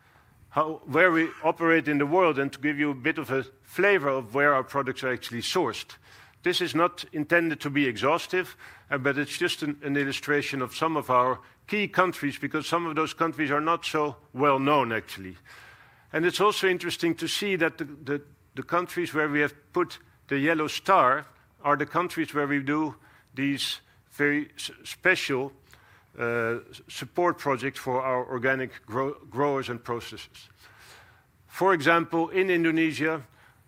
where we operate in the world and to give you a bit of a flavor of where our products are actually sourced. This is not intended to be exhaustive, but it's just an illustration of some of our key countries because some of those countries are not so well known, actually. It's also interesting to see that the countries where we have put the yellow star are the countries where we do these very special support projects for our organic growers and processes. For example, in Indonesia,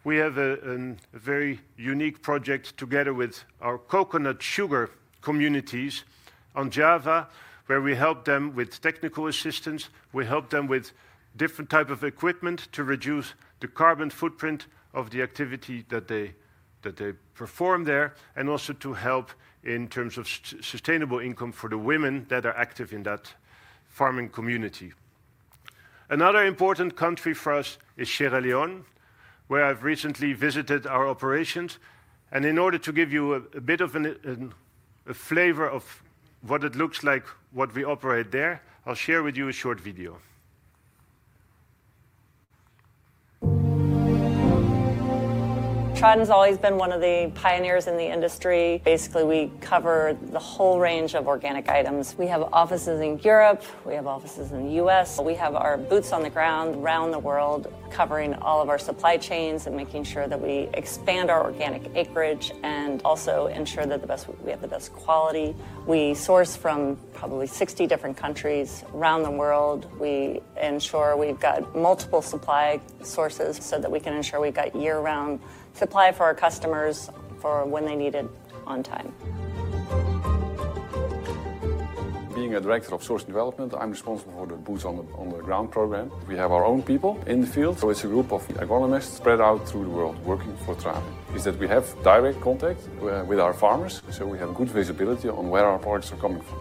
we have a very unique project together with our coconut sugar communities on Java, where we help them with technical assistance. We help them with different types of equipment to reduce the carbon footprint of the activity that they perform there and also to help in terms of sustainable income for the women that are active in that farming community. Another important country for us is Sierra Leone, where I've recently visited our operations. In order to give you a bit of a flavor of what it looks like, what we operate there, I'll share with you a short video. Tradin has always been one of the pioneers in the industry. Basically, we cover the whole range of organic items. We have offices in Europe. We have offices in the U.S.. We have our boots on the ground around the world, covering all of our supply chains and making sure that we expand our organic acreage and also ensure that we have the best quality. We source from probably 60 different countries around the world. We ensure we've got multiple supply sources so that we can ensure we've got year-round supply for our customers for when they need it on time. Being a Director of Source Development, I'm responsible for the boots on the ground program. We have our own people in the field. It is a group of agronomists spread out through the world working for Tradin. That means we have direct contact with our farmers, so we have good visibility on where our products are coming from.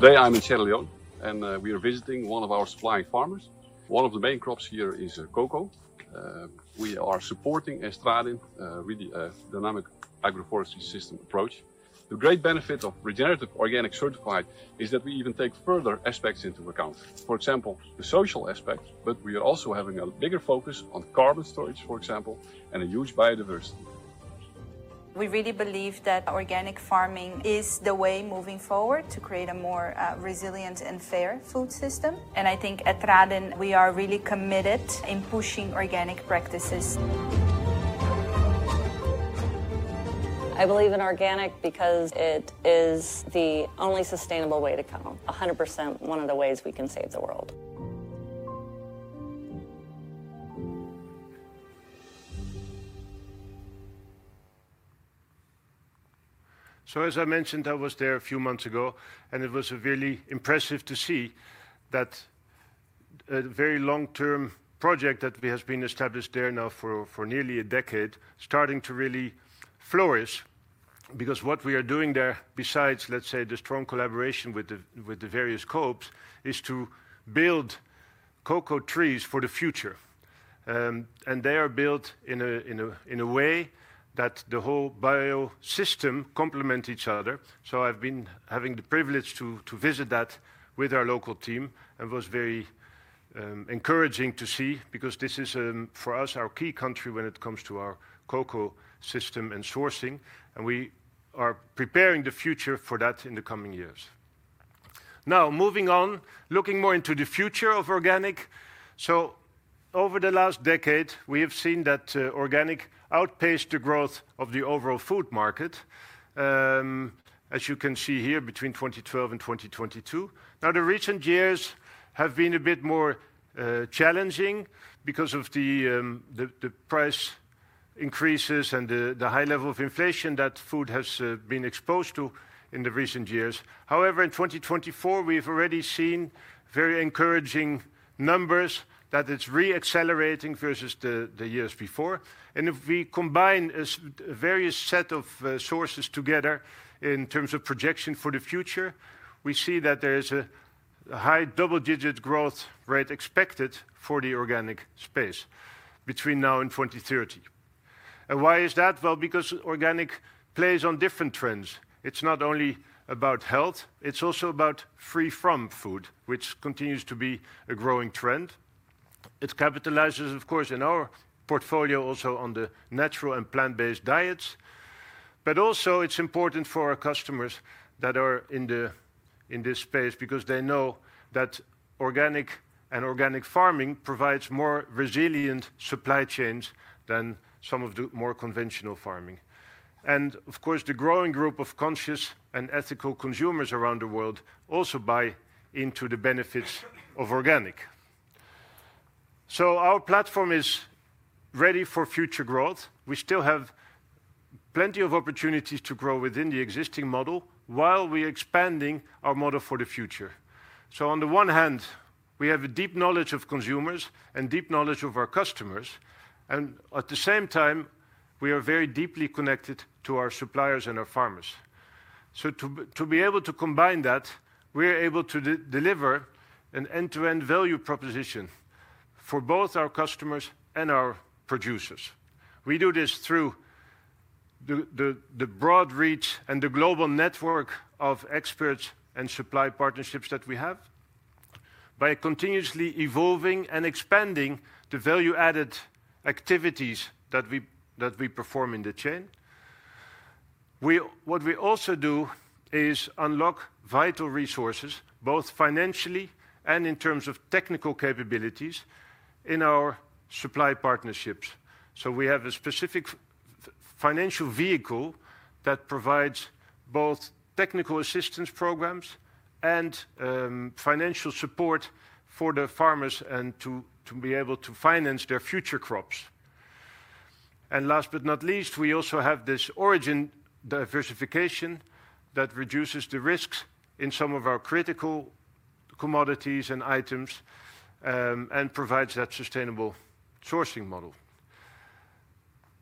Today, I'm in Sierra Leone, and we are visiting one of our supplying farmers. One of the main crops here is cocoa. We are supporting a Tradin really dynamic agroforestry system approach. The great benefit of regenerative organic certified is that we even take further aspects into account. For example, the social aspect, but we are also having a bigger focus on carbon storage, for example, and a huge biodiversity. We really believe that organic farming is the way moving forward to create a more resilient and fair food system. I think at Tradin, we are really committed in pushing organic practices. I believe in organic because it is the only sustainable way to go, 100% one of the ways we can save the world. As I mentioned, I was there a few months ago, and it was really impressive to see that a very long-term project that has been established there now for nearly a decade is starting to really flourish. What we are doing there, besides, let's say, the strong collaboration with the various co-ops, is to build cocoa trees for the future. They are built in a way that the whole biosystem complements each other. I have been having the privilege to visit that with our local team. It was very encouraging to see because this is, for us, our key country when it comes to our cocoa system and sourcing. We are preparing the future for that in the coming years. Now, moving on, looking more into the future of organic. Over the last decade, we have seen that organic outpaced the growth of the overall food market, as you can see here between 2012 and 2022. The recent years have been a bit more challenging because of the price increases and the high level of inflation that food has been exposed to in the recent years. However, in 2024, we've already seen very encouraging numbers that it's reaccelerating versus the years before. If we combine a various set of sources together in terms of projection for the future, we see that there is a high double-digit growth rate expected for the organic space between now and 2030. Why is that? Organic plays on different trends. It's not only about health. It's also about free-from food, which continues to be a growing trend. It capitalizes, of course, in our portfolio also on the natural and plant-based diets. Also, it's important for our customers that are in this space because they know that organic and organic farming provides more resilient supply chains than some of the more conventional farming. Of course, the growing group of conscious and ethical consumers around the world also buy into the benefits of organic. Our platform is ready for future growth. We still have plenty of opportunities to grow within the existing model while we are expanding our model for the future. On the one hand, we have a deep knowledge of consumers and deep knowledge of our customers. At the same time, we are very deeply connected to our suppliers and our farmers. To be able to combine that, we are able to deliver an end-to-end value proposition for both our customers and our producers. We do this through the broad reach and the global network of experts and supply partnerships that we have. By continuously evolving and expanding the value-added activities that we perform in the chain, what we also do is unlock vital resources, both financially and in terms of technical capabilities in our supply partnerships. We have a specific financial vehicle that provides both technical assistance programs and financial support for the farmers and to be able to finance their future crops. Last but not least, we also have this origin diversification that reduces the risks in some of our critical commodities and items and provides that sustainable sourcing model.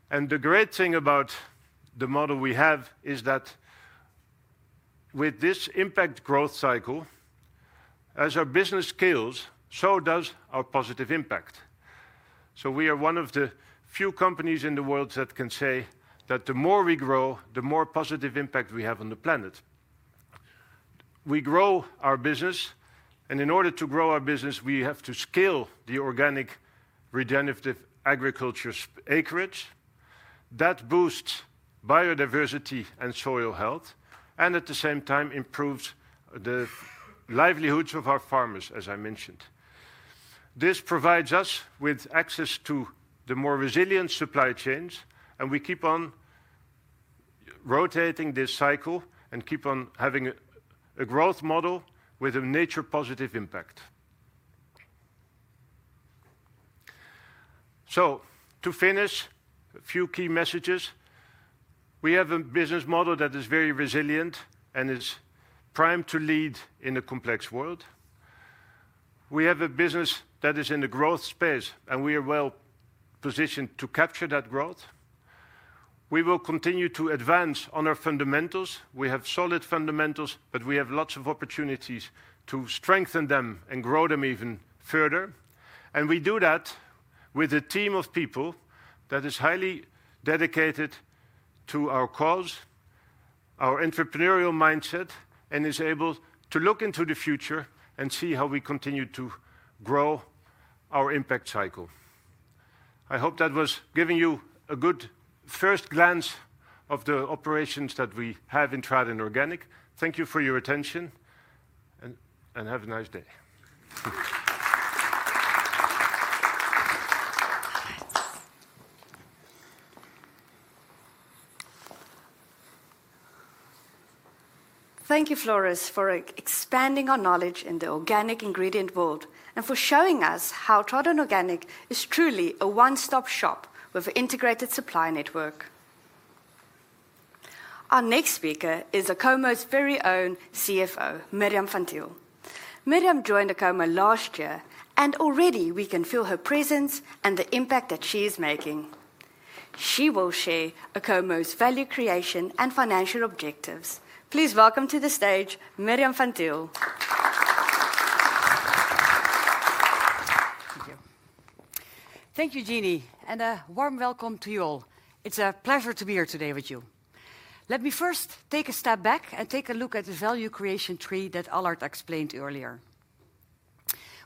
The great thing about the model we have is that with this impact growth cycle, as our business scales, so does our positive impact. We are one of the few companies in the world that can say that the more we grow, the more positive impact we have on the planet. We grow our business, and in order to grow our business, we have to scale the organic regenerative agriculture acreage that boosts biodiversity and soil health and at the same time improves the livelihoods of our farmers, as I mentioned. This provides us with access to the more resilient supply chains, and we keep on rotating this cycle and keep on having a growth model with a nature-positive impact. To finish, a few key messages. We have a business model that is very resilient and is primed to lead in a complex world. We have a business that is in the growth space, and we are well positioned to capture that growth. We will continue to advance on our fundamentals. We have solid fundamentals, but we have lots of opportunities to strengthen them and grow them even further. We do that with a team of people that is highly dedicated to our cause, our entrepreneurial mindset, and is able to look into the future and see how we continue to grow our impact cycle. I hope that was giving you a good first glance of the operations that we have in Tradin Organic. Thank you for your attention, and have a nice day. Thank you, Floris, for expanding our knowledge in the organic ingredient world and for showing us how Tradin Organic is truly a one-stop shop with an integrated supply network. Our next speaker is Acomo's very own CFO, Mirjam van Thiel. Mirjam joined Acomo last year, and already we can feel her presence and the impact that she is making. She will share Acomo's value creation and financial objectives. Please welcome to the stage Mirjam van Thiel. Thank you, Jean-Marie, and a warm welcome to you all. It's a pleasure to be here today with you. Let me first take a step back and take a look at the value creation tree that Allard explained earlier.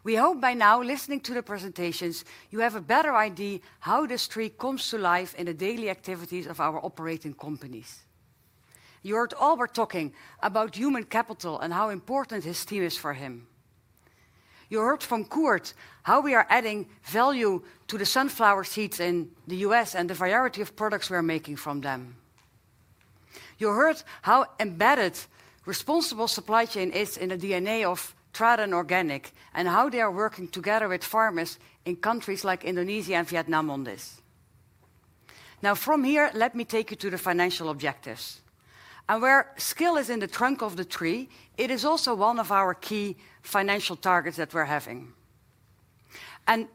We hope by now listening to the presentations, you have a better idea of how this tree comes to life in the daily activities of our operating companies. You heard Albert talking about human capital and how important his team is for him. You heard from Koert how we are adding value to the sunflower seeds in the U.S. and the variety of products we are making from them. You heard how embedded responsible supply chain is in the DNA of Tradin Organic and how they are working together with farmers in countries like Indonesia and Vietnam on this. Now, from here, let me take you to the financial objectives. Where scale is in the trunk of the tree, it is also one of our key financial targets that we're having.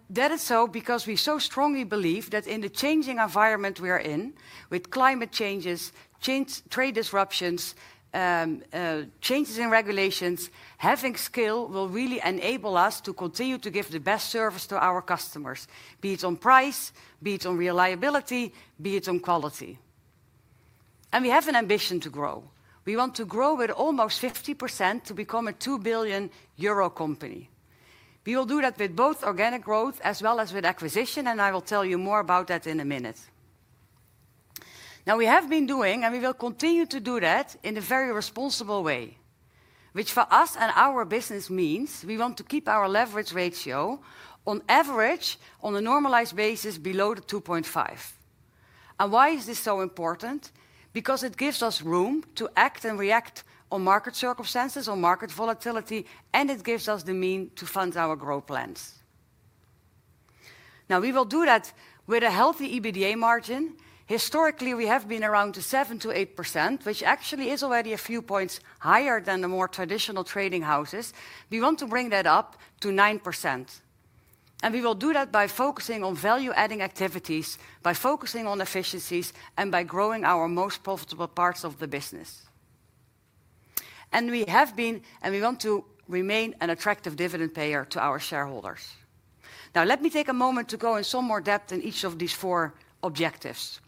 That is so because we so strongly believe that in the changing environment we are in, with climate changes, trade disruptions, changes in regulations, having scale will really enable us to continue to give the best service to our customers, be it on price, be it on reliability, be it on quality. We have an ambition to grow. We want to grow with almost 50% to become a 2 billion euro company. We will do that with both organic growth as well as with acquisition, and I will tell you more about that in a minute. Now, we have been doing, and we will continue to do that in a very responsible way, which for us and our business means we want to keep our leverage ratio on average, on a normalized basis, below 2.5x. Why is this so important? Because it gives us room to act and react on market circumstances, on market volatility, and it gives us the means to fund our growth plans. We will do that with a healthy EBITDA margin. Historically, we have been around 7%-8%, which actually is already a few points higher than the more traditional trading houses. We want to bring that up to 9%. We will do that by focusing on value-adding activities, by focusing on efficiencies, and by growing our most profitable parts of the business. We have been, and we want to remain, an attractive dividend payer to our shareholders. Now, let me take a moment to go in some more depth in each of these four objectives.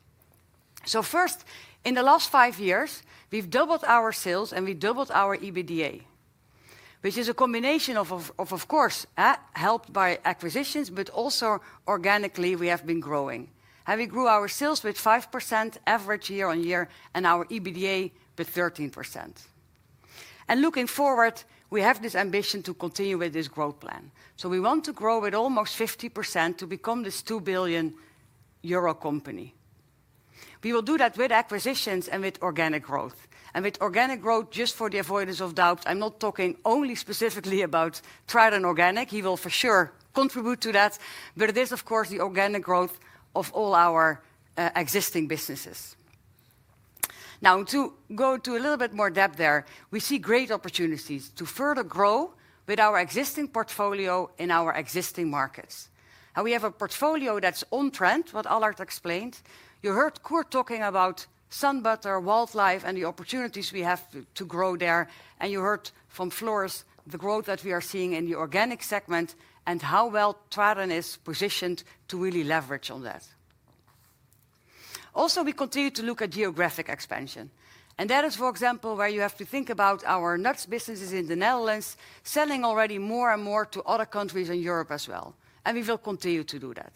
First, in the last five years, we've doubled our sales and we've doubled our EBITDA, which is a combination of, of course, helped by acquisitions, but also organically we have been growing. We grew our sales with 5% average year on year and our EBITDA with 13%. Looking forward, we have this ambition to continue with this growth plan. We want to grow with almost 50% to become this 2 billion euro company. We will do that with acquisitions and with organic growth. With organic growth, just for the avoidance of doubt, I'm not talking only specifically about Tradin Organic. He will for sure contribute to that, but it is, of course, the organic growth of all our existing businesses. To go to a little bit more depth there, we see great opportunities to further grow with our existing portfolio in our existing markets. We have a portfolio that's on trend, what Allard explained. You heard Koert talking about SunButter, Wildlife, and the opportunities we have to grow there. You heard from Floris the growth that we are seeing in the organic segment and how well Tradin is positioned to really leverage on that. Also, we continue to look at geographic expansion. For example, you have to think about our nuts businesses in the Netherlands selling already more and more to other countries in Europe as well. We will continue to do that.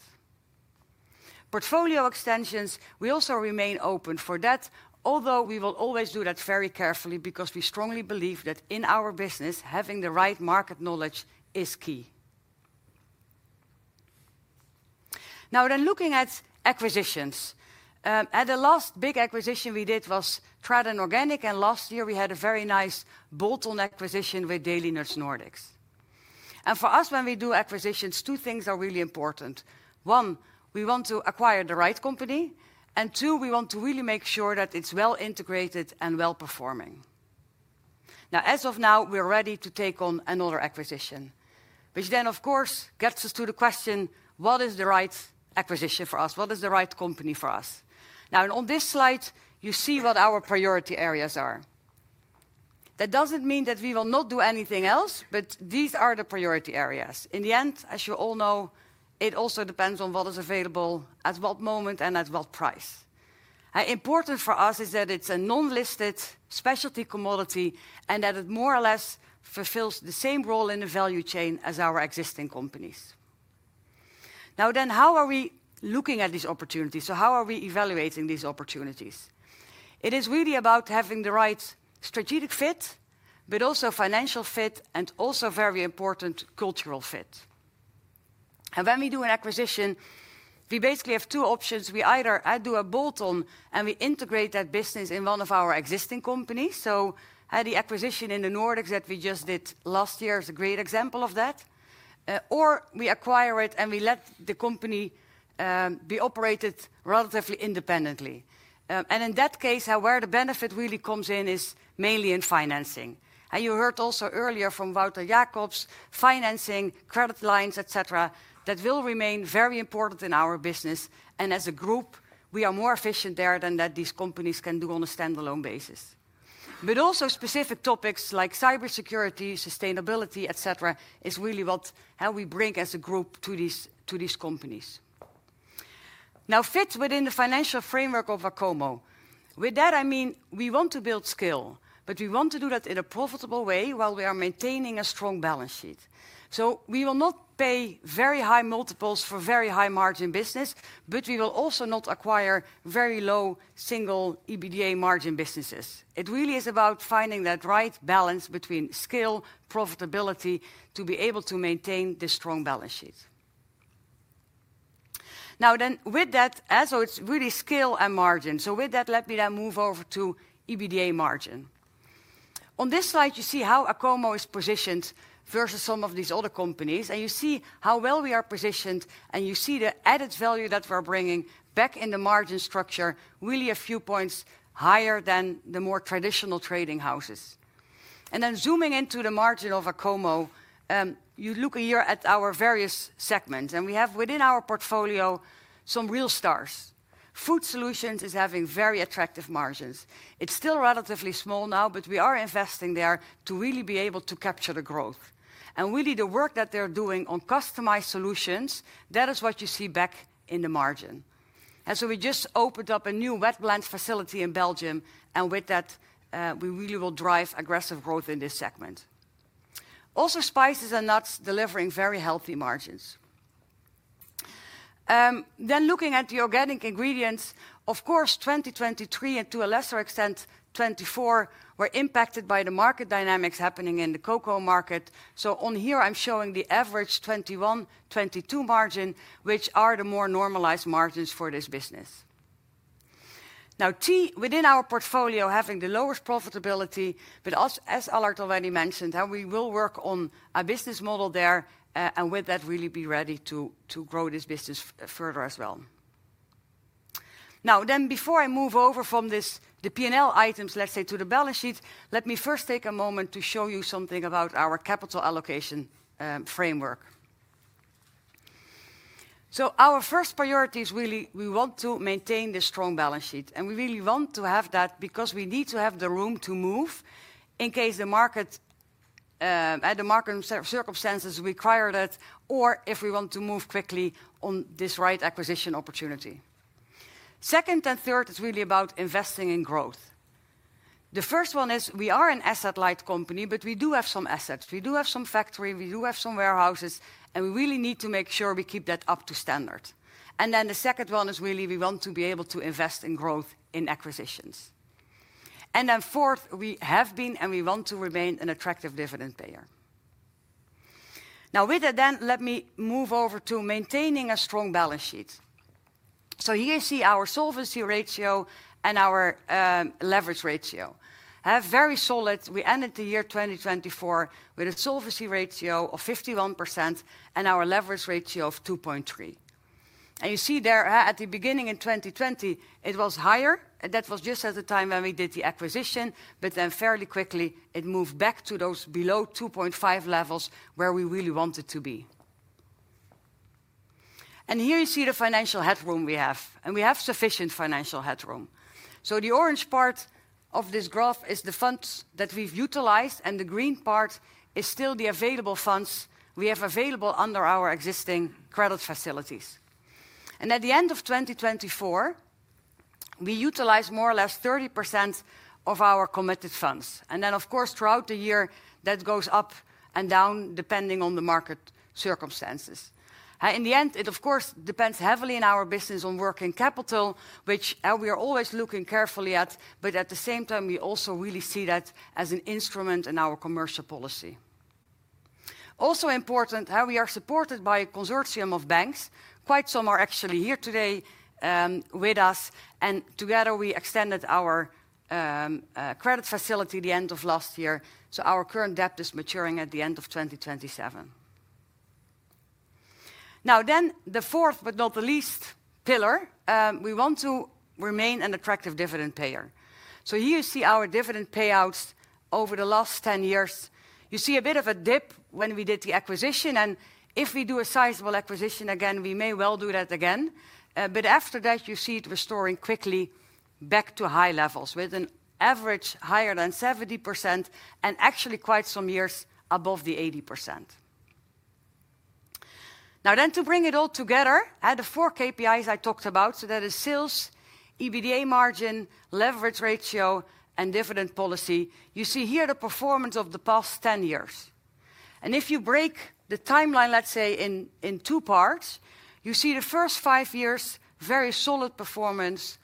Portfolio extensions, we also remain open for that, although we will always do that very carefully because we strongly believe that in our business, having the right market knowledge is key. Now, looking at acquisitions. The last big acquisition we did was Tradin Organic, and last year we had a very nice bolt-on acquisition with Delinuts Nordics. For us, when we do acquisitions, two things are really important. One, we want to acquire the right company. Two, we want to really make sure that it is well integrated and well performing. Now, as of now, we're ready to take on another acquisition, which then, of course, gets us to the question, what is the right acquisition for us? What is the right company for us? Now, on this slide, you see what our priority areas are. That doesn't mean that we will not do anything else, but these are the priority areas. In the end, as you all know, it also depends on what is available at what moment and at what price. Important for us is that it's a non-listed specialty commodity and that it more or less fulfills the same role in the value chain as our existing companies. Now then, how are we looking at these opportunities? How are we evaluating these opportunities? It is really about having the right strategic fit, but also financial fit, and also very important cultural fit. When we do an acquisition, we basically have two options. We either do a bolt-on and we integrate that business in one of our existing companies. The acquisition in the Nordics that we just did last year is a great example of that. We acquire it and we let the company be operated relatively independently. In that case, where the benefit really comes in is mainly in financing. You heard also earlier from Wouter Jacobs, financing, credit lines, et cetera, that will remain very important in our business. As a group, we are more efficient there than these companies can do on a standalone basis. Also, specific topics like cybersecurity, sustainability, et cetera, are really what we bring as a group to these companies. Now, fit within the financial framework of Acomo. With that, I mean, we want to build scale, but we want to do that in a profitable way while we are maintaining a strong balance sheet. We will not pay very high multiples for very high margin business, but we will also not acquire very low single EBITDA margin businesses. It really is about finding that right balance between scale, profitability, to be able to maintain this strong balance sheet. Now, with that, it is really scale and margin. With that, let me now move over to EBITDA margin. On this slide, you see how Acomo is positioned versus some of these other companies, and you see how well we are positioned, and you see the added value that we are bringing back in the margin structure, really a few points higher than the more traditional trading houses. Zooming into the margin of Acomo, you look here at our various segments, and we have within our portfolio some real stars. Food Solutions is having very attractive margins. It's still relatively small now, but we are investing there to really be able to capture the growth. Really, the work that they're doing on customized solutions, that is what you see back in the margin. We just opened up a new wet-blend facility in Belgium, and with that, we really will drive aggressive growth in this segment. Also, spices and nuts delivering very healthy margins. Looking at the organic ingredients, of course, 2023 and to a lesser extent, 2024, were impacted by the market dynamics happening in the cocoa market. On here, I'm showing the average 2021-2022 margin, which are the more normalized margins for this business. Now, tea within our portfolio having the lowest profitability, but as Allard already mentioned, we will work on a business model there and with that really be ready to grow this business further as well. Now, before I move over from the P&L items, let's say, to the balance sheet, let me first take a moment to show you something about our capital allocation framework. Our first priority is really we want to maintain this strong balance sheet, and we really want to have that because we need to have the room to move in case the market and the market circumstances require that, or if we want to move quickly on this right acquisition opportunity. Second and third is really about investing in growth. The first one is we are an asset-light company, but we do have some assets. We do have some factory, we do have some warehouses, and we really need to make sure we keep that up to standard. The second one is really we want to be able to invest in growth in acquisitions. Fourth, we have been and we want to remain an attractive dividend payer. Now with that, let me move over to maintaining a strong balance sheet. Here you see our solvency ratio and our leverage ratio. Very solid, we ended the year 2024 with a solvency ratio of 51% and our leverage ratio of 2.3x. You see there at the beginning in 2020, it was higher, and that was just at the time when we did the acquisition, but then fairly quickly it moved back to those below 2.5x levels where we really wanted to be. Here you see the financial headroom we have, and we have sufficient financial headroom. The orange part of this graph is the funds that we've utilized, and the green part is still the available funds we have available under our existing credit facilities. At the end of 2024, we utilize more or less 30% of our committed funds. Of course, throughout the year, that goes up and down depending on the market circumstances. In the end, it depends heavily in our business on working capital, which we are always looking carefully at, but at the same time, we also really see that as an instrument in our commercial policy. Also important, how we are supported by a consortium of banks. Quite some are actually here today with us, and together we extended our credit facility at the end of last year, so our current debt is maturing at the end of 2027. Now then, the fourth but not the least pillar, we want to remain an attractive dividend payer. Here you see our dividend payouts over the last 10 years. You see a bit of a dip when we did the acquisition, and if we do a sizable acquisition again, we may well do that again. After that, you see it restoring quickly back to high levels with an average higher than 70% and actually quite some years above the 80%. Now then, to bring it all together, the four KPIs I talked about, so that is sales, EBITDA margin, leverage ratio, and dividend policy. You see here the performance of the past 10 years. If you break the timeline, let's say, in two parts, you see the first five years very solid performance,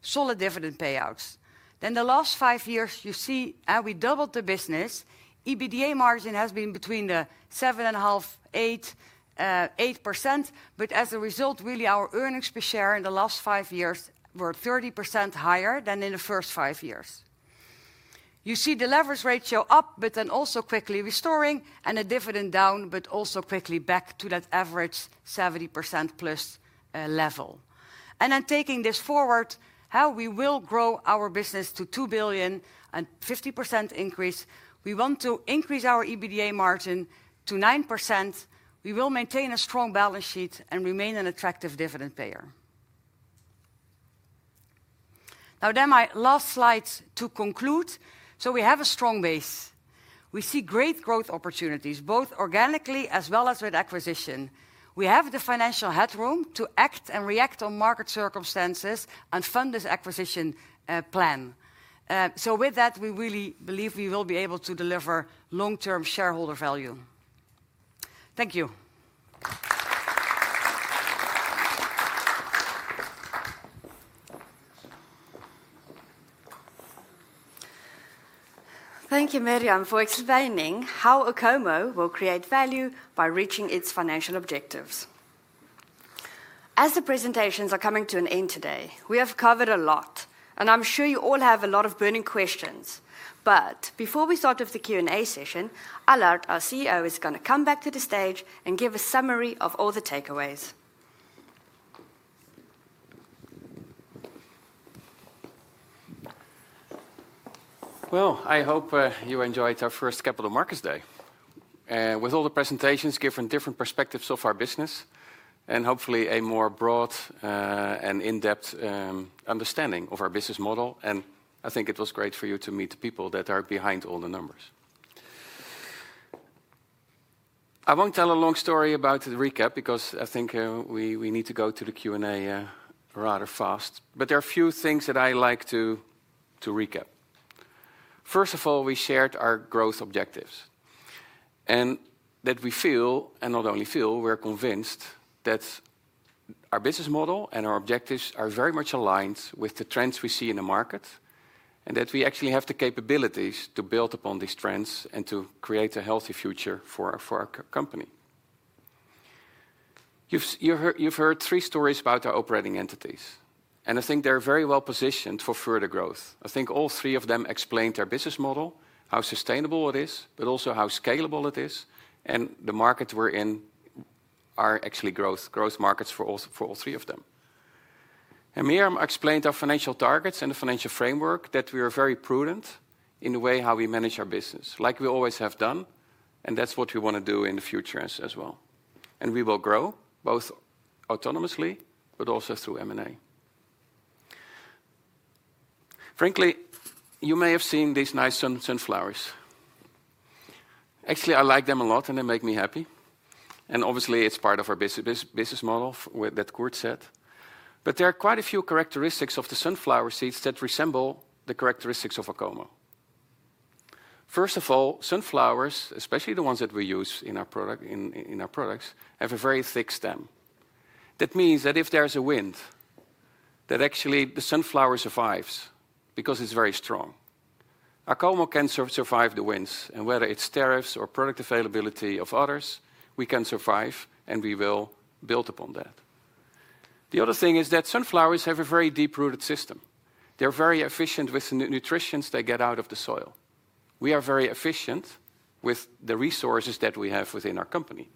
solid dividend payouts. The last five years, you see we doubled the business. EBITDA margin has been between 7.5%-8%, but as a result, really our earnings per share in the last five years were 30% higher than in the first five years. You see the leverage ratio up, but then also quickly restoring, and the dividend down, but also quickly back to that average 70% plus level. Taking this forward, how we will grow our business to $2 billion and 50% increase. We want to increase our EBITDA margin to 9%. We will maintain a strong balance sheet and remain an attractive dividend payer. Now, my last slide to conclude. We have a strong base. We see great growth opportunities, both organically as well as with acquisition. We have the financial headroom to act and react on market circumstances and fund this acquisition plan. With that, we really believe we will be able to deliver long-term shareholder value. Thank you. Thank you, Mirjam, for explaining how Acomo will create value by reaching its financial objectives. As the presentations are coming to an end today, we have covered a lot, and I'm sure you all have a lot of burning questions. Before we start off the Q&A session, Allard, our CEO, is going to come back to the stage and give a summary of all the takeaways. I hope you enjoyed our first Capital Markets Day. With all the presentations given different perspectives of our business and hopefully a more broad and in-depth understanding of our business model. I think it was great for you to meet the people that are behind all the numbers. I will not tell a long story about the recap because I think we need to go to the Q&A rather fast. There are a few things that I like to recap. First of all, we shared our growth objectives and that we feel, and not only feel, we are convinced that our business model and our objectives are very much aligned with the trends we see in the market and that we actually have the capabilities to build upon these trends and to create a healthy future for our company. You have heard three stories about our operating entities, and I think they are very well positioned for further growth. I think all three of them explained our business model, how sustainable it is, but also how scalable it is, and the markets we're in are actually growth markets for all three of them. Mirjam explained our financial targets and the financial framework that we are very prudent in the way how we manage our business, like we always have done, and that's what we want to do in the future as well. We will grow both autonomously, but also through M&A. Frankly, you may have seen these nice sunflowers. Actually, I like them a lot, and they make me happy. Obviously, it's part of our business model that Koert said. There are quite a few characteristics of the sunflower seeds that resemble the characteristics of Acomo. First of all, sunflowers, especially the ones that we use in our products, have a very thick stem. That means that if there's a wind, that actually the sunflower survives because it's very strong. Acomo can survive the winds, and whether it's tariffs or product availability of others, we can survive, and we will build upon that. The other thing is that sunflowers have a very deep-rooted system. They're very efficient with the nutritions they get out of the soil. We are very efficient with the resources that we have within our company.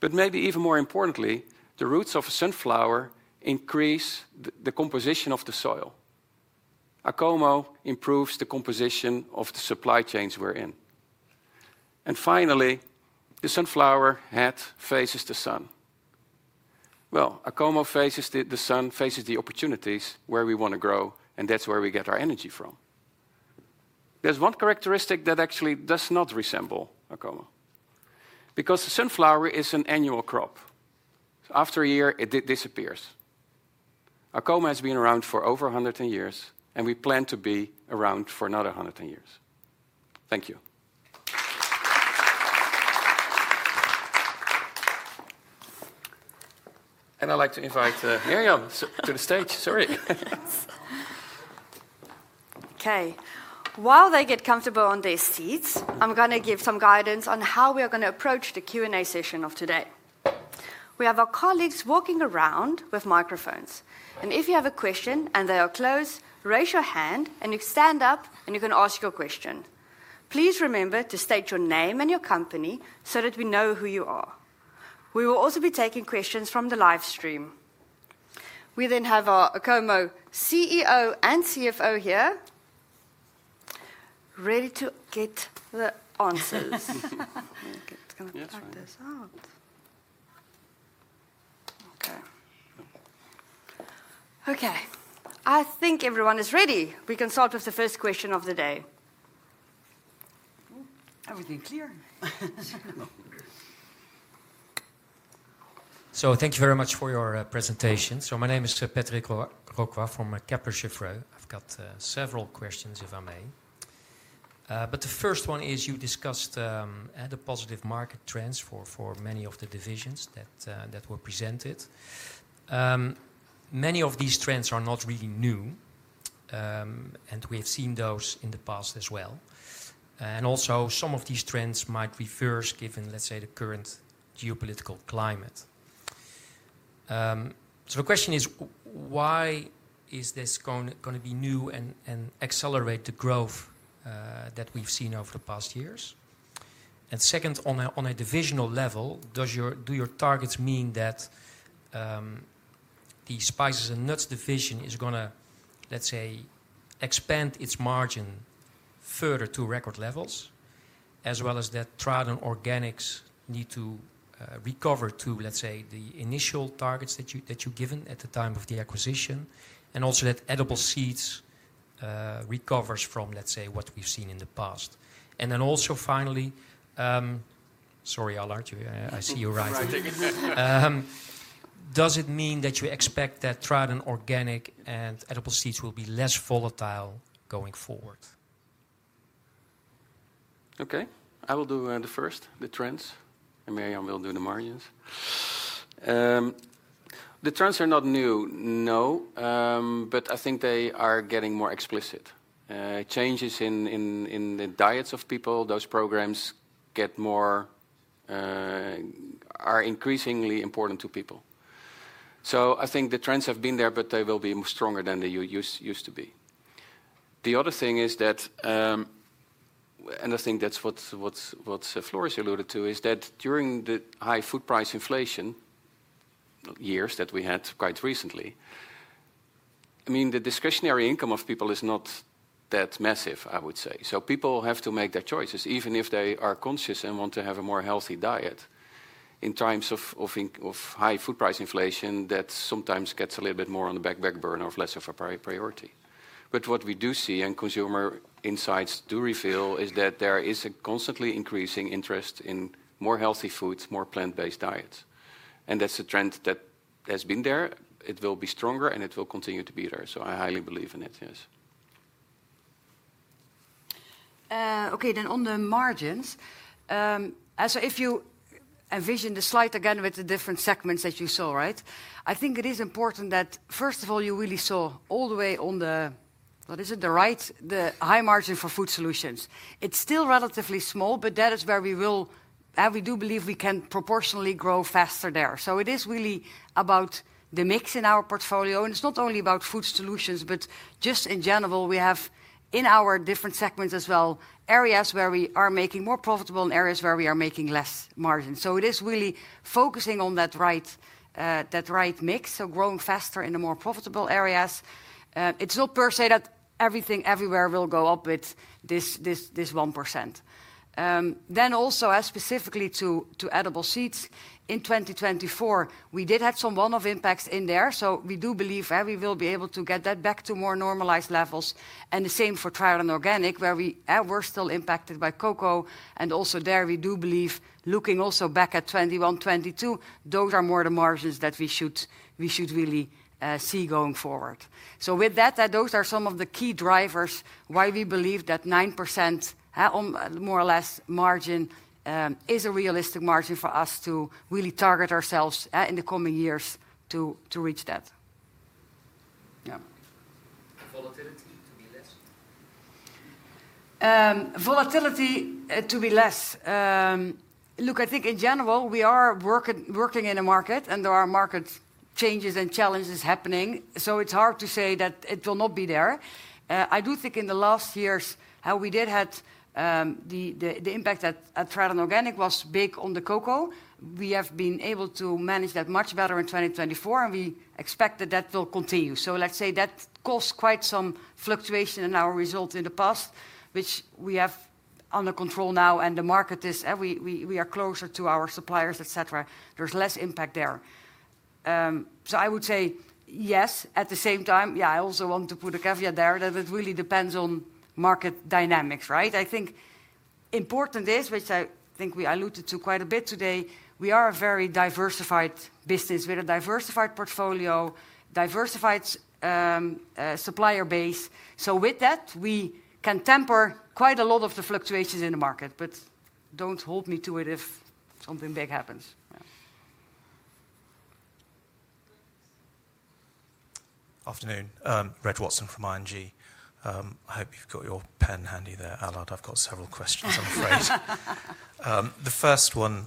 Maybe even more importantly, the roots of a sunflower increase the composition of the soil. Acomo improves the composition of the supply chains we're in. Finally, the sunflower head faces the sun. Acomo faces the sun, faces the opportunities where we want to grow, and that's where we get our energy from. There's one characteristic that actually does not resemble Acomo because the sunflower is an annual crop. After a year, it disappears. Acomo has been around for over 110 years, and we plan to be around for another 110 years. Thank you. I'd like to invite Mirjam to the stage. Sorry. Okay. While they get comfortable on their seats, I'm going to give some guidance on how we are going to approach the Q&A session of today. We have our colleagues walking around with microphones. If you have a question and they are close, raise your hand and you stand up and you can ask your question. Please remember to state your name and your company so that we know who you are. We will also be taking questions from the live stream. We then have our Acomo CEO and CFO here ready to get the answers. Okay. I think everyone is ready. We can start with the first question of the day. Everything clear? Thank you very much for your presentation. My name is Patrick Roquas from Kepler Cheuvreux. I've got several questions, if I may. The first one is you discussed the positive market trends for many of the divisions that were presented. Many of these trends are not really new, and we have seen those in the past as well. Also, some of these trends might reverse given, let's say, the current geopolitical climate. The question is, why is this going to be new and accelerate the growth that we've seen over the past years? Second, on a divisional level, do your targets mean that the spices and nuts division is going to, let's say, expand its margin further to record levels, as well as that Tradin Organic needs to recover to, let's say, the initial targets that you've given at the time of the acquisition, and also that edible seeds recovers from, let's say, what we've seen in the past? Also, finally, sorry, Allard, I see you're writing. Does it mean that you expect that Tradin Organic and edible seeds will be less volatile going forward? Okay. I will do the first, the trends, and Mirjam will do the margins. The trends are not new, no, but I think they are getting more explicit. Changes in the diets of people, those programs are increasingly important to people. I think the trends have been there, but they will be stronger than they used to be. The other thing is that, and I think that's what Floris alluded to, is that during the high food price inflation years that we had quite recently, I mean, the discretionary income of people is not that massive, I would say. People have to make their choices. Even if they are conscious and want to have a more healthy diet, in times of high food price inflation, that sometimes gets a little bit more on the back burner or less of a priority. What we do see, and consumer insights do reveal, is that there is a constantly increasing interest in more healthy foods, more plant-based diets. That's a trend that has been there. It will be stronger, and it will continue to be there. I highly believe in it, yes. Okay. On the margins. If you envision the slide again with the different segments that you saw, right, I think it is important that, first of all, you really saw all the way on the, what is it, the right, the high margin for food solutions. It's still relatively small, but that is where we will, we do believe we can proportionally grow faster there. It is really about the mix in our portfolio. It's not only about food solutions, but just in general, we have in our different segments as well, areas where we are making more profitable and areas where we are making less margin. It is really focusing on that right mix, so growing faster in the more profitable areas. It's not per se that everything everywhere will go up with this 1%. Also, specifically to edible seeds, in 2024, we did have some one-off impacts in there. We do believe we will be able to get that back to more normalized levels. The same for Tradin Organic, where we are still impacted by cocoa. We do believe, looking also back at 2021, 2022, those are more the margins that we should really see going forward. With that, those are some of the key drivers why we believe that 9% more or less margin is a realistic margin for us to really target ourselves in the coming years to reach that. Volatility to be less? Volatility to be less. Look, I think in general, we are working in a market, and there are market changes and challenges happening. It is hard to say that it will not be there. I do think in the last years, how we did have the impact at Tradin Organic was big on the cocoa. We have been able to manage that much better in 2024, and we expect that that will continue. Let's say that caused quite some fluctuation in our result in the past, which we have under control now, and the market is, we are closer to our suppliers, etc. There is less impact there. I would say, yes, at the same time, I also want to put a caveat there that it really depends on market dynamics, right? I think important is, which I think we alluded to quite a bit today, we are a very diversified business. We have a diversified portfolio, diversified supplier base. With that, we can temper quite a lot of the fluctuations in the market, but do not hold me to it if something big happens. Afternoon, Ret Watson from ING. I hope you have your pen handy there, Allard. I have several questions, I am afraid. The first one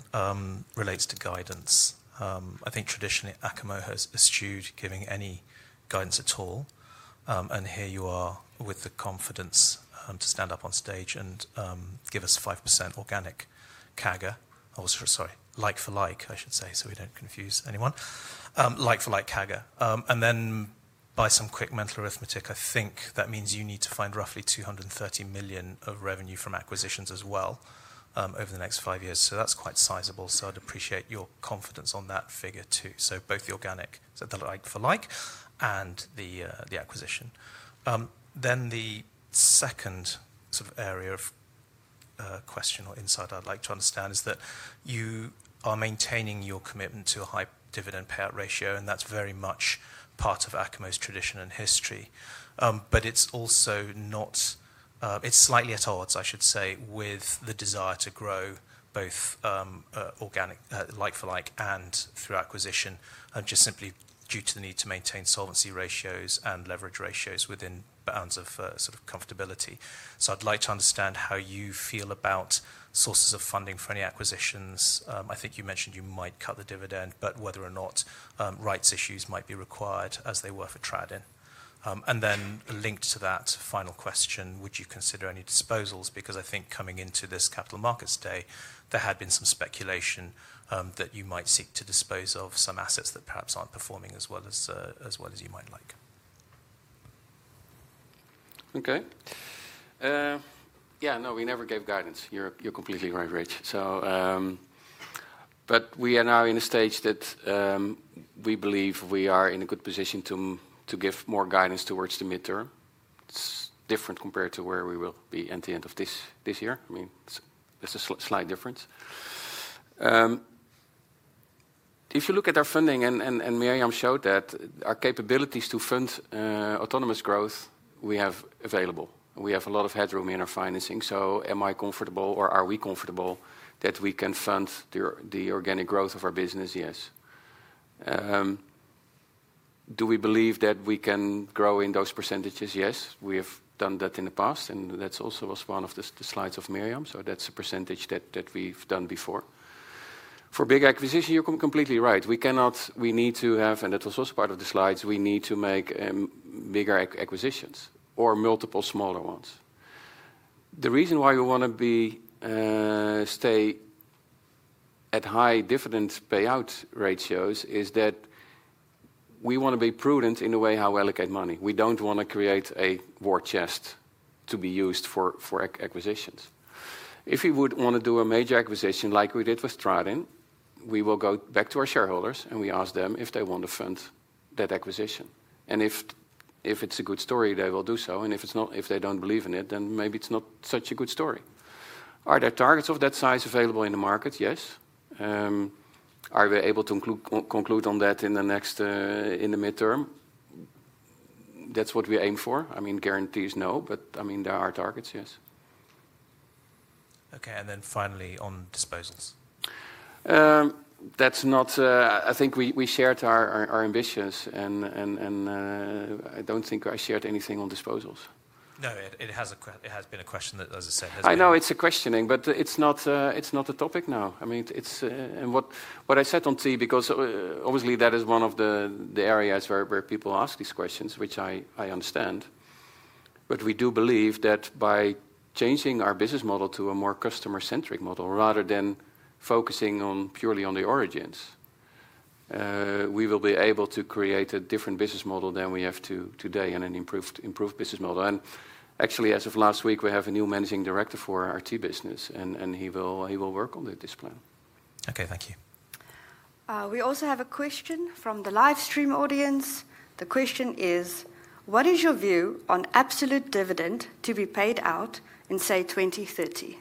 relates to guidance. I think traditionally, Acomo has eschewed giving any guidance at all. Here you are with the confidence to stand up on stage and give us 5% organic CAGR. I was sorry, like for like, I should say, so we do not confuse anyone. Like for like CAGR. Then by some quick mental arithmetic, I think that means you need to find roughly $230 million of revenue from acquisitions as well over the next five years. That is quite sizable. I would appreciate your confidence on that figure too. Both the organic, so the like for like, and the acquisition. The second sort of area of question or insight I'd like to understand is that you are maintaining your commitment to a high dividend payout ratio, and that's very much part of Acomo's tradition and history. It's also not, it's slightly at odds, I should say, with the desire to grow both organic, like for like, and through acquisition, and just simply due to the need to maintain solvency ratios and leverage ratios within bounds of sort of comfortability. I'd like to understand how you feel about sources of funding for any acquisitions. I think you mentioned you might cut the dividend, but whether or not rights issues might be required as they were for TRATON. Linked to that final question, would you consider any disposals? Because I think coming into this capital markets day, there had been some speculation that you might seek to dispose of some assets that perhaps aren't performing as well as you might like. Okay. Yeah, no, we never gave guidance. You're completely right, Ritch. We are now in a stage that we believe we are in a good position to give more guidance towards the midterm. It's different compared to where we will be at the end of this year. I mean, it's a slight difference. If you look at our funding, and Mirjam showed that, our capabilities to fund autonomous growth, we have available. We have a lot of headroom in our financing. Am I comfortable, or are we comfortable, that we can fund the organic growth of our business? Yes. Do we believe that we can grow in those percentages? Yes. We have done that in the past, and that also was one of the slides of Mirjam. So that's a percentage that we've done before. For big acquisition, you're completely right. We need to have, and that was also part of the slides, we need to make bigger acquisitions or multiple smaller ones. The reason why we want to stay at high dividend payout ratios is that we want to be prudent in the way how we allocate money. We don't want to create a war chest to be used for acquisitions. If we would want to do a major acquisition like we did with Tradin, we will go back to our shareholders and we ask them if they want to fund that acquisition. If it's a good story, they will do so. If they don't believe in it, then maybe it's not such a good story. Are there targets of that size available in the market? Yes. Are we able to conclude on that in the midterm? That's what we aim for. I mean, guarantees, no, but I mean, there are targets, yes. Okay. Finally, on disposals? I think we shared our ambitions, and I don't think I shared anything on disposals. No, it has been a question that, as I said, has been. I know it's a questioning, but it's not a topic now. I mean, what I said on T, because obviously that is one of the areas where people ask these questions, which I understand. We do believe that by changing our business model to a more customer-centric model rather than focusing purely on the origins, we will be able to create a different business model than we have today and an improved business model. Actually, as of last week, we have a new managing director for our T business, and he will work on this plan. Okay, thank you. We also have a question from the livestream audience. The question is, what is your view on absolute dividend to be paid out in, say, 2030?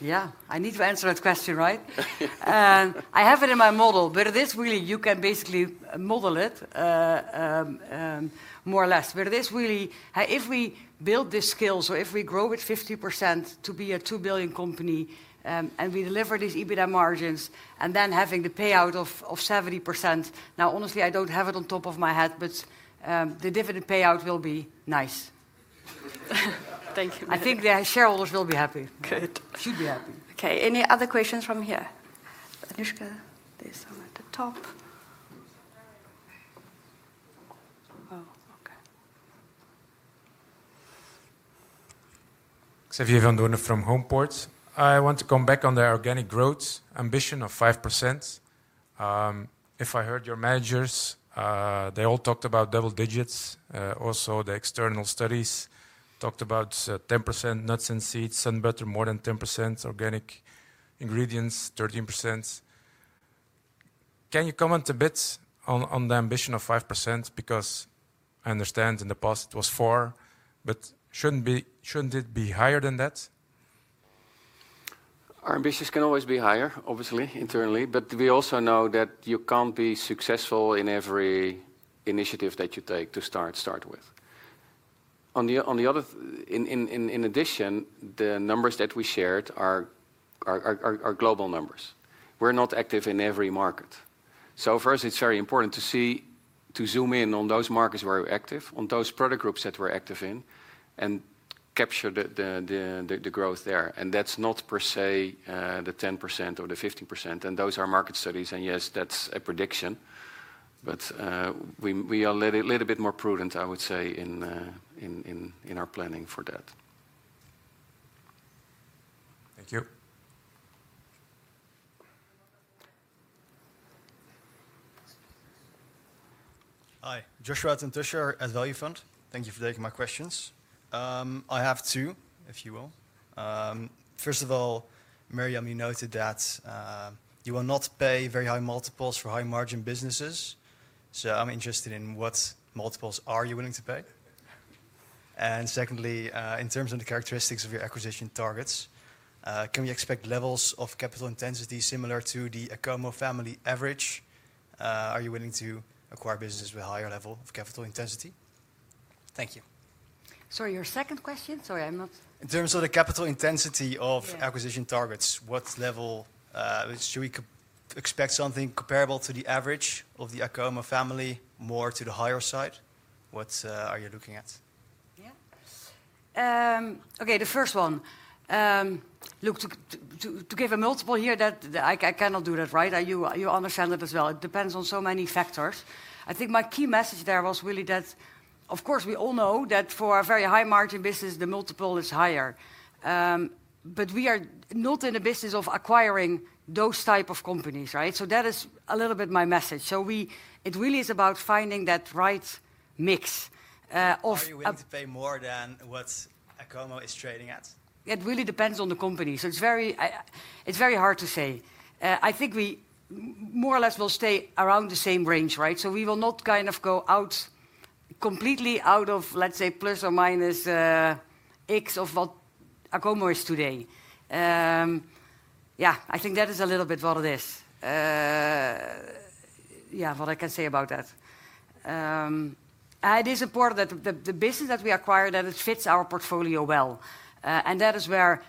Yeah, I need to answer that question, right? I have it in my model, but this really, you can basically model it more or less. This really, if we build this skill or if we grow it 50% to be a $2 billion company and we deliver these EBITDA margins and then having the payout of 70%, now, honestly, I do not have it on top of my head, but the dividend payout will be nice. Thank you. I think the shareholders will be happy. Good. Should be happy. Okay, any other questions from here? Anushka, there's some at the top. Oh, okay. Xavier van Doornen from HomePorts. I want to come back on the organic growth ambition of 5%. If I heard your managers, they all talked about double digits. Also, the external studies talked about 10% nuts and seeds, SunButter more than 10%, organic ingredients 13%. Can you comment a bit on the ambition of 5%? Because I understand in the past it was 4%, but shouldn't it be higher than that? Our ambitions can always be higher, obviously, internally, but we also know that you can't be successful in every initiative that you take to start with. In addition, the numbers that we shared are global numbers. We're not active in every market. For us, it's very important to zoom in on those markets where we're active, on those product groups that we're active in, and capture the growth there. That's not per se the 10% or the 15%. Those are market studies, and yes, that's a prediction. We are a little bit more prudent, I would say, in our planning for that. Thank you. Hi, Joshua ten Tusscher at Value Fund. Thank you for taking my questions. I have two, if you will. First of all, Mirjam, you noted that you will not pay very high multiples for high-margin businesses. I'm interested in what multiples are you willing to pay? Secondly, in terms of the characteristics of your acquisition targets, can we expect levels of capital intensity similar to the Acomo family average? Are you willing to acquire businesses with a higher level of capital intensity? Thank you. Sorry, your second question, sorry, I'm not. In terms of the capital intensity of acquisition targets, what level should we expect? Something comparable to the average of the Acomo family, more to the higher side? What are you looking at? Yeah. Okay, the first one. Look, to give a multiple here, I cannot do that, right? You understand that as well. It depends on so many factors. I think my key message there was really that, of course, we all know that for a very high-margin business, the multiple is higher. We are not in a business of acquiring those types of companies, right? That is a little bit my message. It really is about finding that right mix of, are you willing to pay more than what Acomo is trading at? It really depends on the company. It is very hard to say. I think we more or less will stay around the same range, right? We will not kind of go out completely out of, let's say, plus or minus X of what Acomo is today. I think that is a little bit what it is. What I can say about that, it is important that the business that we acquire, that it fits our portfolio well. That is where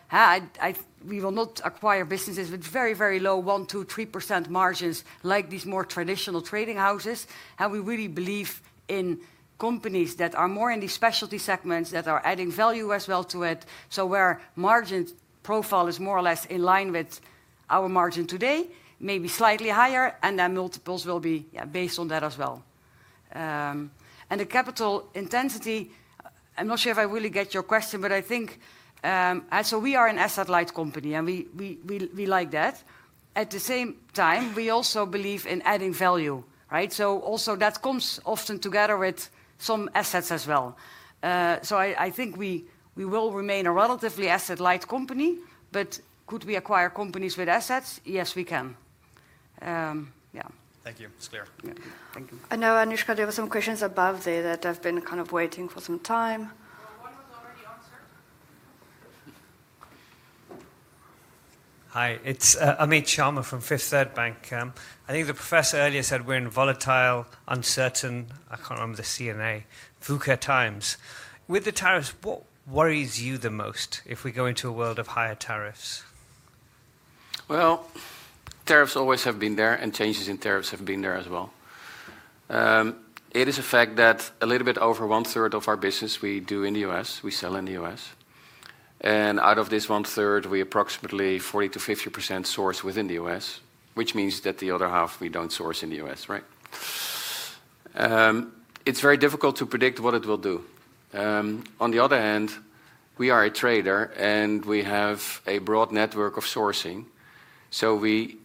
we will not acquire businesses with very, very low 1%, 2%, 3% margins like these more traditional trading houses. We really believe in companies that are more in these specialty segments that are adding value as well to it. Where margin profile is more or less in line with our margin today, maybe slightly higher, and then multiples will be based on that as well. The capital intensity, I'm not sure if I really get your question, but I think we are an asset-light company and we like that. At the same time, we also believe in adding value, right? That comes often together with some assets as well. I think we will remain a relatively asset-light company, but could we acquire companies with assets? Yes, we can. Thank you. It's clear. Thank you. I know, Anushka, there were some questions above there that have been kind of waiting for some time. One was already answered. Hi, it's Amit Sharma from Fifth Third Bank. I think the professor earlier said we're in volatile, uncertain, I can't remember the [C&A], VUCA times. With the tariffs, what worries you the most if we go into a world of higher tariffs? Tariffs always have been there and changes in tariffs have been there as well. It is a fact that a little bit over one-third of our business we do in the U.S., we sell in the U.S.. Out of this one-third, we approximately 40%-50% source within the U.S., which means that the other half we do not source in the U.S., right? It is very difficult to predict what it will do. On the other hand, we are a trader and we have a broad network of sourcing. We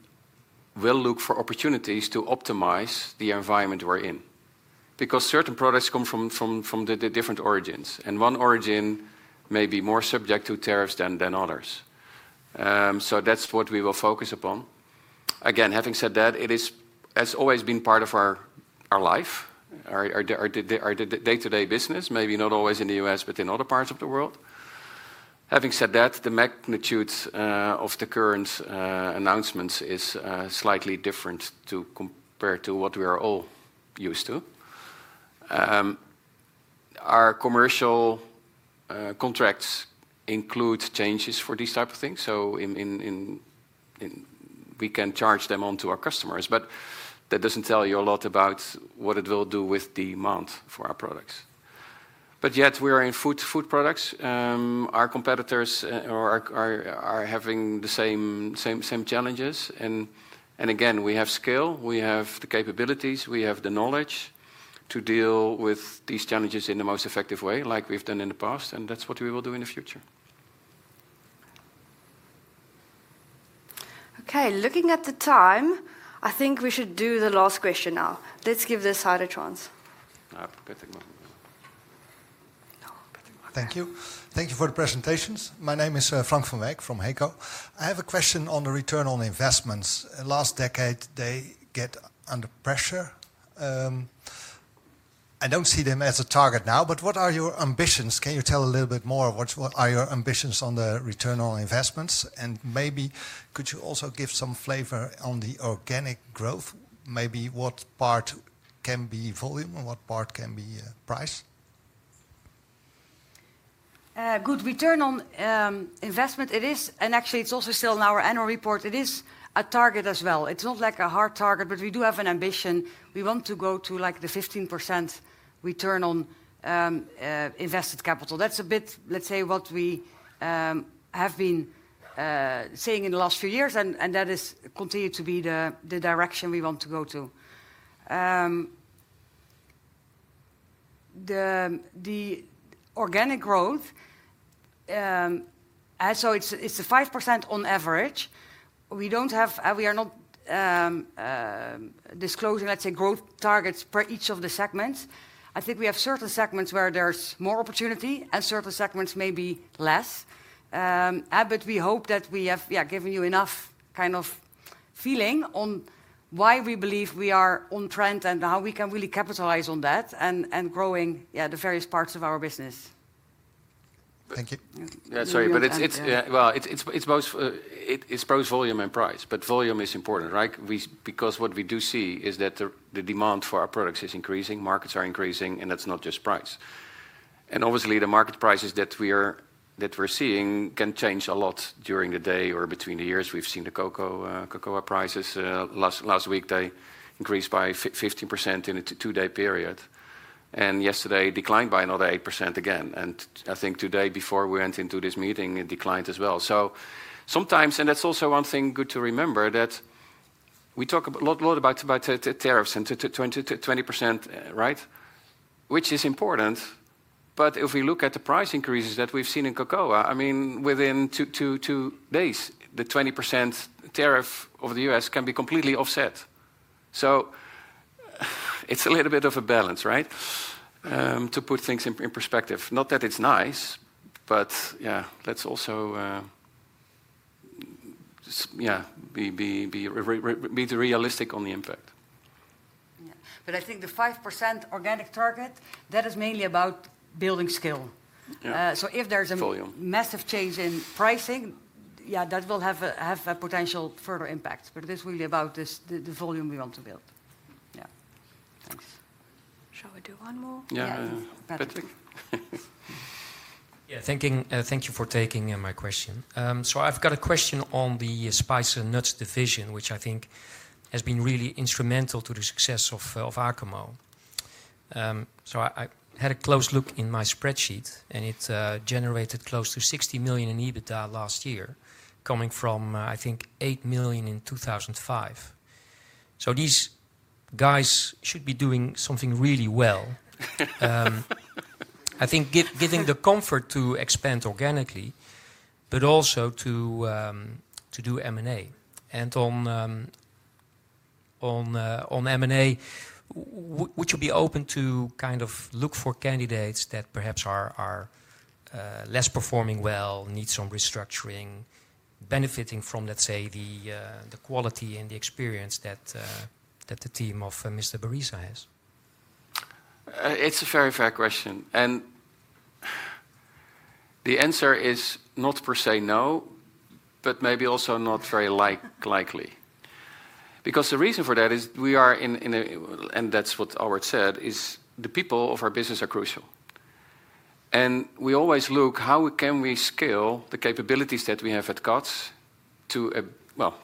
will look for opportunities to optimize the environment we are in, because certain products come from different origins. One origin may be more subject to tariffs than others. That is what we will focus upon. Again, having said that, it has always been part of our life, our day-to-day business, maybe not always in the U.S., but in other parts of the world. Having said that, the magnitude of the current announcements is slightly different compared to what we are all used to. Our commercial contracts include changes for these types of things. So we can charge them onto our customers, but that does not tell you a lot about what it will do with demand for our products. Yet, we are in food products. Our competitors are having the same challenges. Again, we have scale, we have the capabilities, we have the knowledge to deal with these challenges in the most effective way, like we have done in the past. That is what we will do in the future. Okay, looking at the time, I think we should do the last question now. Let's give this higher a chance. Thank you. Thank you for the presentations. My name is Frank van Wijk from HECO. I have a question on the return on investments. Last decade, they get under pressure. I don't see them as a target now, but what are your ambitions? Can you tell a little bit more? What are your ambitions on the return on investments? Maybe could you also give some flavor on the organic growth? Maybe what part can be volume and what part can be price? Good return on investment. Actually, it's also still in our annual report. It is a target as well. It's not like a hard target, but we do have an ambition. We want to go to like the 15% return on invested capital. That's a bit, let's say, what we have been saying in the last few years, and that has continued to be the direction we want to go to. The organic growth, so it's the 5% on average. We are not disclosing, let's say, growth targets per each of the segments. I think we have certain segments where there's more opportunity and certain segments maybe less. We hope that we have given you enough kind of feeling on why we believe we are on trend and how we can really capitalize on that and growing the various parts of our business. Thank you. Yeah, sorry, but it's both volume and price, but volume is important, right? Because what we do see is that the demand for our products is increasing, markets are increasing, and that's not just price. Obviously, the market prices that we're seeing can change a lot during the day or between the years. We've seen the cocoa prices last week. They increased by 15% in a two-day period. Yesterday, it declined by another 8% again. I think today, before we went into this meeting, it declined as well. Sometimes, and that's also one thing good to remember, we talk a lot about tariffs and 20%, right? Which is important. If we look at the price increases that we've seen in cocoa, within two days, the 20% tariff over the U.S. can be completely offset. It's a little bit of a balance, right? To put things in perspective. Not that it's nice, but yeah, let's also be realistic on the impact. I think the 5% organic target, that is mainly about building skill. If there's a massive change in pricing, yeah, that will have a potential further impact. It is really about the volume we want to build. Yeah, thanks. Shall we do one more? Yeah, Patrick. Yeah, thank you for taking my question. I've got a question on the spice and nuts division, which I think has been really instrumental to the success of Acomo. I had a close look in my spreadsheet, and it generated close to $60 million in EBITDA last year, coming from, I think, $8 million in 2005. These guys should be doing something really well. I think giving the comfort to expand organically, but also to do M&A. On M&A, would you be open to kind of look for candidates that perhaps are less performing well, need some restructuring, benefiting from, let's say, the quality and the experience that the team of Mr. Berisa has? It's a very fair question. The answer is not per se no, but maybe also not very likely. The reason for that is we are in a, and that's what Albert said, the people of our business are crucial. We always look at how can we scale the capabilities that we have at Catz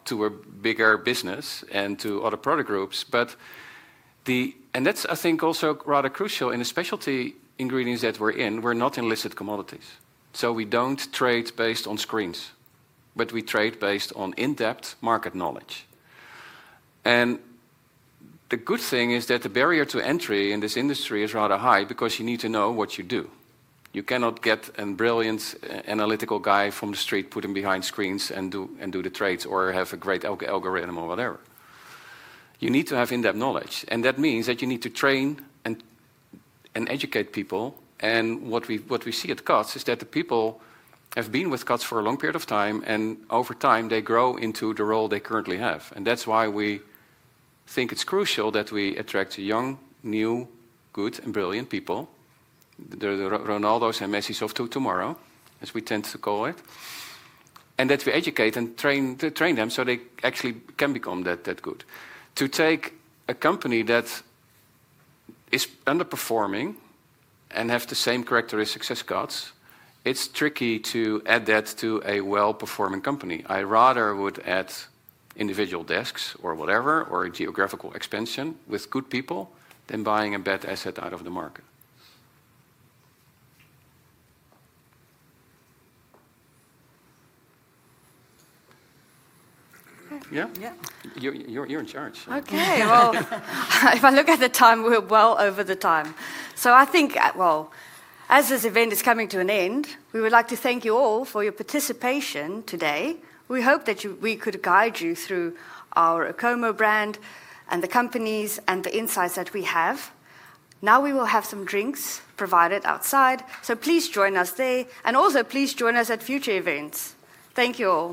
to a bigger business and to other product groups. That's, I think, also rather crucial in the specialty ingredients that we're in. We're not in listed commodities. We don't trade based on screens, but we trade based on in-depth market knowledge. The good thing is that the barrier to entry in this industry is rather high because you need to know what you do. You cannot get a brilliant analytical guy from the street, put him behind screens and do the trades or have a great algorithm or whatever. You need to have in-depth knowledge. That means that you need to train and educate people. What we see at Catz is that the people have been with Catz for a long period of time, and over time, they grow into the role they currently have. That is why we think it is crucial that we attract young, new, good, and brilliant people. The Ronaldos and Messis of tomorrow, as we tend to call it. We educate and train them so they actually can become that good. To take a company that is underperforming and has the same characteristics as Catz, it's tricky to add that to a well-performing company. I rather would add individual desks or whatever, or geographical expansion with good people than buying a bad asset out of the market. Yeah? You're in charge. Okay. If I look at the time, we're well over the time. I think, as this event is coming to an end, we would like to thank you all for your participation today. We hope that we could guide you through our Acomo brand and the companies and the insights that we have. Now we will have some drinks provided outside. Please join us there. Also, please join us at future events. Thank you all.